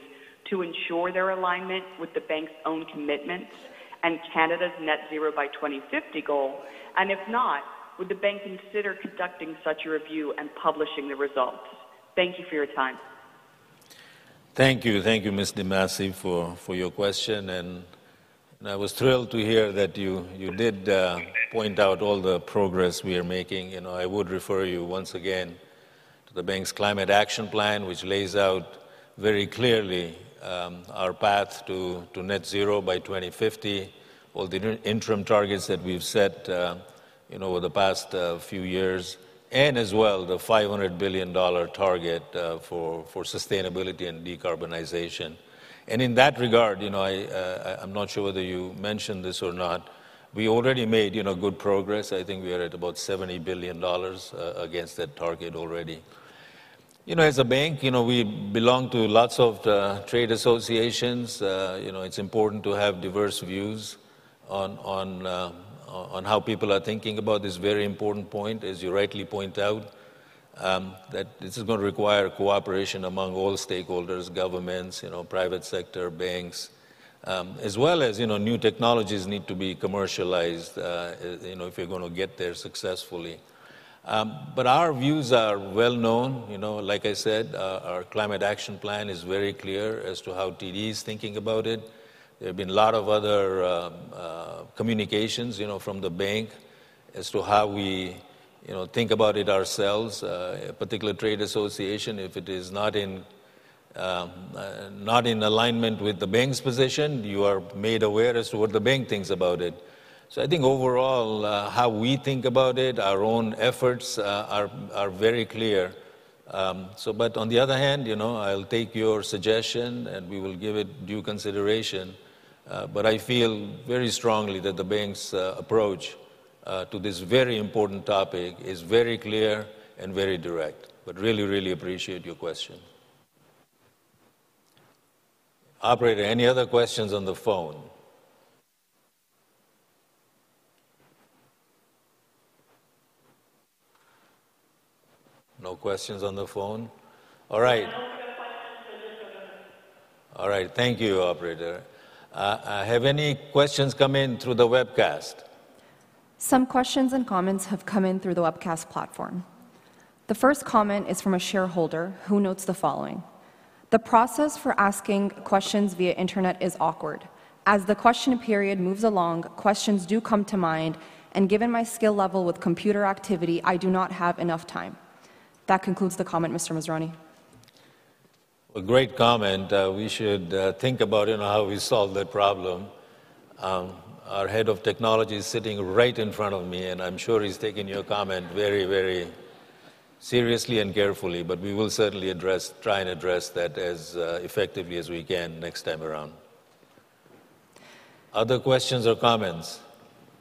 to ensure their alignment with the bank's own commitments and Canada's net-zero by 2050 goal? If not, would the bank consider conducting such a review and publishing the results? Thank you for your time. Thank you. Thank you, Ms. Dimassi, for your question. I was thrilled to hear that you did point out all the progress we are making. I would refer you once again to the bank's Climate Action Plan, which lays out very clearly our path to net-zero by 2050, all the interim targets that we've set over the past few years, and as well the 500 billion dollar target for sustainability and decarbonization. In that regard, I'm not sure whether you mentioned this or not, we already made good progress. I think we are at about 70 billion dollars against that target already. As a bank, we belong to lots of trade associations. It's important to have diverse views on how people are thinking about this very important point. As you rightly point out, this is going to require cooperation among all stakeholders: governments, private sector, banks, as well as new technologies need to be commercialized if you're going to get there successfully. But our views are well known. Like I said, our Climate Action Plan is very clear as to how TD is thinking about it. There have been a lot of other communications from the bank as to how we think about it ourselves. A particular trade association, if it is not in alignment with the bank's position, you are made aware as to what the bank thinks about it. So I think overall, how we think about it, our own efforts are very clear. But on the other hand, I'll take your suggestion, and we will give it due consideration. But I feel very strongly that the bank's approach to this very important topic is very clear and very direct. But really, really appreciate your question. Operator, any other questions on the phone? No questions on the phone? All right. No further questions. We're just going to. All right. Thank you, Operator. Have any questions come in through the webcast? Some questions and comments have come in through the webcast platform. The first comment is from a shareholder who notes the following: "The process for asking questions via internet is awkward. As the question period moves along, questions do come to mind. And given my skill level with computer activity, I do not have enough time." That concludes the comment, Mr. Masrani. A great comment. We should think about how we solve that problem. Our head of technology is sitting right in front of me, and I'm sure he's taking your comment very, very seriously and carefully. But we will certainly try and address that as effectively as we can next time around. Other questions or comments?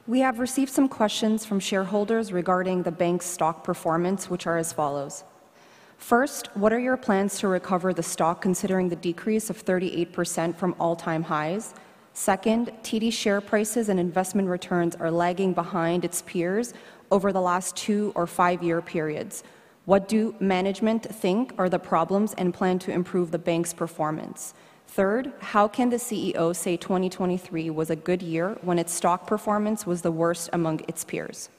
We have received some questions from shareholders regarding the bank's stock performance, which are as follows. First, what are your plans to recover the stock considering the decrease of 38% from all-time highs? Second, TD share prices and investment returns are lagging behind its peers over the last 2- or 5-year periods. What do management think are the problems and plan to improve the bank's performance? Third, how can the CEO say 2023 was a good year when its stock performance was the worst among its peers?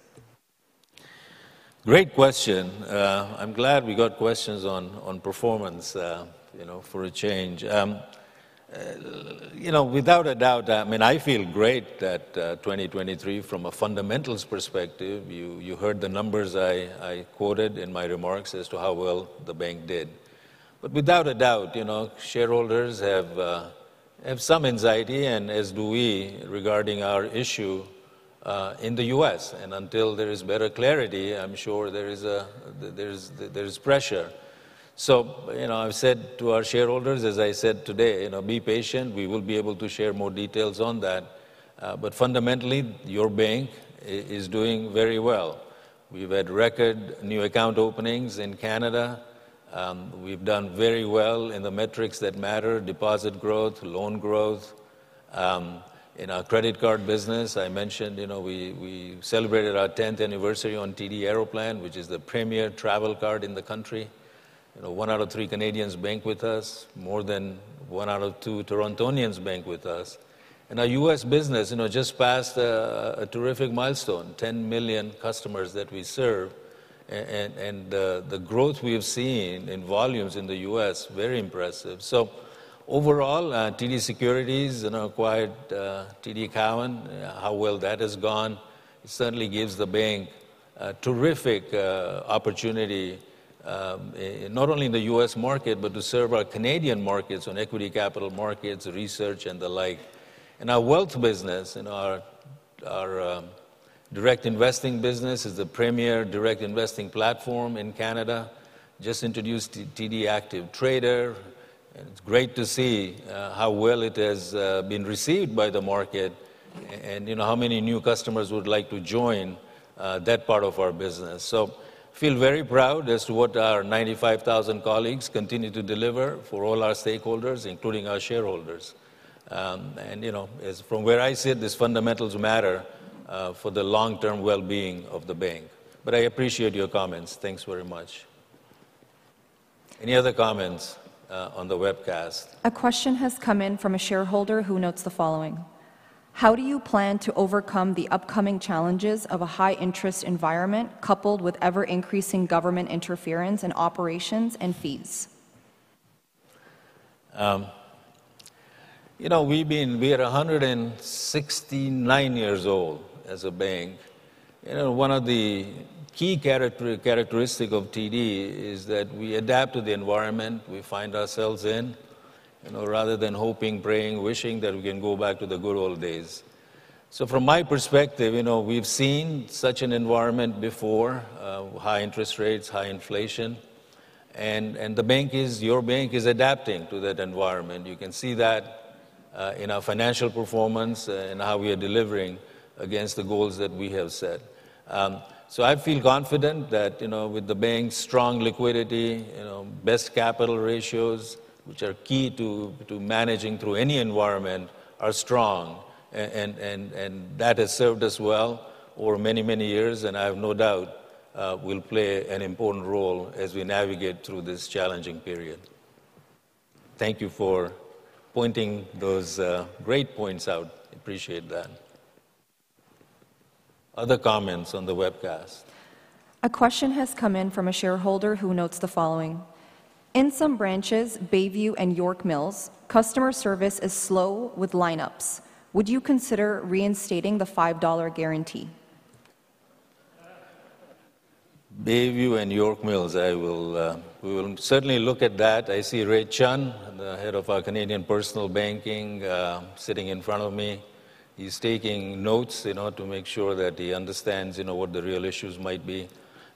Great question. I'm glad we got questions on performance for a change. Without a doubt, I mean, I feel great that 2023, from a fundamentals perspective, you heard the numbers I quoted in my remarks as to how well the bank did. But without a doubt, shareholders have some anxiety, and as do we, regarding our issue in the U.S. And until there is better clarity, I'm sure there is pressure. So I've said to our shareholders, as I said today, be patient. We will be able to share more details on that. But fundamentally, your bank is doing very well. We've had record new account openings in Canada. We've done very well in the metrics that matter: deposit growth, loan growth. In our credit card business, I mentioned we celebrated our 10th anniversary on TD Aeroplan, which is the premier travel card in the country. One out of three Canadians bank with us. More than one out of two Torontonians bank with us. Our U.S. business just passed a terrific milestone: 10 million customers that we serve. The growth we have seen in volumes in the U.S. is very impressive. So overall, TD Securities acquired TD Cowen. How well that has gone certainly gives the bank a terrific opportunity, not only in the U.S. market, but to serve our Canadian markets on equity capital markets, research, and the like. Our wealth business, our direct investing business, is the premier direct investing platform in Canada. Just introduced TD Active Trader. It's great to see how well it has been received by the market and how many new customers would like to join that part of our business. I feel very proud as to what our 95,000 colleagues continue to deliver for all our stakeholders, including our shareholders. From where I sit, these fundamentals matter for the long-term well-being of the bank. I appreciate your comments. Thanks very much. Any other comments on the webcast? A question has come in from a shareholder who notes the following: "How do you plan to overcome the upcoming challenges of a high-interest environment coupled with ever-increasing government interference in operations and fees? We're 169 years old as a bank. One of the key characteristics of TD is that we adapt to the environment we find ourselves in rather than hoping, praying, wishing that we can go back to the good old days. So from my perspective, we've seen such an environment before: high interest rates, high inflation. And your bank is adapting to that environment. You can see that in our financial performance and how we are delivering against the goals that we have set. So I feel confident that with the bank's strong liquidity, best capital ratios, which are key to managing through any environment, are strong. And that has served us well over many, many years. And I have no doubt it will play an important role as we navigate through this challenging period. Thank you for pointing those great points out. I appreciate that. Other comments on the webcast? A question has come in from a shareholder who notes the following: "In some branches, Bayview and York Mills, customer service is slow with lineups. Would you consider reinstating the 5 dollar guarantee? Bayview and York Mills, we will certainly look at that. I see Ray Chun, the head of our Canadian Personal Banking, sitting in front of me. He's taking notes to make sure that he understands what the real issues might be.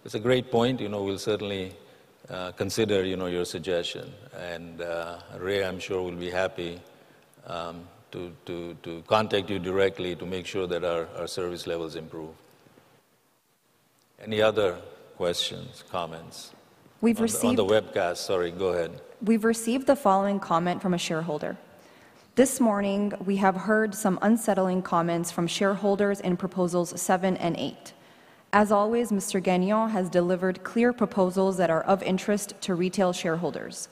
It's a great point. We'll certainly consider your suggestion. And Ray, I'm sure will be happy to contact you directly to make sure that our service levels improve. Any other questions, comments? We've received. On the webcast. Sorry. Go ahead. We've received the following comment from a shareholder: "This morning, we have heard some unsettling comments from shareholders in proposals 7 and 8. As always, Mr. Gagnon has delivered clear proposals that are of interest to retail shareholders.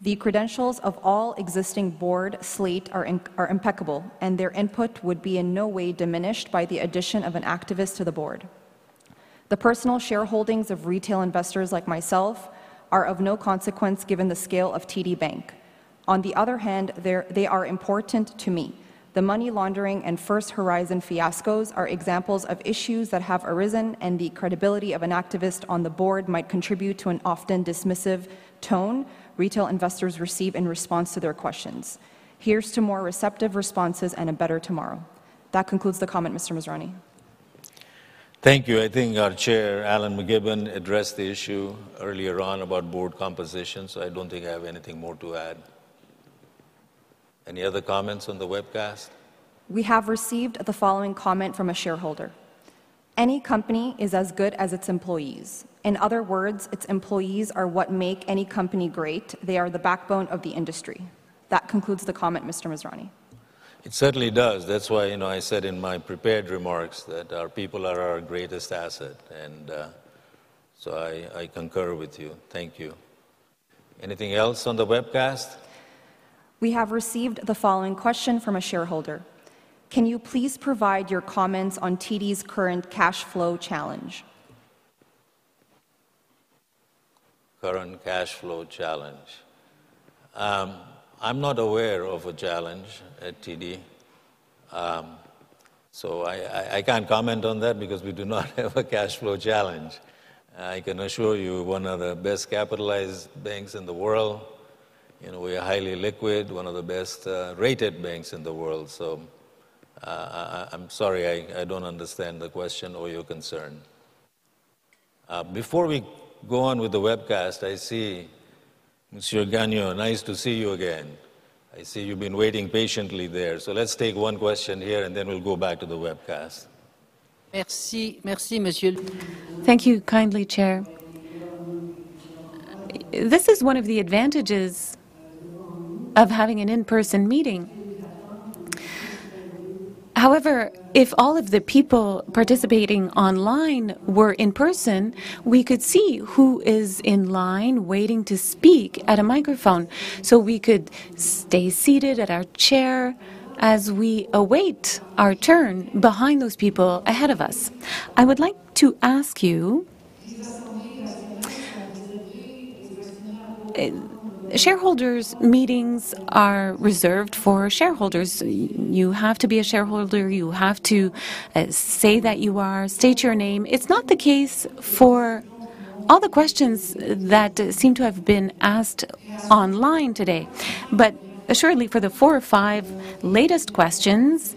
The credentials of all existing board slate are impeccable, and their input would be in no way diminished by the addition of an activist to the board. The personal shareholdings of retail investors like myself are of no consequence given the scale of TD Bank. On the other hand, they are important to me. The money laundering and First Horizon fiascos are examples of issues that have arisen, and the credibility of an activist on the board might contribute to an often dismissive tone retail investors receive in response to their questions. Here's to more receptive responses and a better tomorrow." That concludes the comment, Mr. Masrani. Thank you. I think our chair, Alan MacGibbon, addressed the issue earlier on about board compositions. I don't think I have anything more to add. Any other comments on the webcast? We have received the following comment from a shareholder: "Any company is as good as its employees. In other words, its employees are what make any company great. They are the backbone of the industry." That concludes the comment, Mr. Masrani. It certainly does. That's why I said in my prepared remarks that our people are our greatest asset. And so I concur with you. Thank you. Anything else on the webcast? We have received the following question from a shareholder: "Can you please provide your comments on TD's current cash flow challenge? Current cash flow challenge. I'm not aware of a challenge at TD. So I can't comment on that because we do not have a cash flow challenge. I can assure you, one of the best capitalized banks in the world. We are highly liquid, one of the best rated banks in the world. So I'm sorry. I don't understand the question or your concern. Before we go on with the webcast, I see Mr. Gagnon. Nice to see you again. I see you've been waiting patiently there. So let's take one question here, and then we'll go back to the webcast. Thank you kindly, Chair. This is one of the advantages of having an in-person meeting. However, if all of the people participating online were in person, we could see who is in line waiting to speak at a microphone. So we could stay seated at our chair as we await our turn behind those people ahead of us. I would like to ask you. Shareholders' meetings are reserved for shareholders. You have to be a shareholder. You have to say that you are. State your name. It's not the case for all the questions that seem to have been asked online today. But surely for the four or five latest questions,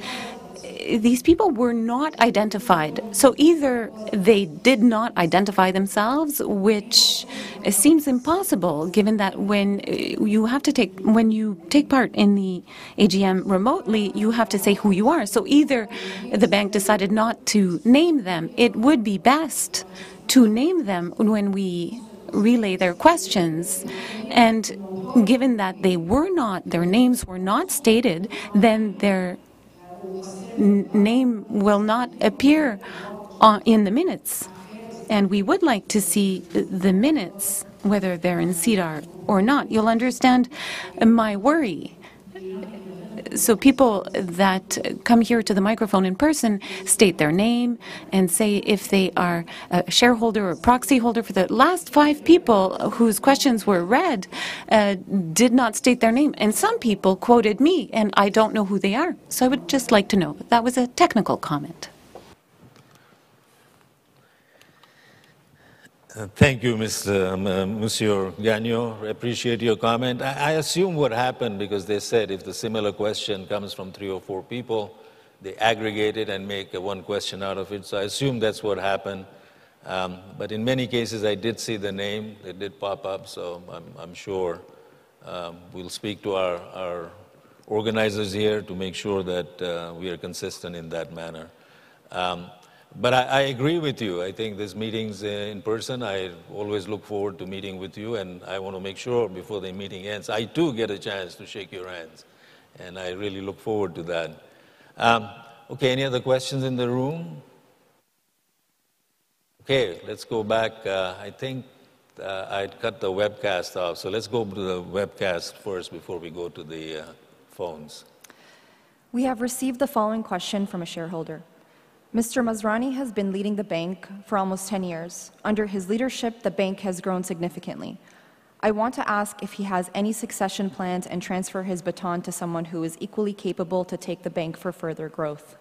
these people were not identified. So either they did not identify themselves, which seems impossible given that when you take part in the AGM remotely, you have to say who you are. Either the bank decided not to name them. It would be best to name them when we relay their questions. Given that their names were not stated, then their name will not appear in the minutes. We would like to see the minutes, whether they're in SEDAR or not. You'll understand my worry. People that come here to the microphone in person state their name and say if they are a shareholder or a proxy holder. For the last five people whose questions were read, did not state their name. Some people quoted me, and I don't know who they are. I would just like to know. That was a technical comment. Thank you, Mr. Gagnon. I appreciate your comment. I assume what happened because they said if the similar question comes from three or four people, they aggregate it and make one question out of it. So I assume that's what happened. But in many cases, I did see the name. It did pop up. So I'm sure we'll speak to our organizers here to make sure that we are consistent in that manner. But I agree with you. I think these meetings in person, I always look forward to meeting with you. And I want to make sure before the meeting ends, I do get a chance to shake your hands. And I really look forward to that. Okay. Any other questions in the room? Okay. Let's go back. I think I had cut the webcast off. So let's go to the webcast first before we go to the phones. We have received the following question from a shareholder: "Mr. Masrani has been leading the bank for almost 10 years. Under his leadership, the bank has grown significantly. I want to ask if he has any succession plans and transfer his baton to someone who is equally capable to take the bank for further growth.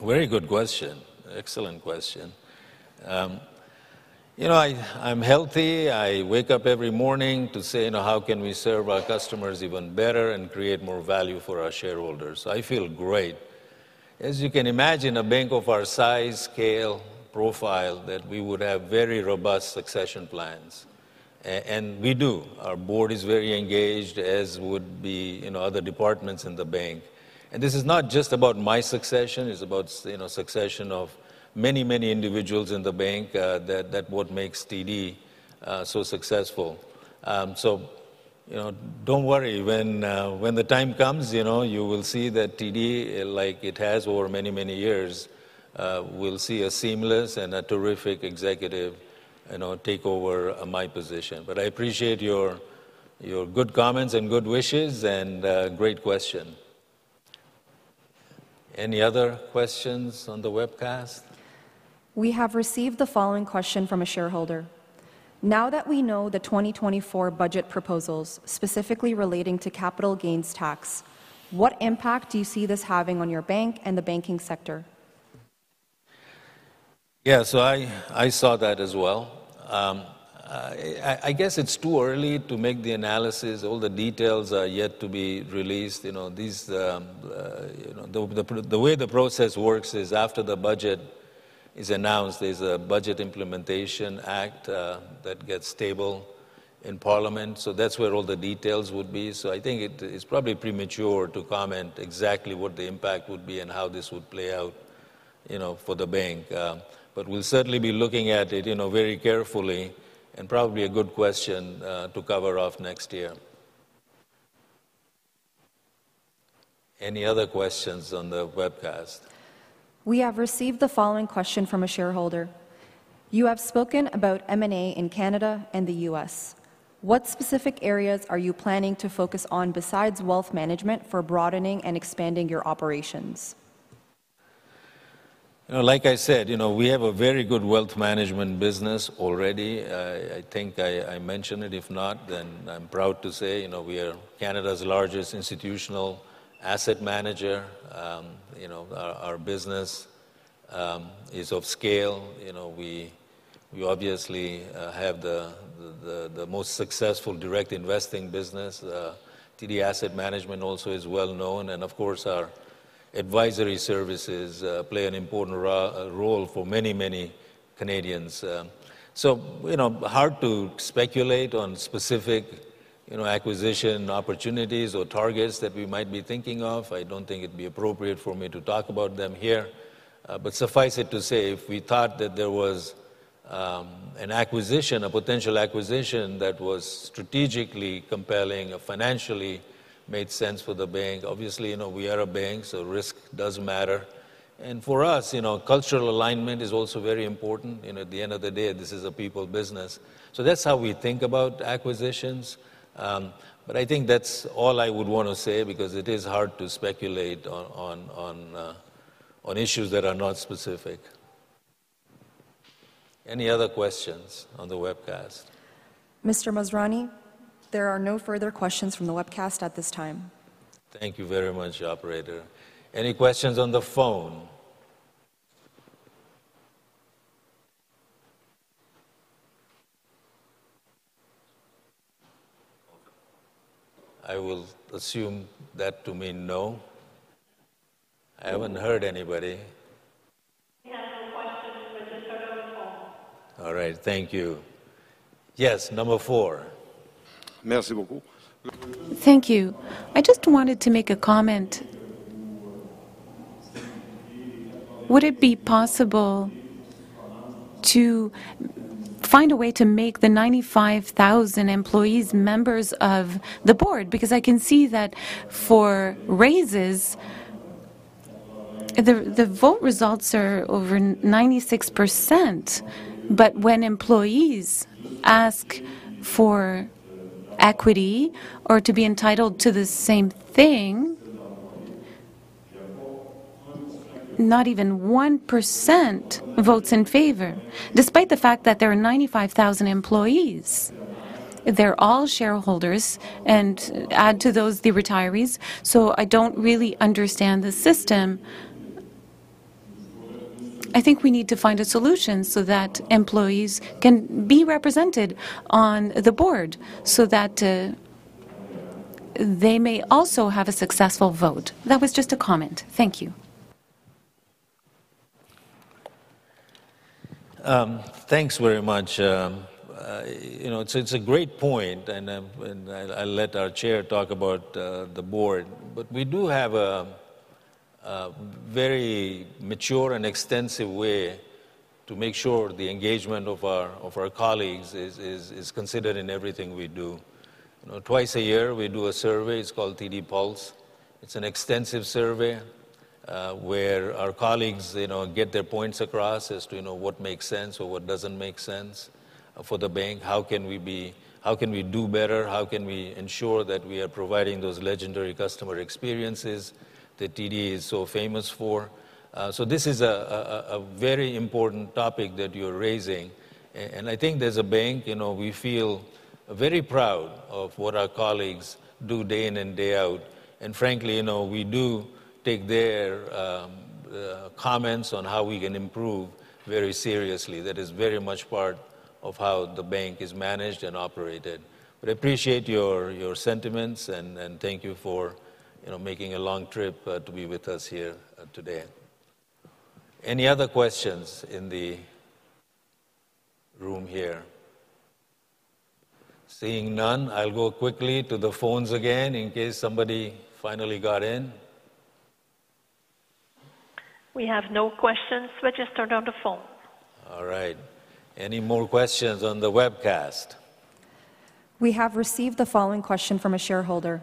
Very good question. Excellent question. I'm healthy. I wake up every morning to say, "How can we serve our customers even better and create more value for our shareholders?" I feel great. As you can imagine, a bank of our size, scale, profile, that we would have very robust succession plans. And we do. Our board is very engaged, as would be other departments in the bank. And this is not just about my succession. It's about the succession of many, many individuals in the bank. That's what makes TD so successful. So don't worry. When the time comes, you will see that TD, like it has over many, many years, will see a seamless and a terrific executive take over my position. But I appreciate your good comments and good wishes and great question. Any other questions on the webcast? We have received the following question from a shareholder: "Now that we know the 2024 budget proposals specifically relating to capital gains tax, what impact do you see this having on your bank and the banking sector? Yeah. So I saw that as well. I guess it's too early to make the analysis. All the details are yet to be released. The way the process works is after the budget is announced, there's a Budget Implementation Act that gets tabled in Parliament. So that's where all the details would be. So I think it's probably premature to comment exactly what the impact would be and how this would play out for the bank. But we'll certainly be looking at it very carefully. And probably a good question to cover off next year. Any other questions on the webcast? We have received the following question from a shareholder: "You have spoken about M&A in Canada and the U.S. What specific areas are you planning to focus on besides wealth management for broadening and expanding your operations? Like I said, we have a very good wealth management business already. I think I mentioned it. If not, then I'm proud to say we are Canada's largest institutional asset manager. Our business is of scale. We obviously have the most successful direct investing business. TD Asset Management also is well known. And of course, our advisory services play an important role for many, many Canadians. So hard to speculate on specific acquisition opportunities or targets that we might be thinking of. I don't think it'd be appropriate for me to talk about them here. But suffice it to say, if we thought that there was an acquisition, a potential acquisition that was strategically compelling or financially made sense for the bank obviously, we are a bank. So risk does matter. And for us, cultural alignment is also very important. At the end of the day, this is a people business. So that's how we think about acquisitions. But I think that's all I would want to say because it is hard to speculate on issues that are not specific. Any other questions on the webcast? Mr. Masrani, there are no further questions from the webcast at this time. Thank you very much, operator. Any questions on the phone? I will assume that to mean no. I haven't heard anybody. We have no questions. We're just sort of on the phone. All right. Thank you. Yes. Number 4. Thank you. I just wanted to make a comment. Would it be possible to find a way to make the 95,000 employees members of the board? Because I can see that for raises, the vote results are over 96%. But when employees ask for equity or to be entitled to the same thing, not even 1% votes in favor. Despite the fact that there are 95,000 employees, they're all shareholders. And add to those the retirees. So I don't really understand the system. I think we need to find a solution so that employees can be represented on the board so that they may also have a successful vote. That was just a comment. Thank you. Thanks very much. It's a great point. And I'll let our chair talk about the board. But we do have a very mature and extensive way to make sure the engagement of our colleagues is considered in everything we do. Twice a year, we do a survey. It's called TD Pulse. It's an extensive survey where our colleagues get their points across as to what makes sense or what doesn't make sense for the bank. How can we do better? How can we ensure that we are providing those legendary customer experiences that TD is so famous for? So this is a very important topic that you're raising. And I think as a bank, we feel very proud of what our colleagues do day in and day out. And frankly, we do take their comments on how we can improve very seriously. That is very much part of how the bank is managed and operated. But I appreciate your sentiments. Thank you for making a long trip to be with us here today. Any other questions in the room here? Seeing none, I'll go quickly to the phones again in case somebody finally got in. We have no questions. We're just sort of on the phone. All right. Any more questions on the webcast? We have received the following question from a shareholder: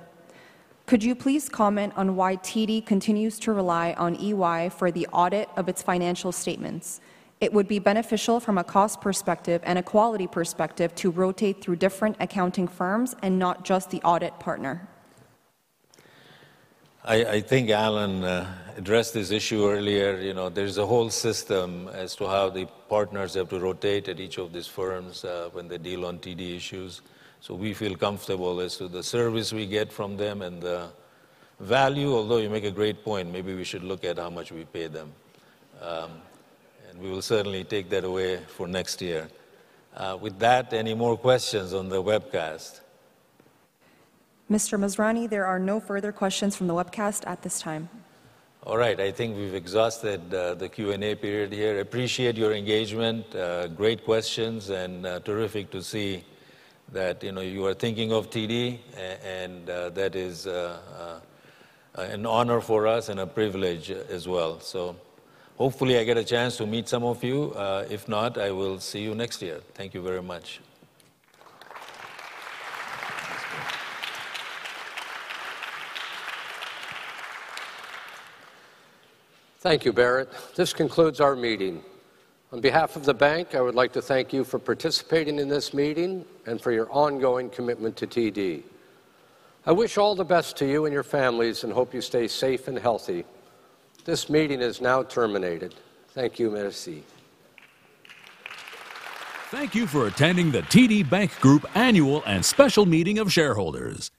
"Could you please comment on why TD continues to rely on EY for the audit of its financial statements? It would be beneficial from a cost perspective and a quality perspective to rotate through different accounting firms and not just the audit partner. I think Alan addressed this issue earlier. There's a whole system as to how the partners have to rotate at each of these firms when they deal on TD issues. So we feel comfortable as to the service we get from them and the value. Although you make a great point, maybe we should look at how much we pay them. We will certainly take that away for next year. With that, any more questions on the webcast? Mr. Masrani, there are no further questions from the webcast at this time. All right. I think we've exhausted the Q&A period here. Appreciate your engagement. Great questions. Terrific to see that you are thinking of TD. That is an honor for us and a privilege as well. So hopefully, I get a chance to meet some of you. If not, I will see you next year. Thank you very much. Thank you, Bharat. This concludes our meeting. On behalf of the bank, I would like to thank you for participating in this meeting and for your ongoing commitment to TD. I wish all the best to you and your families and hope you stay safe and healthy. This meeting is now terminated. Thank you, Mercy. Thank you for attending the TD Bank Group Annual and Special Meeting of Shareholders.